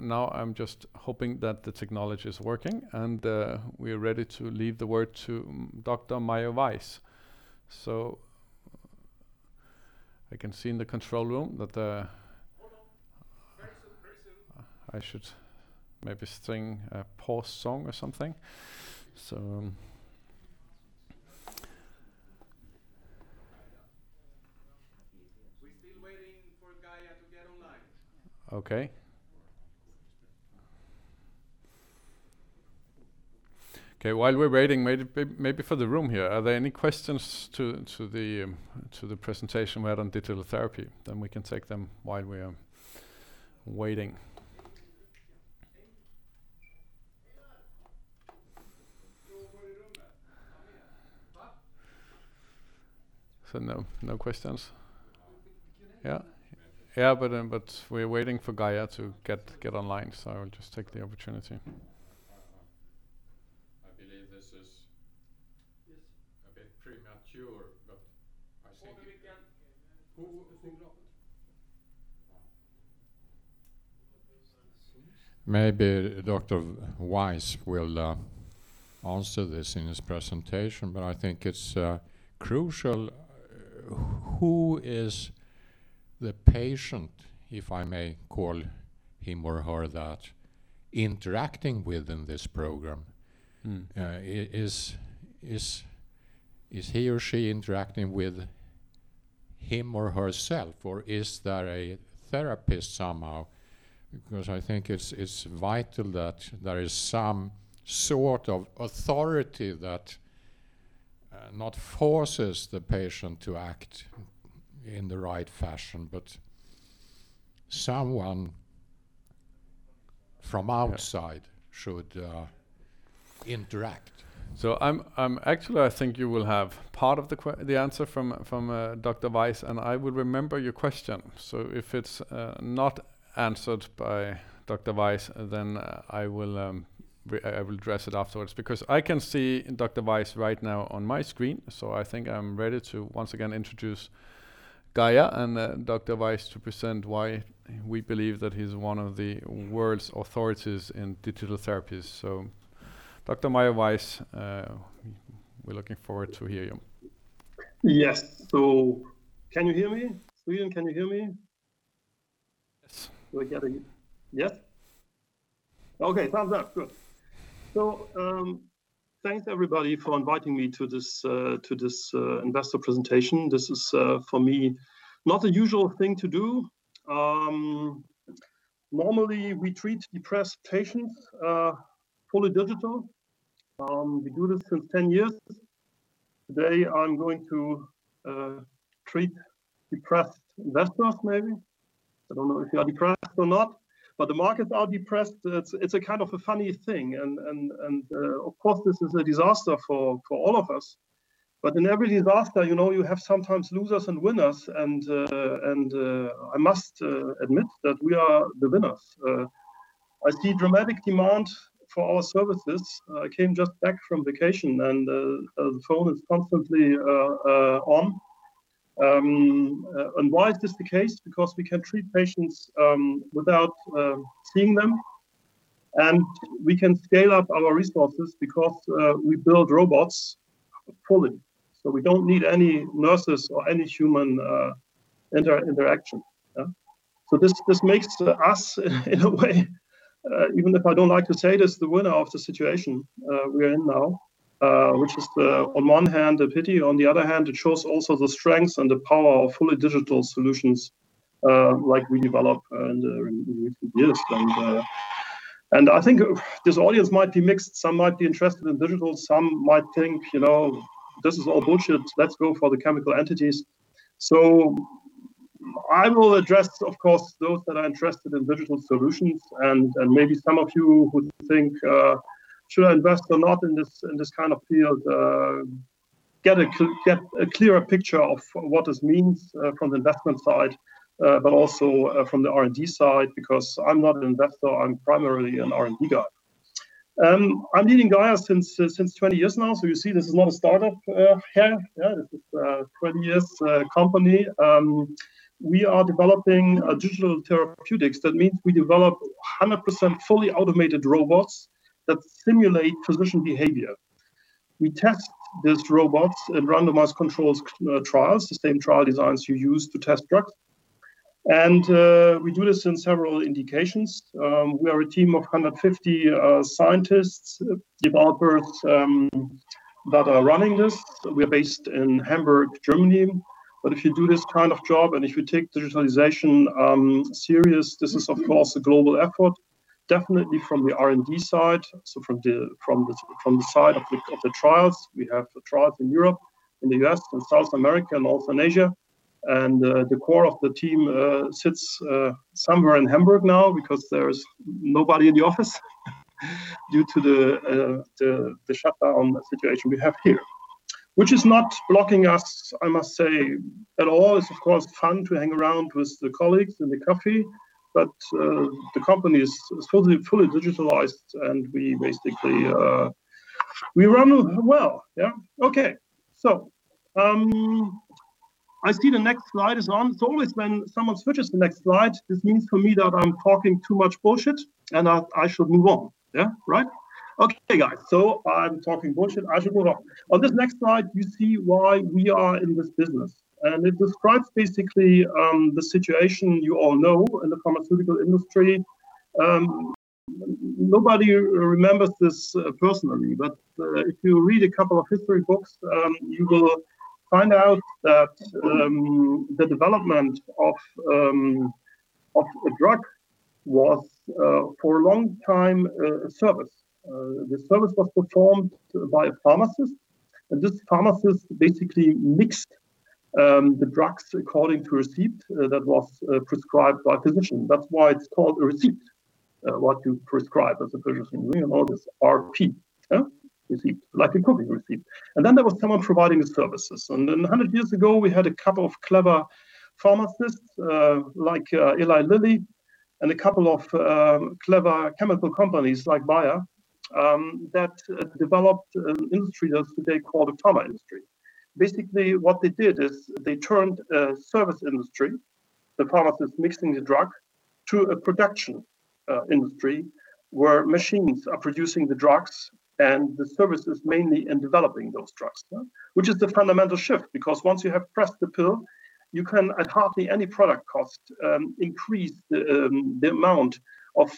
Now I'm just hoping that the technology is working, and we are ready to leave the word to Dr. Mario Weiss. I can see in the control room. Hold on. Very soon. I should maybe sing a Paul song or something. We're still waiting for GAIA to get online. Okay. Okay, while we're waiting, maybe for the room here, are there any questions to the presentation we had on digital therapy? We can take them while we are waiting. No questions? Yeah. We're waiting for GAIA to get online, so I will just take the opportunity. I believe Yes a bit premature. Over again. Maybe Dr. Weiss will answer this in his presentation, but I think it's crucial. Who is the patient, if I may call him or her that, interacting with in this program? Is he or she interacting with him or herself, or is there a therapist somehow? I think it's vital that there is some sort of authority that not forces the patient to act in the right fashion, but someone from our side should interact. Actually, I think you will have part of the answer from Dr. Weiss, and I will remember your question. If it's not answered by Dr. Weiss, then I will address it afterwards. Because I can see Dr. Weiss right now on my screen, so I think I'm ready to once again introduce GAIA and Dr. Weiss to present why we believe that he's one of the world's authorities in digital therapies. Dr. Mario Weiss, we're looking forward to hear you. Yes. Can you hear me? Sweden, can you hear me? Yes. We're hearing you. Yes? Okay, thumbs up. Good. Thanks everybody for inviting me to this investor presentation. This is for me, not a usual thing to do. Normally, we treat depressed patients, fully digital. We do this since 10 years. Today, I'm going to treat depressed investors, maybe. I don't know if you are depressed or not, but the markets are depressed. It's a kind of a funny thing, and of course, this is a disaster for all of us. In every disaster, you have sometimes losers and winners and I must admit that we are the winners. I see dramatic demand for our services. I came just back from vacation, and the phone is constantly on. Why is this the case? Because we can treat patients without seeing them, and we can scale up our resources because we build robots fully. We don't need any nurses or any human interaction. Yeah. This makes us, in a way, even if I don't like to say this, the winner of the situation we are in now, which is on one hand, a pity, on the other hand, it shows also the strength and the power of fully digital solutions like we develop in recent years. I think this audience might be mixed. Some might be interested in digital, some might think, "This is all bullshit. Let's go for the chemical entities." I will address, of course, those that are interested in digital solutions and maybe some of you who think, "Should I invest or not in this kind of field?" Get a clearer picture of what this means from the investment side but also from the R&D side because I'm not an investor. I'm primarily an R&D guy. I'm leading GAIA since 20 years now, so you see this is not a startup here. Yeah. This is a 20 years company. We are developing digital therapeutics. That means we develop 100% fully automated robots that simulate physician behavior. We test these robots in randomized controls trials, the same trial designs you use to test drugs. We do this in several indications. We are a team of 150 scientists, developers, that are running this. We are based in Hamburg, Germany. If you do this kind of job, and if you take digitalization serious, this is of course a global effort, definitely from the R&D side. From the side of the trials, we have the trials in Europe, in the U.S., and South America, and also in Asia. The core of the team sits somewhere in Hamburg now because there's nobody in the office due to the shutdown situation we have here. Which is not blocking us, I must say, at all. It's of course fun to hang around with the colleagues and the coffee, but the company is totally, fully digitalized, and we basically run well. Yeah. Okay. I see the next slide is on. It's always when someone switches the next slide, this means for me that I'm talking too much bullshit, and I should move on. Yeah, right? Okay, guys, I'm talking bullshit, I should move on. On this next slide, you see why we are in this business, and it describes basically the situation you all know in the pharmaceutical industry. Nobody remembers this personally, if you read two history books, you will find out that the development of a drug was, for a long time, a service. The service was performed by a pharmacist, this pharmacist basically mixed the drugs according to a receipt that was prescribed by a physician. That's why it's called a receipt, what you prescribe as a physician. We all know this, RP. Receipt, like a cooking receipt. There was someone providing the services. 100 years ago, we had two clever pharmacists, like Eli Lilly, and two clever chemical companies like Bayer, that developed an industry that today is called the pharma industry. Basically, what they did is they turned a service industry, the pharmacist mixing the drug, to a production industry, where machines are producing the drugs and the service is mainly in developing those drugs. Which is the fundamental shift, because once you have pressed the pill, you can, at hardly any product cost, increase the amount of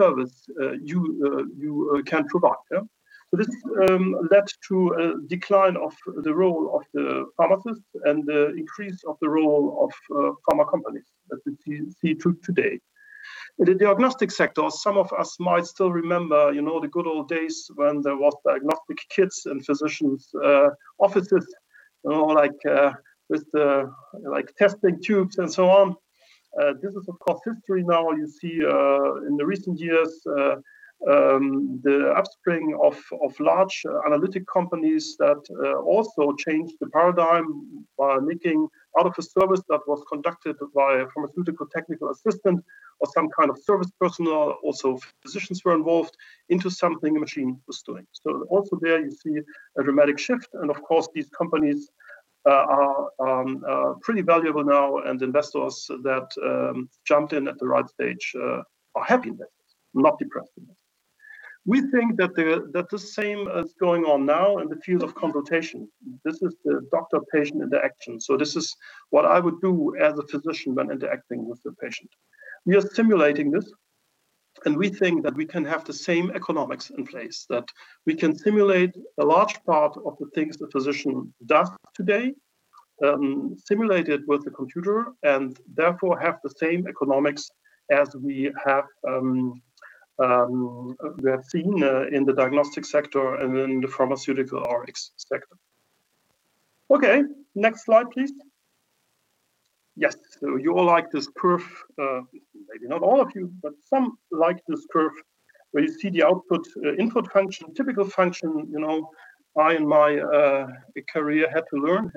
service you can provide. This led to a decline of the role of the pharmacist, and the increase of the role of pharma companies that we see today. In the diagnostic sector, some of us might still remember the good old days when there was diagnostic kits in physicians' offices, with the testing tubes and so on. This is of course history now. You see in the recent years, the upspring of large analytic companies that also changed the paradigm by making out of a service that was conducted by a pharmaceutical technical assistant or some kind of service personnel, also physicians were involved, into something a machine was doing. Also there you see a dramatic shift, and of course these companies are pretty valuable now, and investors that jumped in at the right stage are happy investors, not depressed investors. We think that the same is going on now in the field of consultation. This is the doctor-patient interaction. This is what I would do as a physician when interacting with the patient. We are simulating this, and we think that we can have the same economics in place. That we can simulate a large part of the things the physician does today, simulate it with a computer, and therefore have the same economics as we have seen in the diagnostic sector and in the pharmaceutical or X sector. Next slide please. You all like this curve. Maybe not all of you, but some like this curve where you see the input function, typical function. I, in my career, had to learn.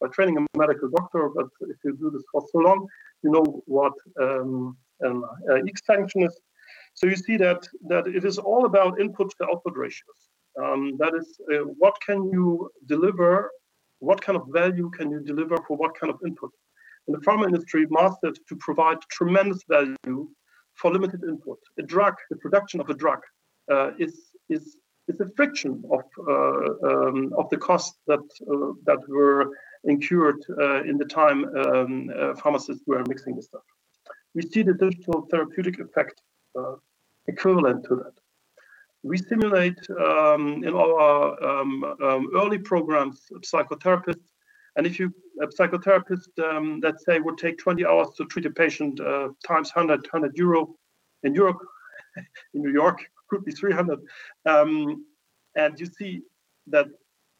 By training, I'm a medical doctor, but if you do this for so long, you know what an X function is. You see that it is all about input to output ratios. That is, what can you deliver? What kind of value can you deliver for what kind of input? The pharma industry mastered to provide tremendous value for limited input. The production of a drug is a fraction of the costs that were incurred in the time pharmacists were mixing the stuff. We see the digital therapeutic effect equivalent to that. We simulate in our early programs, psychotherapists. If you have psychotherapists, let's say, would take 20 hours to treat a patient, times 100 euro in Europe, in New York could be 300. You see that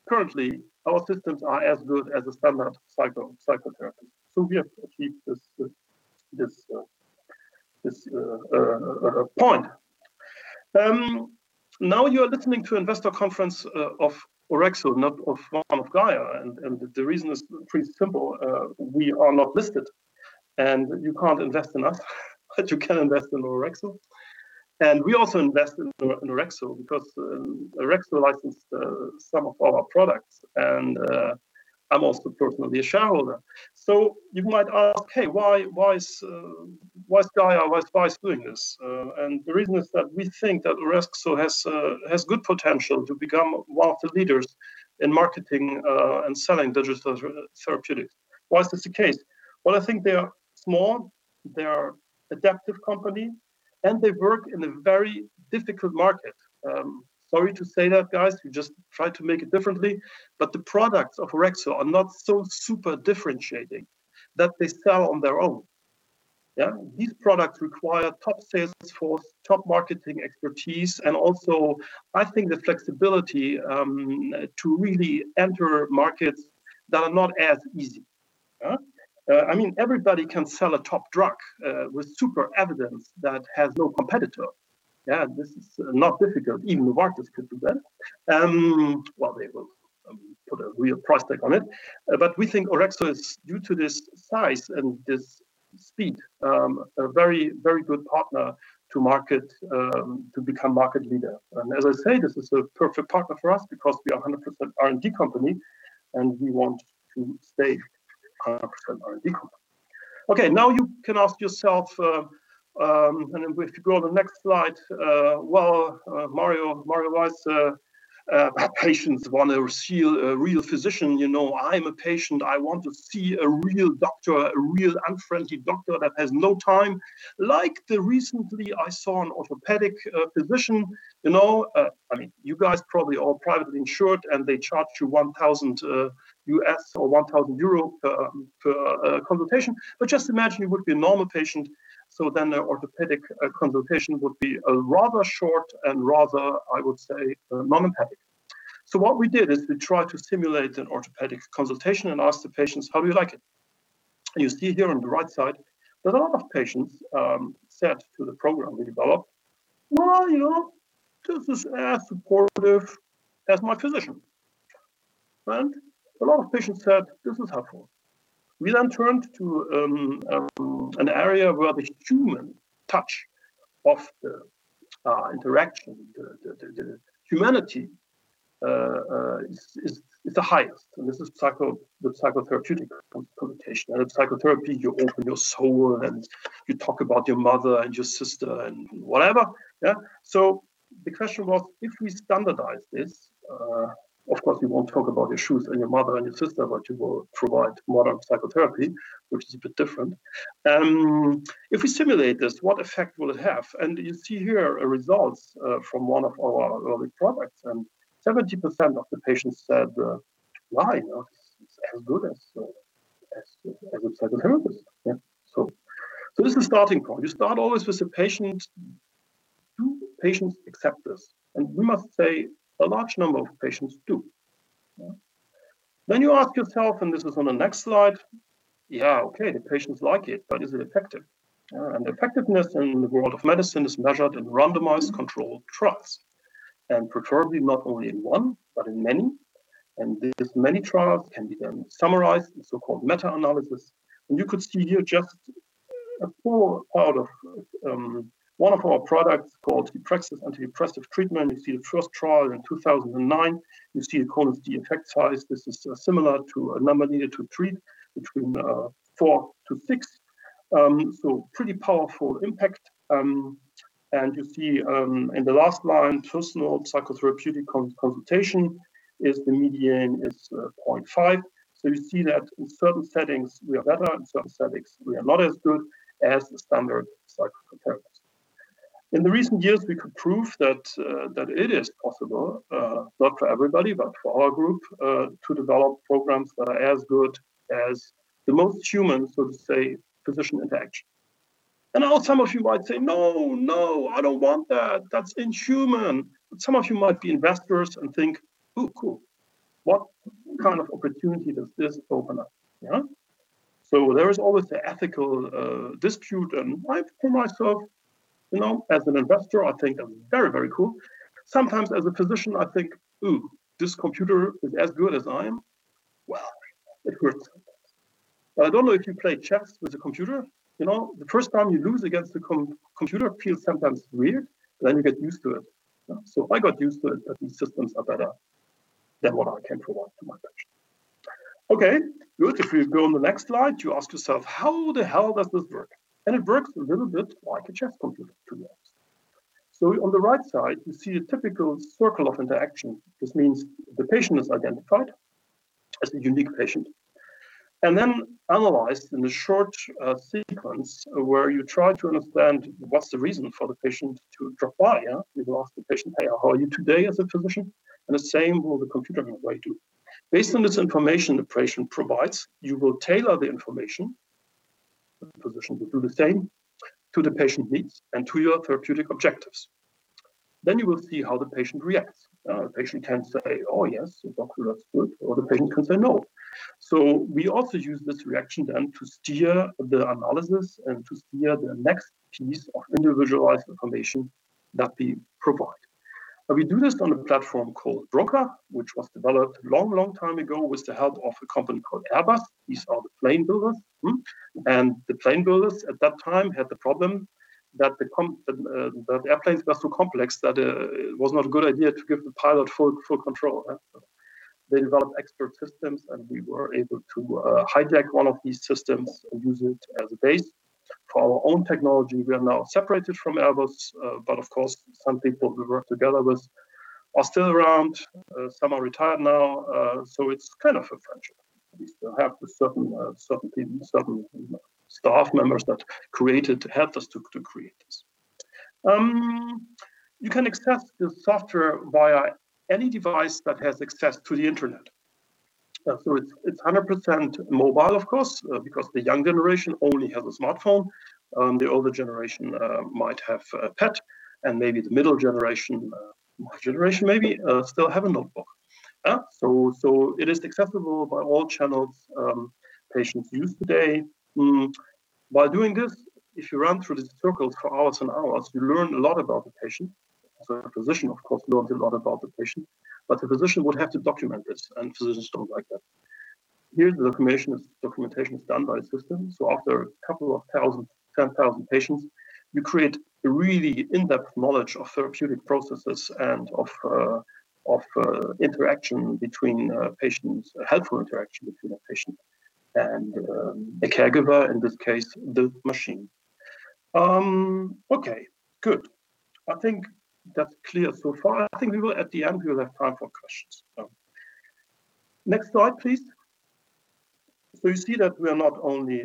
currently our systems are as good as a standard psychotherapy. We have achieved this point. Now you are listening to investor conference of Orexo, not of GAIA. The reason is pretty simple. We are not listed, and you can't invest in us, but you can invest in Orexo. We also invest in Orexo because Orexo licensed some of our products, and I'm also personally a shareholder. You might ask, "Hey, why is GAIA Weiss doing this?" The reason is that we think that Orexo has good potential to become one of the leaders in marketing and selling digital therapeutics. Why is this the case? Well, I think they are small, they are adaptive company. They work in a very difficult market. Sorry to say that, guys. We just try to make it differently, but the products of Orexo are not so super differentiating that they sell on their own. Yeah. These products require top sales force, top marketing expertise, and also, I think the flexibility to really enter markets that are not as easy. I mean, everybody can sell a top drug with super evidence that has no competitor. Yeah. This is not difficult. Even Markus could do that. Well, they will put a real price tag on it. We think Orexo is, due to this size and this speed, a very good partner to become market leader. As I say, this is a perfect partner for us because we are 100% R&D company, and we want to stay 100% R&D company. You can ask yourself, if we go to the next slide. Mario Weiss, patients want to receive a real physician. I'm a patient. I want to see a real doctor, a real unfriendly doctor that has no time. Recently I saw an orthopedic physician. You guys probably are all privately insured, and they charge you 1,000 or 1,000 euro/consultation. Just imagine you would be a normal patient, the orthopedic consultation would be rather short and rather, I would say, monopathetic. What we did is we tried to simulate an orthopedic consultation and ask the patients, "How do you like it?" You see here on the right side that a lot of patients said to the program we developed, "Well, this is as supportive as my physician." A lot of patients said, "This is helpful." We then turned to an area where the human touch of the interaction, the humanity, is the highest, and this is the psychotherapeutic consultation. In psychotherapy, you open your soul and you talk about your mother and your sister and whatever. Yeah? The question was, if we standardize this, of course, you won't talk about your shoes and your mother and your sister, but you will provide modern psychotherapy, which is a bit different. If we simulate this, what effect will it have? You see here results from one of our early products, and 70% of the patients said, "Why not? It's as good as a good psychotherapist." This is the starting point. You start always with the patient. Do patients accept this? We must say a large number of patients do. You ask yourself, and this is on the next slide, okay, the patients like it, but is it effective? Effectiveness in the world of medicine is measured in randomized controlled trials, and preferably not only in one, but in many. These many trials can be then summarized in so-called meta-analysis. You could see here just a poor part of one of our products called deprexis Antidepressive Treatment. You see the first trial in 2009. You see the column, the effect size. This is similar to a number needed to treat between four to six. Pretty powerful impact. You see in the last line, personal psychotherapeutic consultation, the median is 0.5. You see that in certain settings, we are better. In certain settings, we are not as good as the standard psychotherapist. In the recent years, we could prove that it is possible, not for everybody, but for our group, to develop programs that are as good as the most human, so to say, physician interaction. Now some of you might say, "No, no, I don't want that. That's inhuman." Some of you might be investors and think, "Ooh, cool. What kind of opportunity does this open up?" Yeah? There is always the ethical dispute, and I, for myself, as an investor, I think that's very cool. Sometimes as a physician, I think, "Ooh, this computer is as good as I am." Well, it hurts sometimes. I don't know if you play chess with a computer. The first time you lose against the computer feels sometimes weird, but then you get used to it. I got used to it, that these systems are better than what I can provide to my patient. Okay, good. If we go on the next slide, you ask yourself, how the hell does this work? It works a little bit like a chess computer to be honest. On the right side, you see a typical circle of interaction. This means the patient is identified as a unique patient and then analyzed in a short sequence where you try to understand what's the reason for the patient to drop by. You will ask the patient, "Hey, how are you today?" as a physician, and the same will the computer now try to. Based on this information the patient provides, you will tailor the information, the physician will do the same, to the patient needs and to your therapeutic objectives. You will see how the patient reacts. A patient can say, "Oh, yes, the doctor, that's good," or the patient can say no. We also use this reaction then to steer the analysis and to steer the next piece of individualized information that we provide. We do this on a platform called broca, which was developed long time ago with the help of a company called Airbus. These are the plane builders. The plane builders at that time had the problem that the airplanes were so complex that it was not a good idea to give the pilot full control. They developed expert systems. We were able to hijack one of these systems and use it as a base for our own technology. We are now separated from Airbus, of course, some people we work together with are still around. Some are retired now, it's kind of a friendship. We still have certain staff members that helped us to create this. You can access the software via any device that has access to the internet. It's 100% mobile, of course, because the young generation only has a smartphone. The older generation might have a pet, maybe the middle generation, my generation maybe, still have a notebook. It is accessible by all channels patients use today. By doing this, if you run through these circles for hours and hours, you learn a lot about the patient. The physician, of course, learns a lot about the patient. The physician would have to document this, and physicians don't like that. Here, the documentation is done by the system. After a couple of 10,000 patients, you create a really in-depth knowledge of therapeutic processes and of helpful interaction between a patient and a caregiver, in this case, the machine. Okay, good. I think that's clear so far. I think we will at the end will have time for questions. Next slide, please. You see that we are not only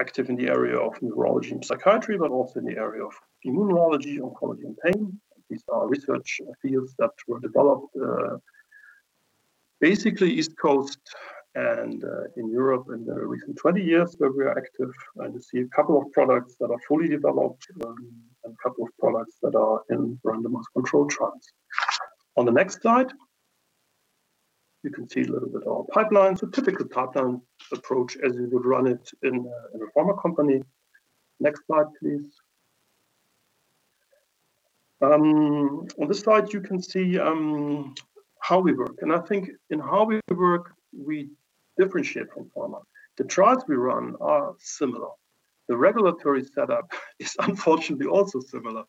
active in the area of neurology and psychiatry, but also in the area of immunology, oncology, and pain. These are research fields that were developed basically East Coast and in Europe in the recent 20 years where we are active. You see a couple of products that are fully developed, and a couple of products that are in randomized control trials. On the next slide, you can see a little bit of our pipeline. Typical pipeline approach as you would run it in a pharma company. Next slide, please. On this slide, you can see how we work. I think in how we work, we differentiate from pharma. The trials we run are similar. The regulatory setup is unfortunately also similar.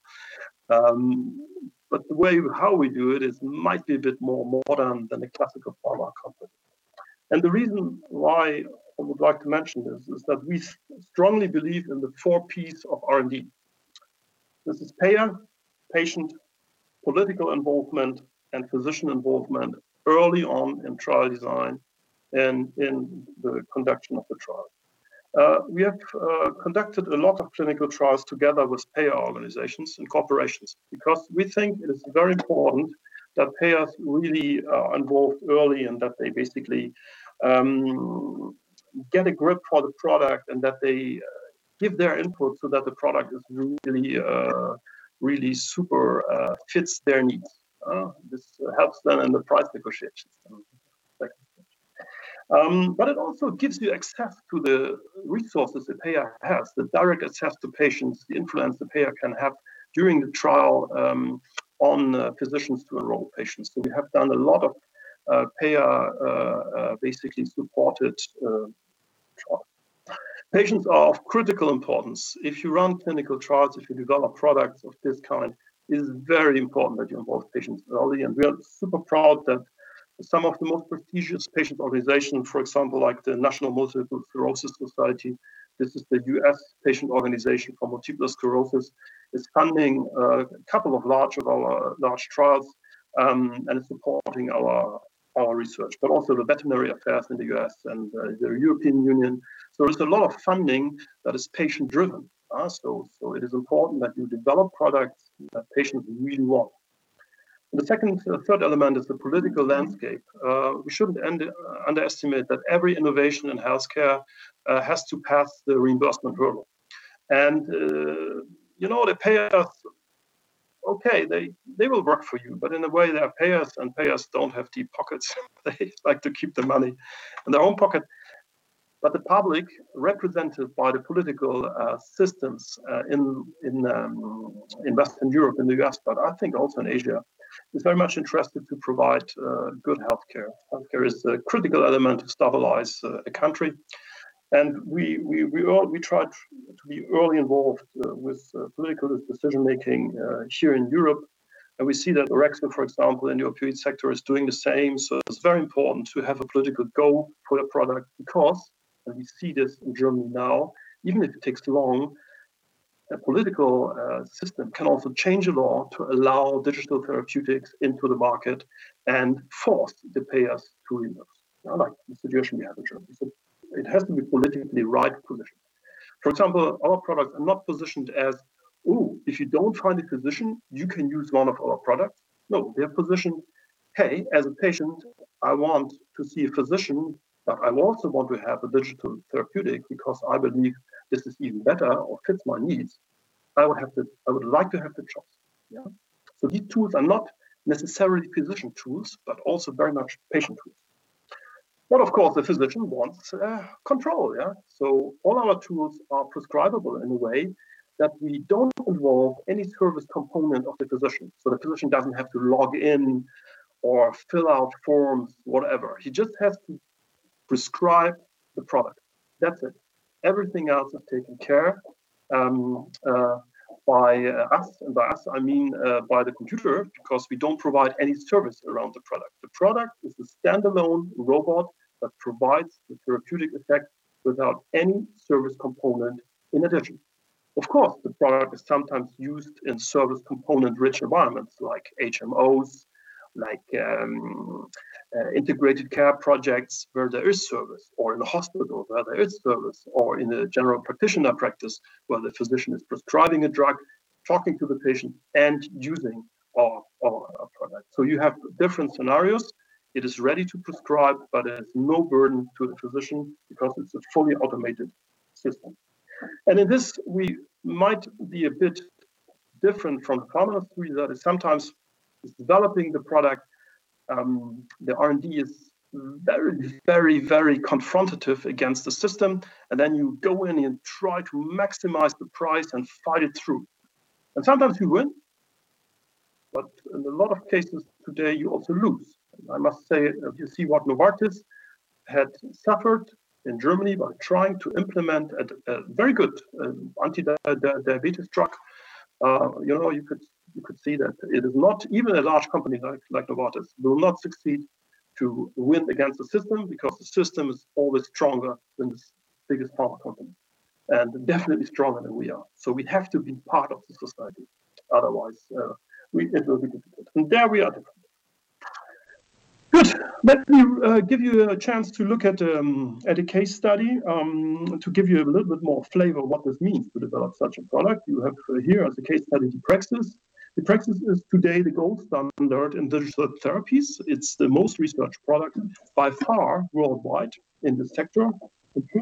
The way how we do it is might be a bit more modern than a classical pharma company. The reason why I would like to mention this is that we strongly believe in the four Ps of R&D. This is payer, patient, political involvement, and physician involvement early on in trial design and in the conduction of the trial. We have conducted a lot of clinical trials together with payer organizations and corporations because we think it is very important that payers really are involved early and that they basically get a grip for the product and that they give their input so that the product really super fits their needs. It also gives you access to the resources the payer has, the direct access to patients, the influence the payer can have during the trial on physicians to enroll patients. We have done a lot of payer basically supported trials. Patients are of critical importance. If you run clinical trials, if you develop products of this kind, it is very important that you involve patients early. We are super proud that some of the most prestigious patient organizations, for example, like the National Multiple Sclerosis Society, this is the U.S. patient organization for multiple sclerosis, is funding a couple of large trials and is supporting our research. Also the veterinary affairs in the U.S. and the European Union. There's a lot of funding that is patient driven. It is important that you develop products that patients really want. The third element is the political landscape. We shouldn't underestimate that every innovation in healthcare has to pass the reimbursement hurdle. The payer, okay, they will work for you, but in a way they are payers and payers don't have deep pockets. They like to keep the money in their own pocket. The public represented by the political systems in Western Europe, in the U.S., but I think also in Asia, is very much interested to provide good healthcare. Healthcare is a critical element to stabilize a country. We try to be early involved with political decision making here in Europe. We see that Orexo, for example, in the opioid sector is doing the same. It's very important to have a political goal for the product because, and we see this in Germany now, even if it takes long, a political system can also change a law to allow digital therapeutics into the market and force the payers to reimburse, unlike the situation we have in Germany. It has to be politically right positioned. For example, our products are not positioned as, if you don't find a physician, you can use one of our products. No, they're positioned, hey, as a patient, I want to see a physician, but I also want to have a digital therapeutic because I believe this is even better or fits my needs. I would like to have the choice. Yeah. These tools are not necessarily physician tools, but also very much patient tools. Of course, the physician wants control, yeah? All our tools are prescribable in a way that we don't involve any service component of the physician. The physician doesn't have to log in or fill out forms, whatever. He just has to prescribe the product. That's it. Everything else is taken care by us. By us, I mean by the computer because we don't provide any service around the product. The product is a standalone robot that provides the therapeutic effect without any service component in addition. Of course, the product is sometimes used in service component-rich environments like HMOs, like integrated care projects where there is service, or in the hospital where there is service, or in the general practitioner practice, where the physician is prescribing a drug, talking to the patient, and using our product. You have different scenarios. It is ready to prescribe, but there is no burden to the physician because it's a fully automated system. In this, we might be a bit different from pharmaceutical, that is sometimes is developing the product. The R&D is very confrontative against the system, then you go in and try to maximize the price and fight it through. Sometimes you win. In a lot of cases today, you also lose. I must say, if you see what Novartis had suffered in Germany by trying to implement a very good anti-diabetes drug. You could see that even a large company like Novartis will not succeed to win against the system because the system is always stronger than the biggest pharma company, and definitely stronger than we are. We have to be part of the society. Otherwise, it will be difficult. There we are different. Good. Let me give you a chance to look at a case study, to give you a little bit more flavor what this means to develop such a product. You have here as a case study, deprexis. deprexis is today the gold standard in digital therapies. It's the most researched product by far worldwide in this sector.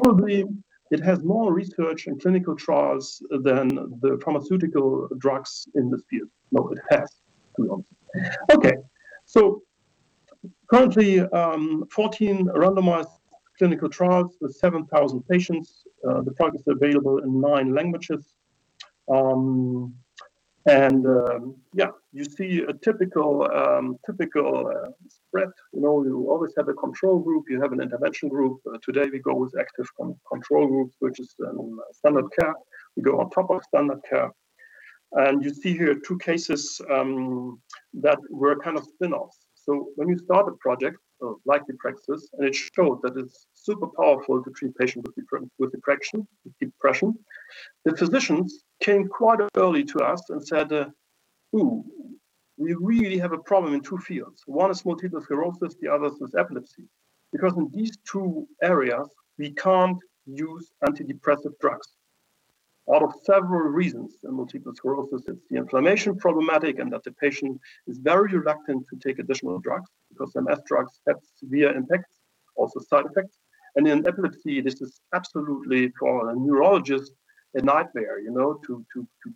Probably it has more research and clinical trials than the pharmaceutical drugs in this field. No, it has to be honest. Okay. Currently, 14 randomized clinical trials with 7,000 patients. The product is available in nine languages. You see a typical spread. You always have a control group, you have an intervention group. Today, we go with active control group, which is standard care. We go on top of standard care. You see here two cases that were kind of spin-offs. When you start a project like deprexis, and it showed that it's super powerful to treat patients with depression, the physicians came quite early to us and said, "We really have a problem in two fields. One is multiple sclerosis, the other is epilepsy. In these two areas, we can't use antidepressant drugs out of several reasons." In multiple sclerosis, it's the inflammation problematic, and that the patient is very reluctant to take additional drugs because MS drugs have severe impacts, also side effects. In epilepsy, this is absolutely, for a neurologist, a nightmare to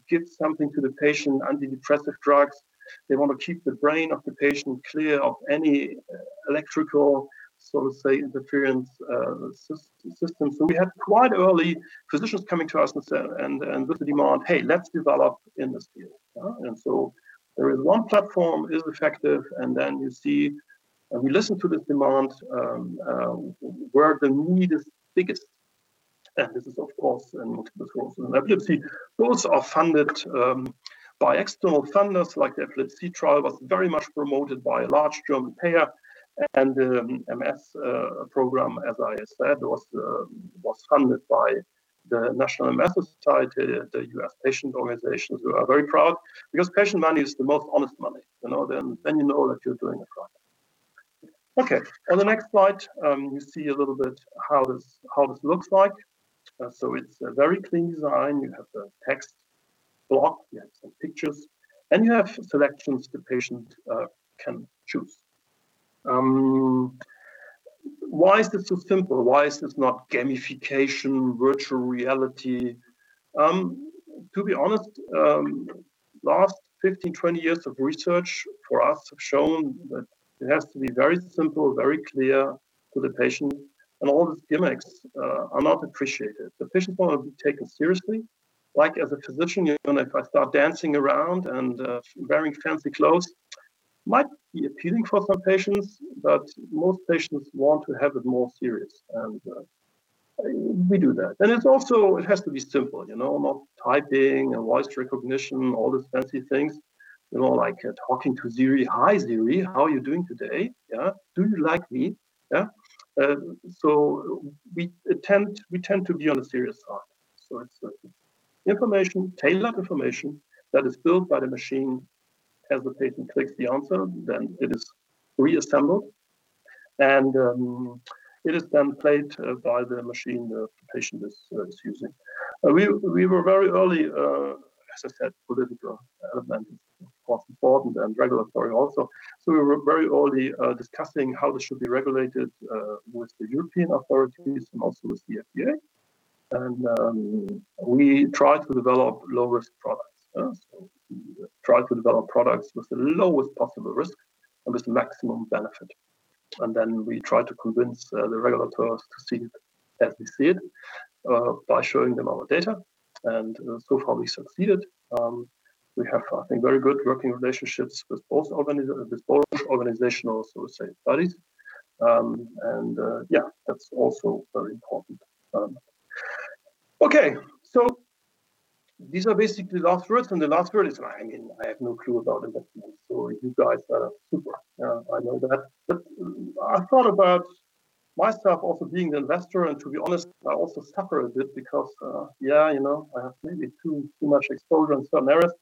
give something to the patient, antidepressant drugs. They want to keep the brain of the patient clear of any electrical, so to say, interference systems. We had quite early physicians coming to us and with the demand, "Hey, let's develop in this field." There is one platform is effective, and then you see, and we listen to this demand, where the need is biggest. This is of course, in multiple sclerosis and epilepsy. Those are funded by external funders, like the epilepsy trial was very much promoted by a large German payer. The MS program, as I said, was funded by the National MS Society, the U.S. patient organizations, who are very proud because patient money is the most honest money. You know that you're doing a product. Okay. On the next slide, you see a little bit how this looks like. It's a very clean design. You have the text block, you have some pictures, and you have selections the patient can choose. Why is this so simple? Why is this not gamification, virtual reality? To be honest, last 15, 20 years of research for us have shown that it has to be very simple, very clear to the patient, and all these gimmicks are not appreciated. The patient wants to be taken seriously. Like as a physician, even if I start dancing around and wearing fancy clothes, might be appealing for some patients, but most patients want to have it more serious. We do that. It also has to be simple. Not typing and voice recognition, all the fancy things. Like talking to Siri. "Hi, Siri. How are you doing today? Do you like me?" We tend to be on the serious side. It's tailored information that is built by the machine. As the patient clicks the answer, then it is reassembled, and it is then played by the machine the patient is using. We were very early, as I said, political element was important, and regulatory also. We were very early discussing how this should be regulated with the European authorities and also with the FDA. We tried to develop low-risk products. We tried to develop products with the lowest possible risk and with maximum benefit. We tried to convince the regulators to see it as we see it by showing them our data. So far, we succeeded. We have, I think, very good working relationships with both organizational, so to say, bodies. Yeah, that's also very important. Okay. These are basically the last words, and the last word is, I have no clue about investments. You guys are super. I know that. I thought about myself also being an investor, and to be honest, I also suffer a bit because, I have maybe too much exposure in some areas.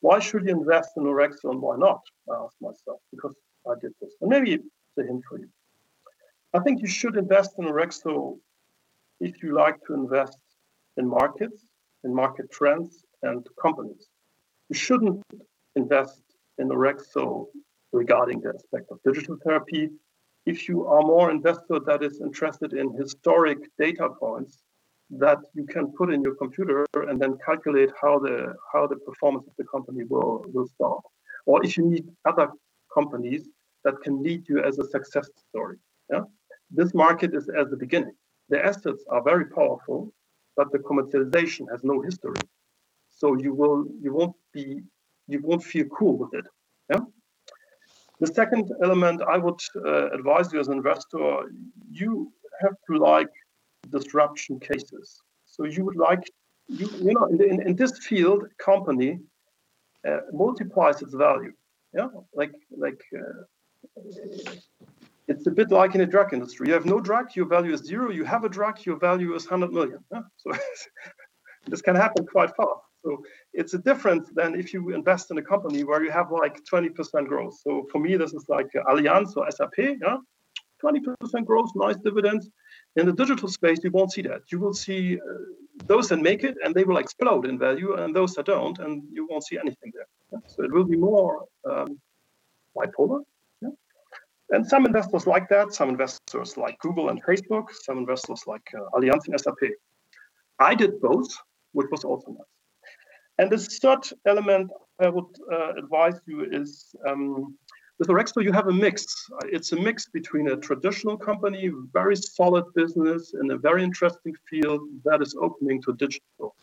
Why should you invest in Orexo and why not? I ask myself, because I did this. Maybe it's a hint for you. I think you should invest in Orexo if you like to invest in markets, in market trends, and companies. You shouldn't invest in Orexo regarding the aspect of digital therapy. If you are more investor that is interested in historic data points that you can put in your computer and then calculate how the performance of the company will start, or if you need other companies that can lead you as a success story. Yeah. This market is at the beginning. The assets are very powerful, the commercialization has no history. You won't feel cool with it. Yeah. The second element I would advise you as an investor, you have to like disruption cases. In this field, company multiplies its value. Yeah. It's a bit like in a drug industry. You have no drug, your value is zero. You have a drug, your value is 100 million. Yeah. This can happen quite fast. It's a difference than if you invest in a company where you have 20% growth. For me, this is like Allianz or SAP. Yeah. 20% growth, nice dividends. In the digital space, you won't see that. You will see those that make it, and they will explode in value, and those that don't, and you won't see anything there. It will be more bipolar. Yeah. Some investors like that, some investors like Google and Facebook, some investors like Allianz and SAP. I did both, which was also nice. The third element I would advise you is, with Orexo, you have a mix. It's a mix between a traditional company, very solid business, in a very interesting field that is opening to digital.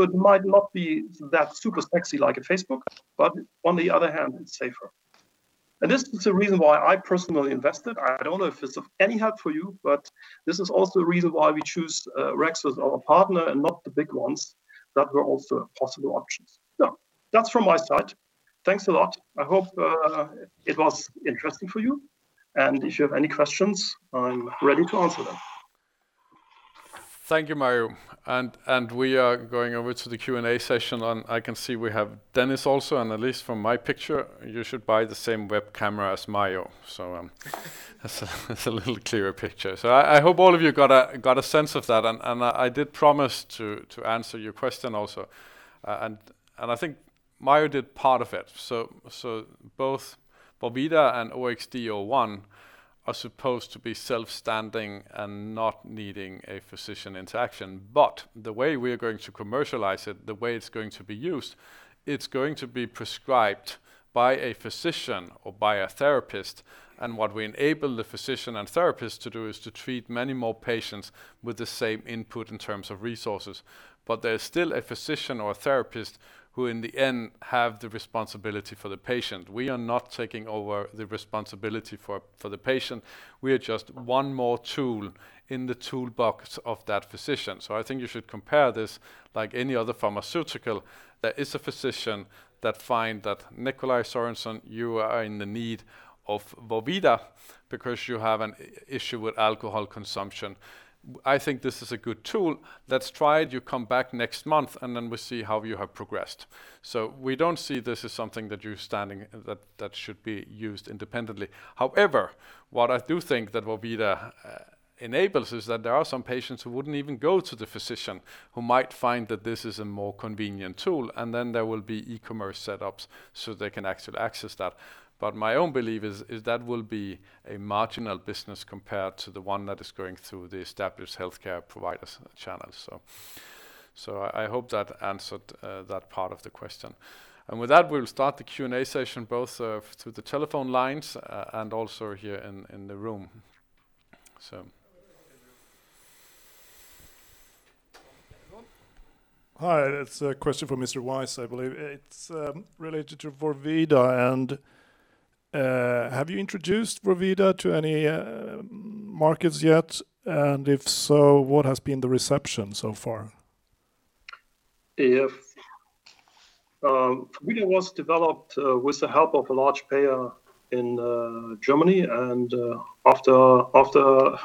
It might not be that super sexy like a Facebook, but on the other hand, it's safer. This is the reason why I personally invested. I don't know if it's of any help for you, but this is also the reason why we choose Orexo as our partner and not the big ones that were also possible options. Yeah. That's from my side. Thanks a lot. I hope it was interesting for you. If you have any questions, I'm ready to answer them. Thank you, Mario. We are going over to the Q&A session, I can see we have Dennis also, at least from my picture, you should buy the same web camera as Mario. It's a little clearer picture. I hope all of you got a sense of that, I did promise to answer your question also. I think Mario did part of it. Both vorvida and OXD-01 are supposed to be self-standing and not needing a physician interaction. The way we are going to commercialize it, the way it's going to be used, it's going to be prescribed by a physician or by a therapist, and what we enable the physician and therapist to do is to treat many more patients with the same input in terms of resources. There is still a physician or a therapist who in the end have the responsibility for the patient. We are not taking over the responsibility for the patient. We are just one more tool in the toolbox of that physician. I think you should compare this like any other pharmaceutical. There is a physician that find that Nikolaj Sørensen, you are in the need of vorvida because you have an issue with alcohol consumption. I think this is a good tool. Let's try it. You come back next month, and then we see how you have progressed. We don't see this as something that should be used independently. However, what I do think that vorvida enables is that there are some patients who wouldn't even go to the physician, who might find that this is a more convenient tool, and then there will be e-commerce setups, so they can actually access that. My own belief is that will be a marginal business compared to the one that is going through the established healthcare providers channels. I hope that answered that part of the question. With that, we'll start the Q&A session, both through the telephone lines and also here in the room. Hi, it's a question for Mr. Weiss, I believe. It's related to vorvida and have you introduced vorvida to any markets yet? If so, what has been the reception so far? Yup. vorvida was developed with the help of a large payer in Germany. After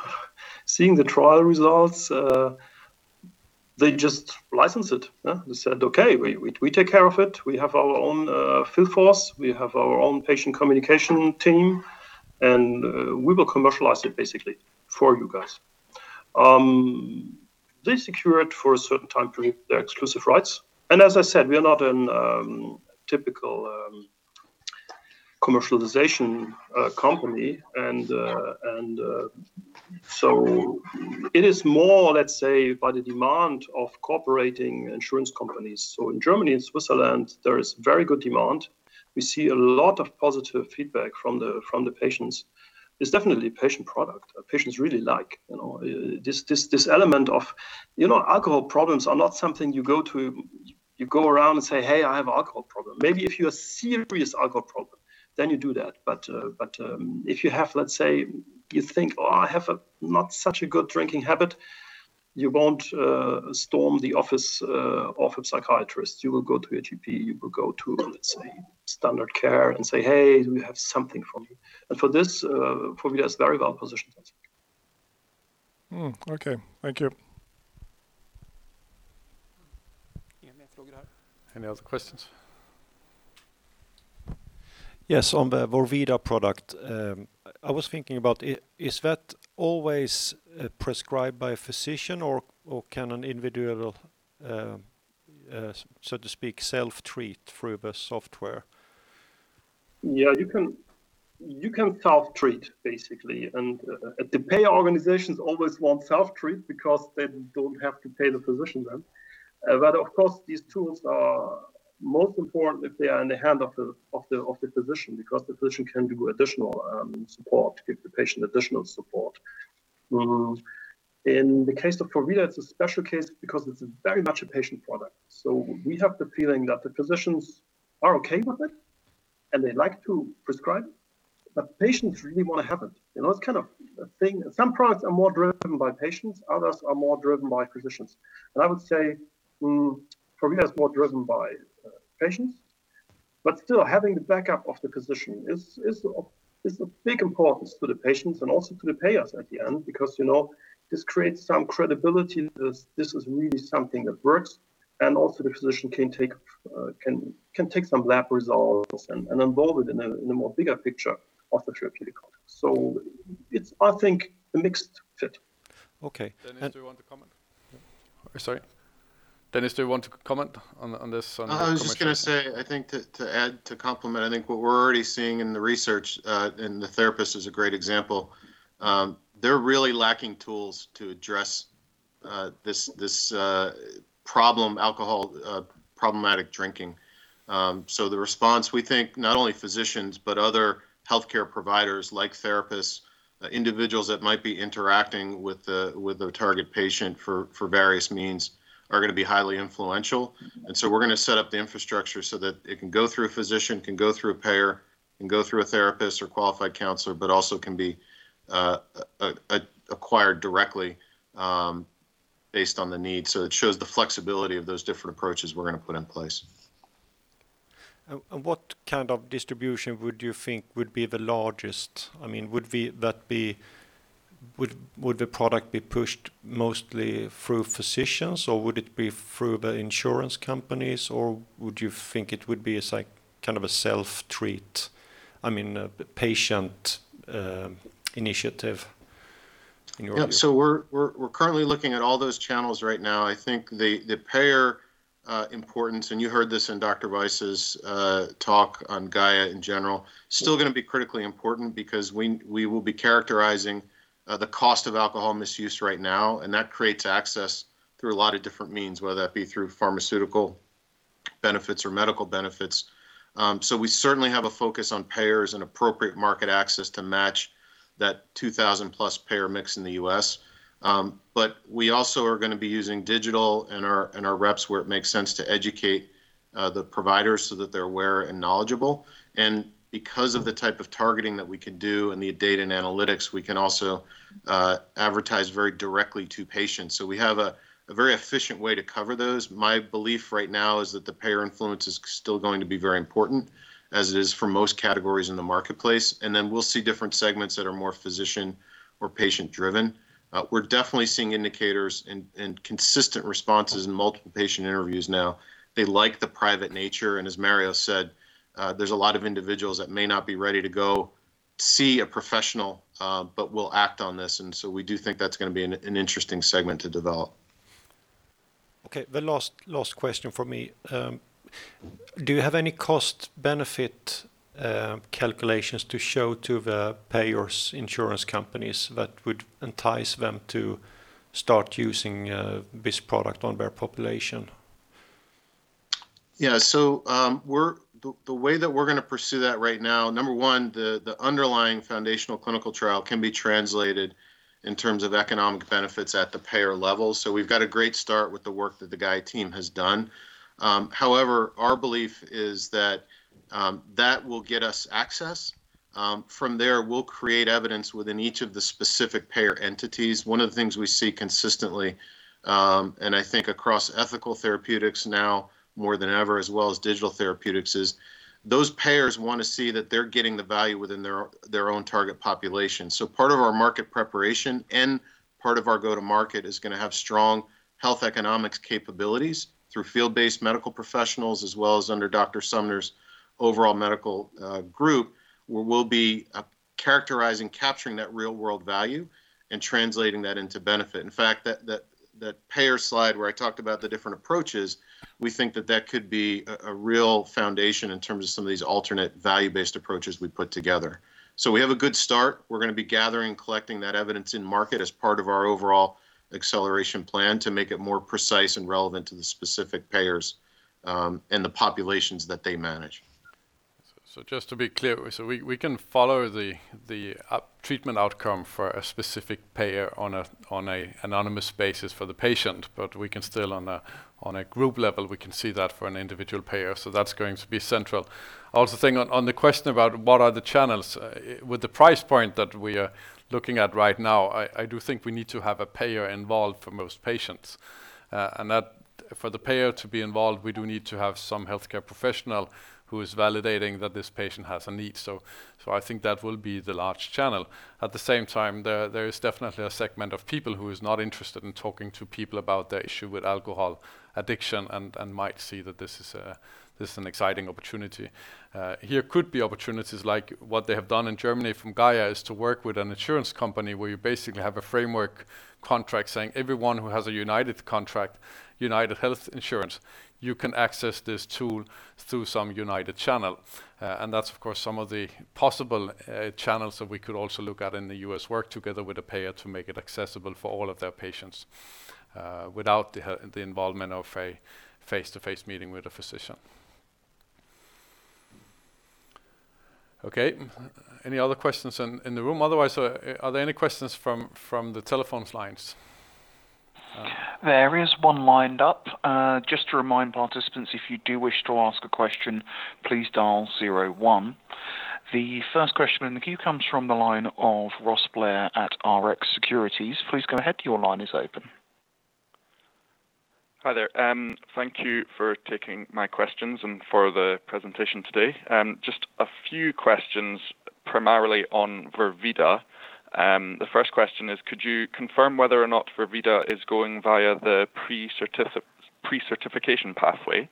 seeing the trial results, they just licensed it. They said, "Okay, we take care of it. We have our own field force. We have our own patient communication team, and we will commercialize it basically for you guys." They secure it for a certain time period, their exclusive rights. As I said, we are not a typical commercialization company. It is more, let's say, by the demand of cooperating insurance companies. In Germany and Switzerland, there is very good demand. We see a lot of positive feedback from the patients. It's definitely a patient product that patients really like. Alcohol problems are not something you go around and say, "Hey, I have alcohol problem." Maybe if you have serious alcohol problem, then you do that. If you have, let's say, you think, "Oh, I have a not such a good drinking habit." You won't storm the office of a psychiatrist. You will go to a GP, you will go to, let's say, standard care and say, "Hey, do we have something for me?" For this, vorvida is very well-positioned. Okay. Thank you. Any other questions? Yes, on the vorvida product. I was thinking about, is that always prescribed by a physician, or can an individual, so to speak, self-treat through the software? Yeah, you can self-treat, basically. The payer organizations always want self-treat because they don't have to pay the physician then. Of course, these tools are most important if they are in the hand of the physician, because the physician can do additional support, give the patient additional support. In the case of vorvida, it's a special case because it's very much a patient product. We have the feeling that the physicians are okay with it, and they like to prescribe it, but patients really want to have it. It's kind of a thing. Some products are more driven by patients, others are more driven by physicians. I would say vorvida is more driven by patients. Still, having the backup of the physician is of big importance to the patients and also to the payers at the end, because this creates some credibility that this is really something that works, and also the physician can take some lab results and involve it in a more bigger picture of the therapeutic. It's, I think, a mixed fit. Okay. Dennis, do you want to comment? Sorry. Dennis, do you want to comment on this? I was just going to say, I think to add, to complement, I think what we're already seeing in the research, and the therapist is a great example. They're really lacking tools to address this problem, alcohol, problematic drinking. The response, we think not only physicians, but other healthcare providers like therapists, individuals that might be interacting with the target patient for various means, are going to be highly influential. We're going to set up the infrastructure so that it can go through a physician, can go through a payer, can go through a therapist or qualified counselor, but also can be acquired directly based on the need. It shows the flexibility of those different approaches we're going to put in place. What kind of distribution would you think would be the largest? Would the product be pushed mostly through physicians, or would it be through the insurance companies, or would you think it would be as like kind of a self-treat, I mean, patient initiative in your view? Yeah. We're currently looking at all those channels right now. I think the payer importance, and you heard this in Dr. Weiss's talk on GAIA in general, still going to be critically important because we will be characterizing the cost of alcohol misuse right now, and that creates access through a lot of different means, whether that be through pharmaceutical benefits or medical benefits. We certainly have a focus on payers and appropriate market access to match that 2,000-plus payer mix in the U.S. We also are going to be using digital and our reps where it makes sense to educate the providers so that they're aware and knowledgeable. Because of the type of targeting that we can do and the data and analytics, we can also advertise very directly to patients. We have a very efficient way to cover those. My belief right now is that the payer influence is still going to be very important, as it is for most categories in the marketplace. Then we'll see different segments that are more physician or patient driven. We're definitely seeing indicators and consistent responses in multiple patient interviews now. They like the private nature, and as Mario said, there's a lot of individuals that may not be ready to go see a professional but will act on this. So we do think that's going to be an interesting segment to develop. Okay, the last question from me. Do you have any cost benefit calculations to show to the payers, insurance companies, that would entice them to start using this product on their population? Yeah. The way that we're going to pursue that right now, number one, the underlying foundational clinical trial can be translated in terms of economic benefits at the payer level. We've got a great start with the work that the GAIA team has done. However, our belief is that that will get us access. From there, we'll create evidence within each of the specific payer entities. One of the things we see consistently, and I think across ethical therapeutics now more than ever, as well as digital therapeutics, is those payers want to see that they're getting the value within their own target population. Part of our market preparation and part of our go-to market is going to have strong health economics capabilities through field-based medical professionals, as well as under Dr. Sumner's overall medical group, where we'll be characterizing, capturing that real-world value and translating that into benefit. In fact, that payer slide where I talked about the different approaches, we think that that could be a real foundation in terms of some of these alternate value-based approaches we put together. We have a good start. We're going to be gathering, collecting that evidence in market as part of our overall acceleration plan to make it more precise and relevant to the specific payers, and the populations that they manage. Just to be clear, so we can follow the treatment outcome for a specific payer on a anonymous basis for the patient, but we can still on a group level, we can see that for an individual payer so that's going to be central. On the question about what are the channels, with the price point are looking at right now. I do think we need to have a payer involved for most patients. That for the payer to be involved, we do need to have some healthcare professional who is validating that this patient has a need. I think that will be the large channel. At the same time, there is definitely a segment of people who is not interested in talking to people about their issue with alcohol addiction and might see that this is an exciting opportunity. Here could be opportunities like what they have done in Germany from GAIA is to work with an insurance company where you basically have a framework contract saying everyone who has a United contract, UnitedHealth, you can access this tool through some United channel. That's of course some of the possible channels that we could also look at in the U.S. work together with a payer to make it accessible for all of their patients without the involvement of a face-to-face meeting with a physician. Okay. Any other questions in the room? Otherwise, are there any questions from the telephone lines? There is one lined up. Just to remind participants, if you do wish to ask a question, please dial zero one. The first question in the queue comes from the line of Ross Blair at Rx Securities. Please go ahead. Your line is open. Hi there. Thank you for taking my questions and for the presentation today. Just a few questions primarily on vorvida. The first question is could you confirm whether or not vorvida is going via the pre-certification pathway?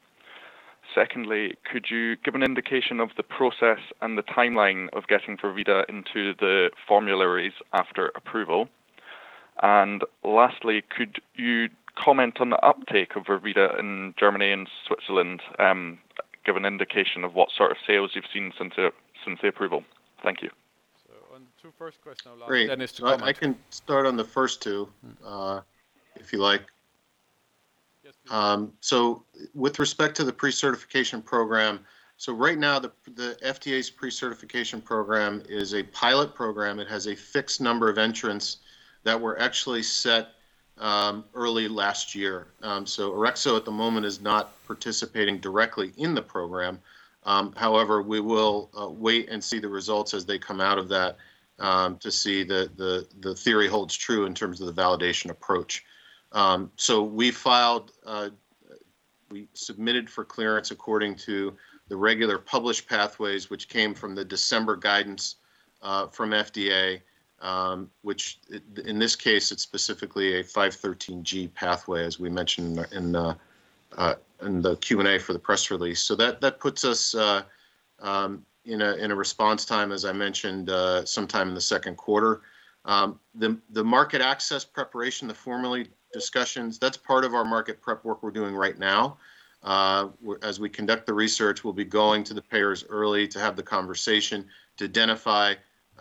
Secondly, could you give an indication of the process and the timeline of getting vorvida into the formularies after approval? Lastly, could you comment on the uptake of vorvida in Germany and Switzerland? Give an indication of what sort of sales you've seen since the approval. Thank you. On two first question. Great. Is to comment. I can start on the first two, if you like. Yes, please. With respect to the Pre-Certification Program, right now the FDA's Pre-Certification Program is a pilot program. It has a fixed number of entrants that were actually set early last year. Orexo at the moment is not participating directly in the program. However, we will wait and see the results as they come out of that to see the theory holds true in terms of the validation approach. We submitted for clearance according to the regular published pathways which came from the December guidance from FDA, which in this case it's specifically a 513(g) pathway as we mentioned in the Q&A for the press release. That puts us in a response time as I mentioned, sometime in the second quarter. The market access preparation, the formulary discussions, that's part of our market prep work we're doing right now. As we conduct the research we'll be going to the payers early to have the conversation to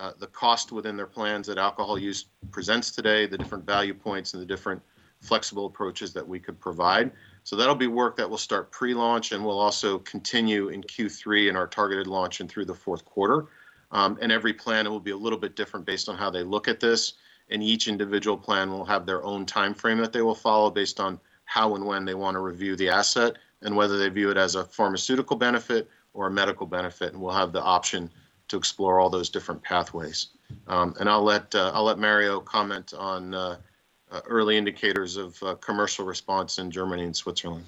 identify the cost within their plans that alcohol use presents today, the different value points and the different flexible approaches that we could provide. That'll be work that will start pre-launch and will also continue in Q3 in our targeted launch and through the fourth quarter. Every plan will be a little bit different based on how they look at this, and each individual plan will have their own timeframe that they will follow based on how and when they want to review the asset, and whether they view it as a pharmaceutical benefit or a medical benefit, and we'll have the option to explore all those different pathways. I'll let Mario comment on early indicators of commercial response in Germany and Switzerland.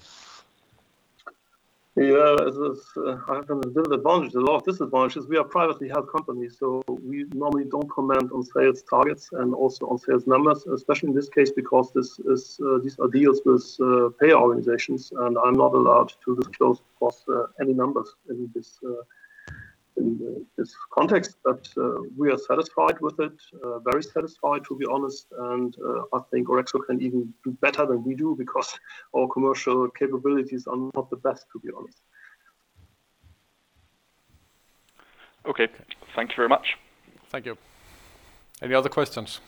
This has advantage, a lot of disadvantages. We are a privately held company. We normally don't comment on sales targets and also on sales numbers, especially in this case because these are deals with payer organizations and I'm not allowed to disclose any numbers in this context. We are satisfied with it, very satisfied to be honest. I think Orexo can even do better than we do because our commercial capabilities are not the best, to be honest. Okay. Thank you very much. Thank you. Any other questions?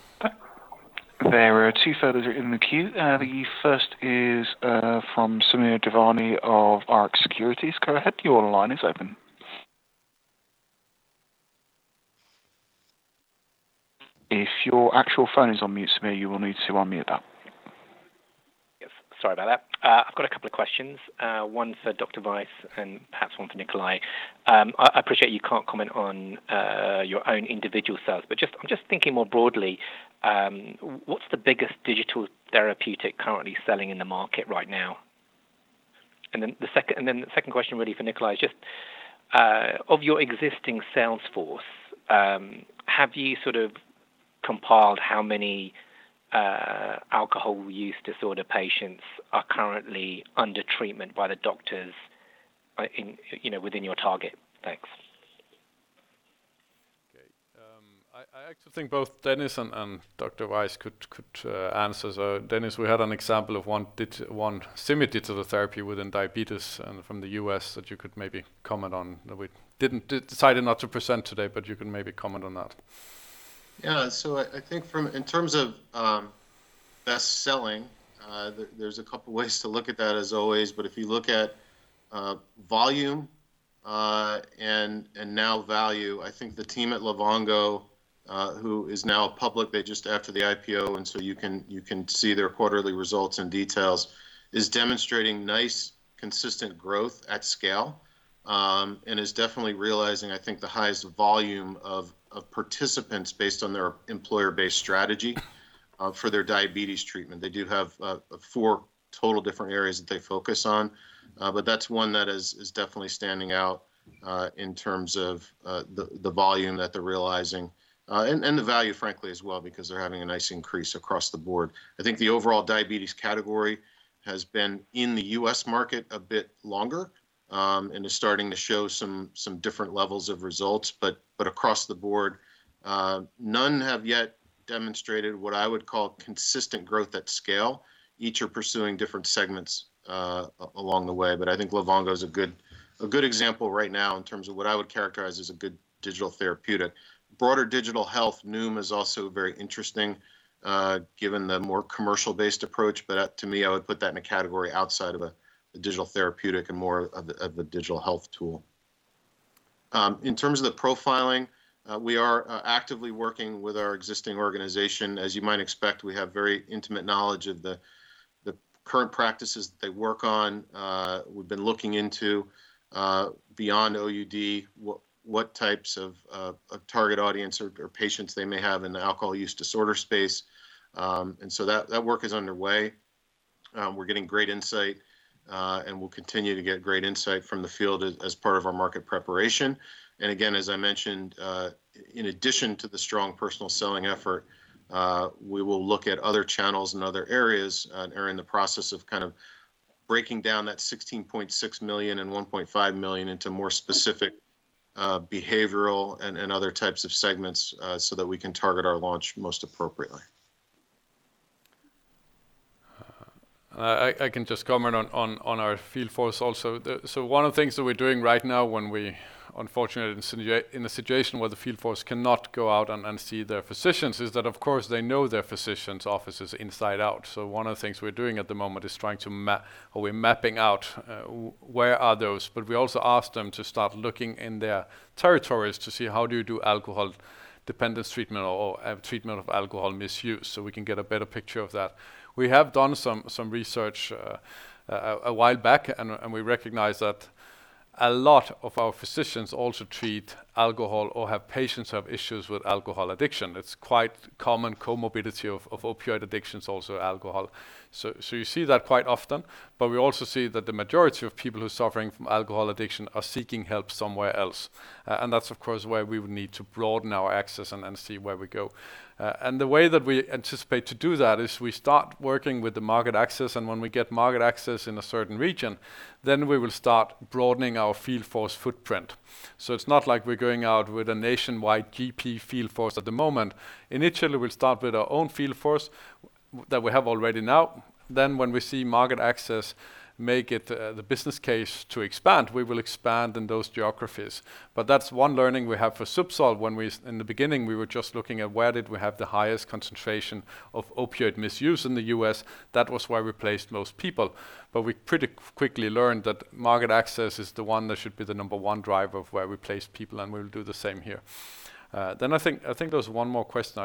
There are two further in the queue. The first is from Samir Devani of Rx Securities. Go ahead, your line is open. If your actual phone is on mute, Samir, you will need to unmute that. Yes, sorry about that. I've got a couple of questions, one for Dr. Weiss and perhaps one for Nikolaj. I appreciate you can't comment on your own individual sales, but I'm just thinking more broadly, what's the biggest digital therapeutic currently selling in the market right now? The second question really for Nikolaj is just, of your existing sales force, have you sort of compiled how many Alcohol Use Disorder patients are currently under treatment by the doctors within your target? Thanks. Okay. I actually think both Dennis and Dr. Weiss could answer. Dennis, we had an example of one similar digital therapy within diabetes and from the U.S. that you could maybe comment on that we decided not to present today, but you can maybe comment on that. I think in terms of best selling, there's a couple ways to look at that as always, but if you look at volume, and now value, I think the team at Livongo, who is now public, they just after the IPO and so you can see their quarterly results and details, is demonstrating nice consistent growth at scale and is definitely realizing, I think, the highest volume of participants based on their employer-based strategy for their diabetes treatment. They do have four total different areas that they focus on. That's one that is definitely standing out in terms of the volume that they're realizing and the value, frankly, as well, because they're having a nice increase across the board. I think the overall diabetes category has been in the U.S. market a bit longer and is starting to show some different levels of results. Across the board, none have yet demonstrated what I would call consistent growth at scale. Each are pursuing different segments along the way. I think Livongo is a good example right now in terms of what I would characterize as a good digital therapeutic. Broader digital health, Noom is also very interesting given the more commercial-based approach. To me, I would put that in a category outside of a digital therapeutic and more of a digital health tool. In terms of the profiling, we are actively working with our existing organization. As you might expect, we have very intimate knowledge of the current practices that they work on. We've been looking into beyond OUD what types of target audience or patients they may have in the alcohol use disorder space. That work is underway. We're getting great insight, and we'll continue to get great insight from the field as part of our market preparation. Again, as I mentioned, in addition to the strong personal selling effort, we will look at other channels and other areas and are in the process of kind of breaking down that 16.6 million and 1.5 million into more specific behavioral and other types of segments so that we can target our launch most appropriately. I can just comment on our field force also. One of the things that we're doing right now when we, unfortunately, in a situation where the field force cannot go out and see their physicians is that, of course, they know their physicians' offices inside out. One of the things we're doing at the moment is we're mapping out where are those. We also ask them to start looking in their territories to see how do you do alcohol dependence treatment or treatment of alcohol misuse, so we can get a better picture of that. We have done some research a while back, and we recognize that a lot of our physicians also treat alcohol or have patients who have issues with alcohol addiction. It's quite common comorbidity of opioid addiction is also alcohol. You see that quite often, but we also see that the majority of people who are suffering from alcohol addiction are seeking help somewhere else. That's of course where we would need to broaden our access and then see where we go. The way that we anticipate to do that is we start working with the market access, and when we get market access in a certain region, then we will start broadening our field force footprint. It's not like we're going out with a nationwide GP field force at the moment. Initially, we'll start with our own field force that we have already now. When we see market access make it the business case to expand, we will expand in those geographies. That's one learning we have for ZUBSOLV. In the beginning, we were just looking at where did we have the highest concentration of opioid misuse in the U.S. That was where we placed most people. We pretty quickly learned that market access is the one that should be the number one driver of where we place people, and we'll do the same here. I think there was one more question.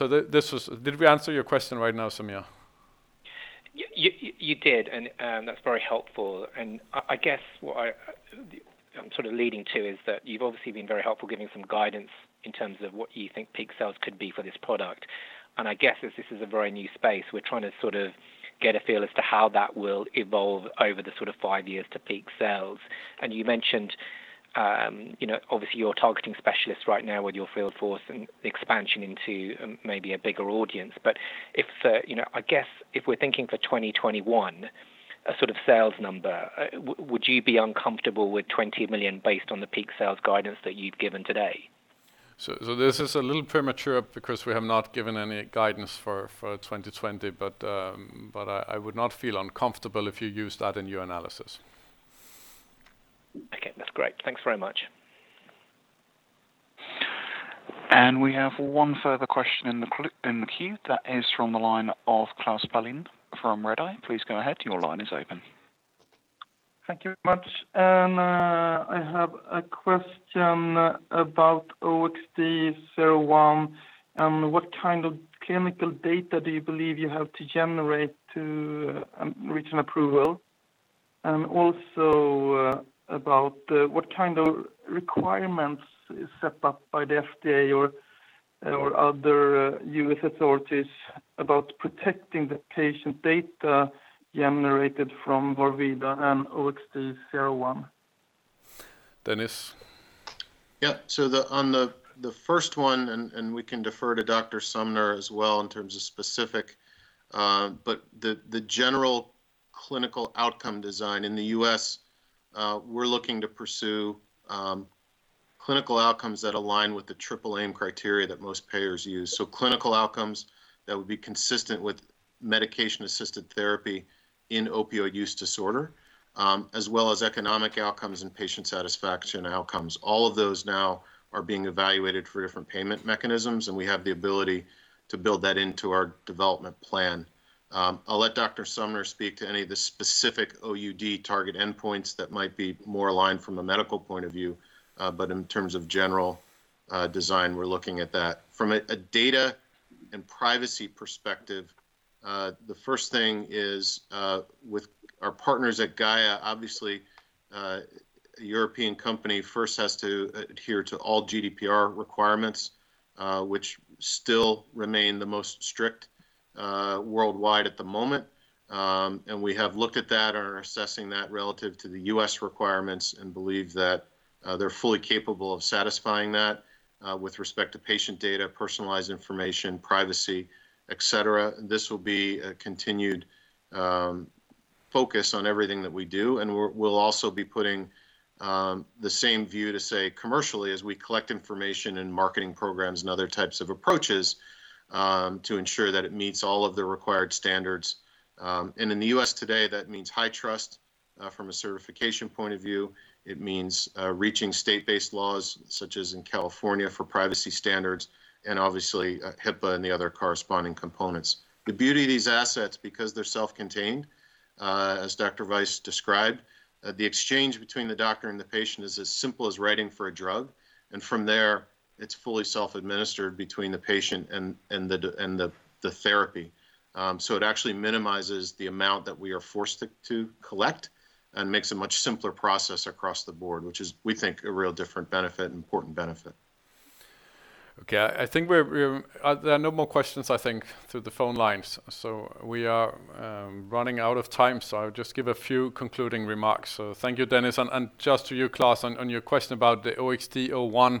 Did we answer your question right now, Samir? You did, that's very helpful. I guess what I'm sort of leading to is that you've obviously been very helpful giving some guidance in terms of what you think peak sales could be for this product. I guess as this is a very new space, we're trying to sort of get a feel as to how that will evolve over the sort of five years to peak sales and you mentioned, you know, obviously you're targeting specialists right now with your field force and expansion into much bigger audience. I guess if we're thinking for 2021, a sort of sales number, would you be uncomfortable with 20 million based on the peak sales guidance that you've given today? This is a little premature because we have not given any guidance for 2020, but I would not feel uncomfortable if you used that in your analysis. Okay. That's great. Thanks very much. We have one further question in the queue. That is from the line of Klas Palin from Redeye. Please go ahead. Your line is open. Thank you very much. I have a question about OXD-01 and what kind of clinical data do you believe you have to generate to reach an approval? About what kind of requirements is set up by the FDA or other U.S. authorities about protecting the patient data generated from vorvida and OXD-01? Dennis. Yeah. On the first one, and we can defer to Dr. Sumner as well in terms of specific. The general clinical outcome design in the U.S., we're looking to pursue clinical outcomes that align with the triple aim criteria that most payers use. Clinical outcomes that would be consistent with medication-assisted therapy in opioid use disorder, as well as economic outcomes and patient satisfaction outcomes. All of those now are being evaluated for different payment mechanisms, and we have the ability to build that into our development plan. I'll let Dr. Sumner speak to any of the specific OUD target endpoints that might be more aligned from a medical point of view. In terms of general design, we're looking at that. From a data and privacy perspective, the first thing is with our partners at GAIA, obviously, a European company first has to adhere to all GDPR requirements, which still remain the most strict worldwide at the moment. We have looked at that and are assessing that relative to the U.S. requirements and believe that they're fully capable of satisfying that with respect to patient data, personalized information, privacy, et cetera. This will be a continued focus on everything that we do, and we'll also be putting the same view to, say, commercially as we collect information in marketing programs and other types of approaches to ensure that it meets all of the required standards. In the U.S. today, that means HITRUST from a certification point of view. It means reaching state-based laws, such as in California for privacy standards, and obviously, HIPAA and the other corresponding components. The beauty of these assets, because they're self-contained, as Dr. Weiss described, the exchange between the doctor and the patient is as simple as writing for a drug. From there, it's fully self-administered between the patient and the therapy. It actually minimizes the amount that we are forced to collect and makes a much simpler process across the board, which is, we think, a real different benefit, an important benefit. Okay. There are no more questions, I think, through the phone lines. We are running out of time, so I'll just give a few concluding remarks. Thank you, Dennis. Just to you, Klas, on your question about the OXD-01,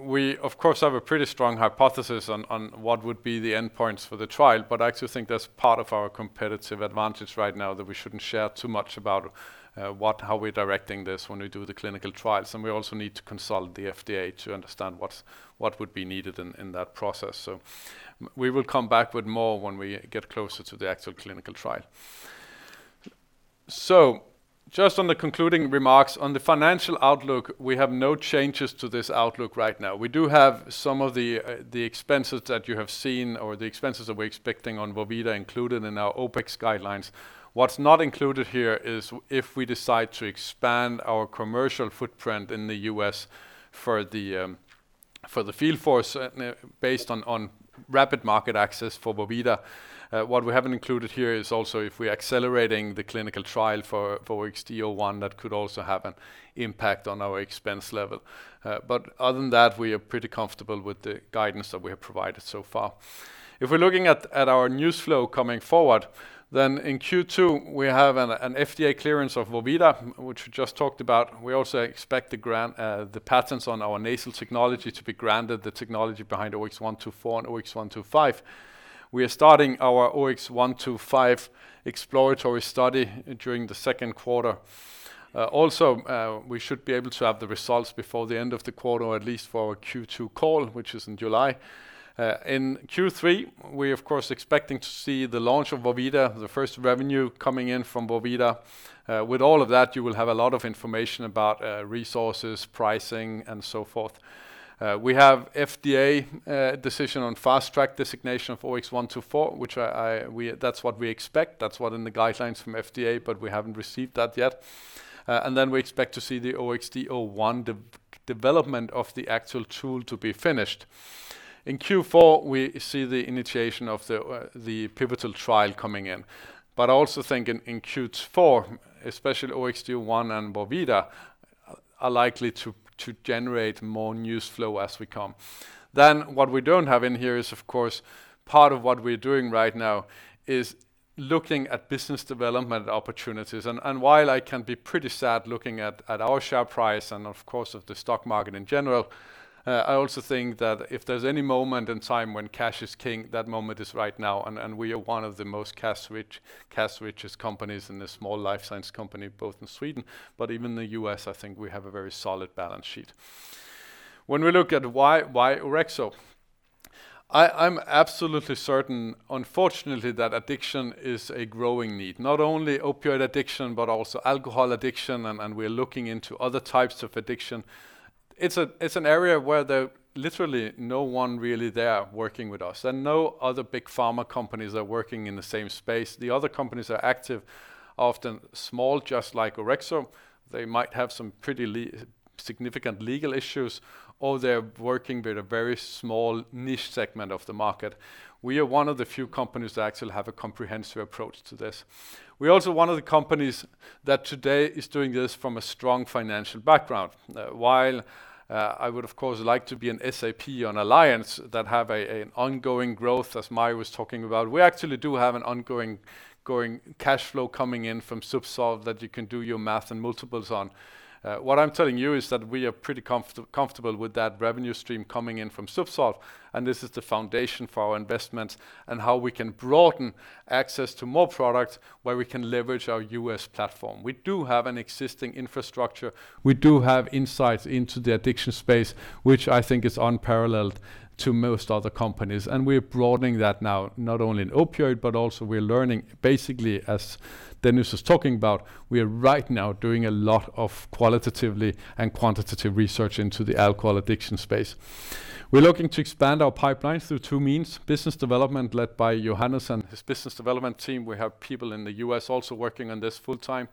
we of course, have a pretty strong hypothesis on what would be the endpoints for the trial. I actually think that's part of our competitive advantage right now, that we shouldn't share too much about how we're directing this when we do the clinical trials. We also need to consult the FDA to understand what would be needed in that process. We will come back with more when we get closer to the actual clinical trial. Just on the concluding remarks, on the financial outlook, we have no changes to this outlook right now. We do have some of the expenses that you have seen or the expenses that we're expecting on vorvida included in our OpEx guidelines. What's not included here is if we decide to expand our commercial footprint in the U.S. for the field force based on rapid market access for vorvida. What we haven't included here is also if we are accelerating the clinical trial for OXD-01, that could also have an impact on our expense level. Other than that, we are pretty comfortable with the guidance that we have provided so far. If we're looking at our news flow coming forward, then in Q2, we have an FDA clearance of vorvida, which we just talked about. We also expect the patents on our nasal technology to be granted, the technology behind OX124 and OX125. We are starting our OX125 exploratory study during the second quarter. We should be able to have the results before the end of the quarter, or at least for our Q2 call, which is in July. In Q3, we of course are expecting to see the launch of vorvida, the first revenue coming in from vorvida. With all of that, you will have a lot of information about resources, pricing, and so forth. We have FDA decision on Fast Track designation for OX124, that's what we expect. That's what in the guidelines from FDA, but we haven't received that yet. We expect to see the OXD-01 development of the actual tool to be finished. In Q4, we see the initiation of the pivotal trial coming in. Also think in Q4, especially OXD-01 and vorvida are likely to generate more news flow as we come. What we don't have in here is, of course, part of what we're doing right now is looking at business development opportunities. While I can be pretty sad looking at our share price and of course of the stock market in general, I also think that if there's any moment in time when cash is king, that moment is right now, and we are one of the most cash-richest companies in the small life science company, both in Sweden, but even the U.S., I think we have a very solid balance sheet. When we look at why Orexo, I'm absolutely certain, unfortunately, that addiction is a growing need. Not only opioid addiction, but also alcohol addiction, and we're looking into other types of addiction. It's an area where there literally no one really there working with us. No other big pharma companies are working in the same space. The other companies are active, often small, just like Orexo. They might have some pretty significant legal issues, or they're working with a very small niche segment of the market. We are one of the few companies that actually have a comprehensive approach to this. We're also one of the companies that today is doing this from a strong financial background. While I would of course like to be an SAP on Allianz that have an ongoing growth, as Mario was talking about, we actually do have an ongoing cash flow coming in from ZUBSOLV that you can do your math and multiples on. What I'm telling you is that we are pretty comfortable with that revenue stream coming in from ZUBSOLV. This is the foundation for our investments and how we can broaden access to more products where we can leverage our U.S. platform. We do have an existing infrastructure. We do have insights into the addiction space, which I think is unparalleled to most other companies. We're broadening that now, not only in opioid but also we're learning basically, as Dennis was talking about, we are right now doing a lot of qualitative and quantitative research into the alcohol addiction space. We're looking to expand our pipeline through two means, business development led by Johannes and his business development team. We have people in the U.S. also working on this full time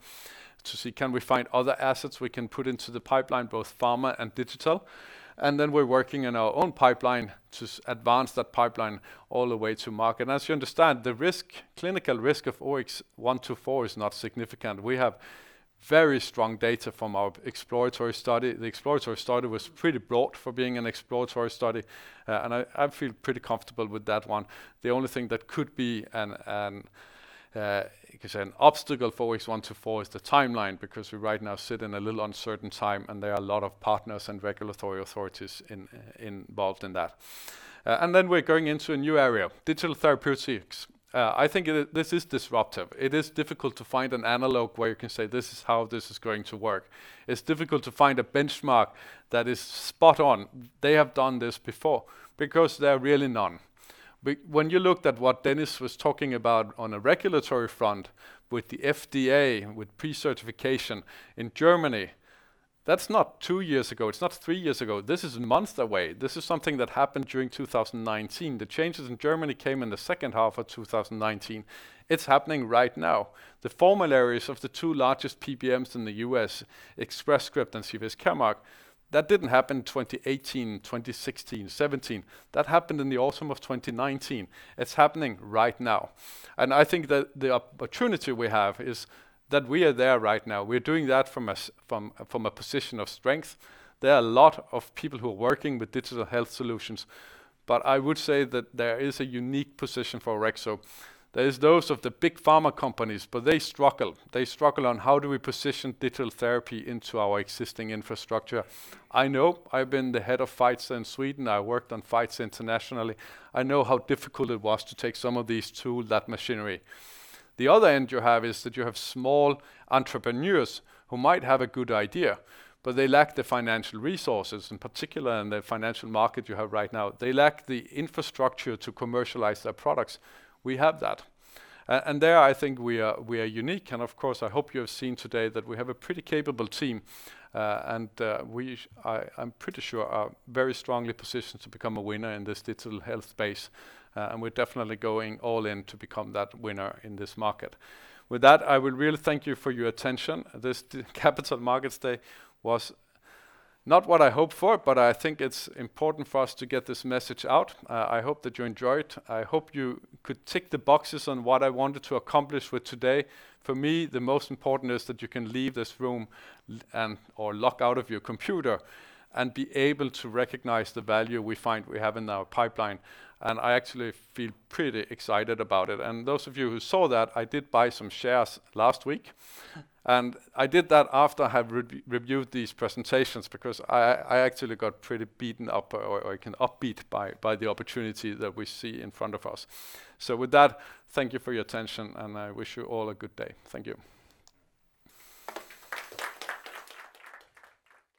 to see can we find other assets we can put into the pipeline, both pharma and digital. We are working in our own pipeline to advance that pipeline all the way to market. As you understand, the clinical risk of OX124 is not significant. We have very strong data from our exploratory study. The exploratory study was pretty broad for being an exploratory study, and I feel pretty comfortable with that one. The only thing that could be an obstacle for OX124 is the timeline, because we right now sit in a little uncertain time, and there are a lot of partners and regulatory authorities involved in that. We are going into a new area, digital therapeutics. I think this is disruptive. It is difficult to find an analog where you can say, "This is how this is going to work." It is difficult to find a benchmark that is spot on, they have done this before, because there are really none. When you looked at what Dennis was talking about on a regulatory front with the FDA, with pre-certification in Germany, that's not two years ago, it's not three years ago. This is months away. This is something that happened during 2019. The changes in Germany came in the second half of 2019. It's happening right now. The formal areas of the two largest PBMs in the U.S., Express Scripts and CVS Caremark, that didn't happen 2018, 2016, 2017. That happened in the autumn of 2019. It's happening right now. I think that the opportunity we have is that we are there right now. We're doing that from a position of strength. There are a lot of people who are working with digital health solutions, I would say that there is a unique position for Orexo. There is those of the big pharma companies, they struggle. They struggle on how do we position digital therapy into our existing infrastructure. I know. I've been the head of rights in Sweden. I worked on rights internationally. I know how difficult it was to take some of these to that machinery. The other end you have is that you have small entrepreneurs who might have a good idea, but they lack the financial resources, in particular in the financial market you have right now. They lack the infrastructure to commercialize their products. We have that. There, I think we are unique, and of course, I hope you have seen today that we have a pretty capable team. We, I'm pretty sure, are very strongly positioned to become a winner in this digital health space. We're definitely going all in to become that winner in this market. With that, I would really thank you for your attention. This Capital Markets Day was not what I hoped for, but I think it's important for us to get this message out. I hope that you enjoyed. I hope you could tick the boxes on what I wanted to accomplish with today. For me, the most important is that you can leave this room, or log out of your computer, and be able to recognize the value we find we have in our pipeline. I actually feel pretty excited about it. Those of you who saw that, I did buy some shares last week. I did that after I have reviewed these presentations because I actually got pretty beaten up, or I can be upbeat by the opportunity that we see in front of us. With that, thank you for your attention and I wish you all a good day. Thank you.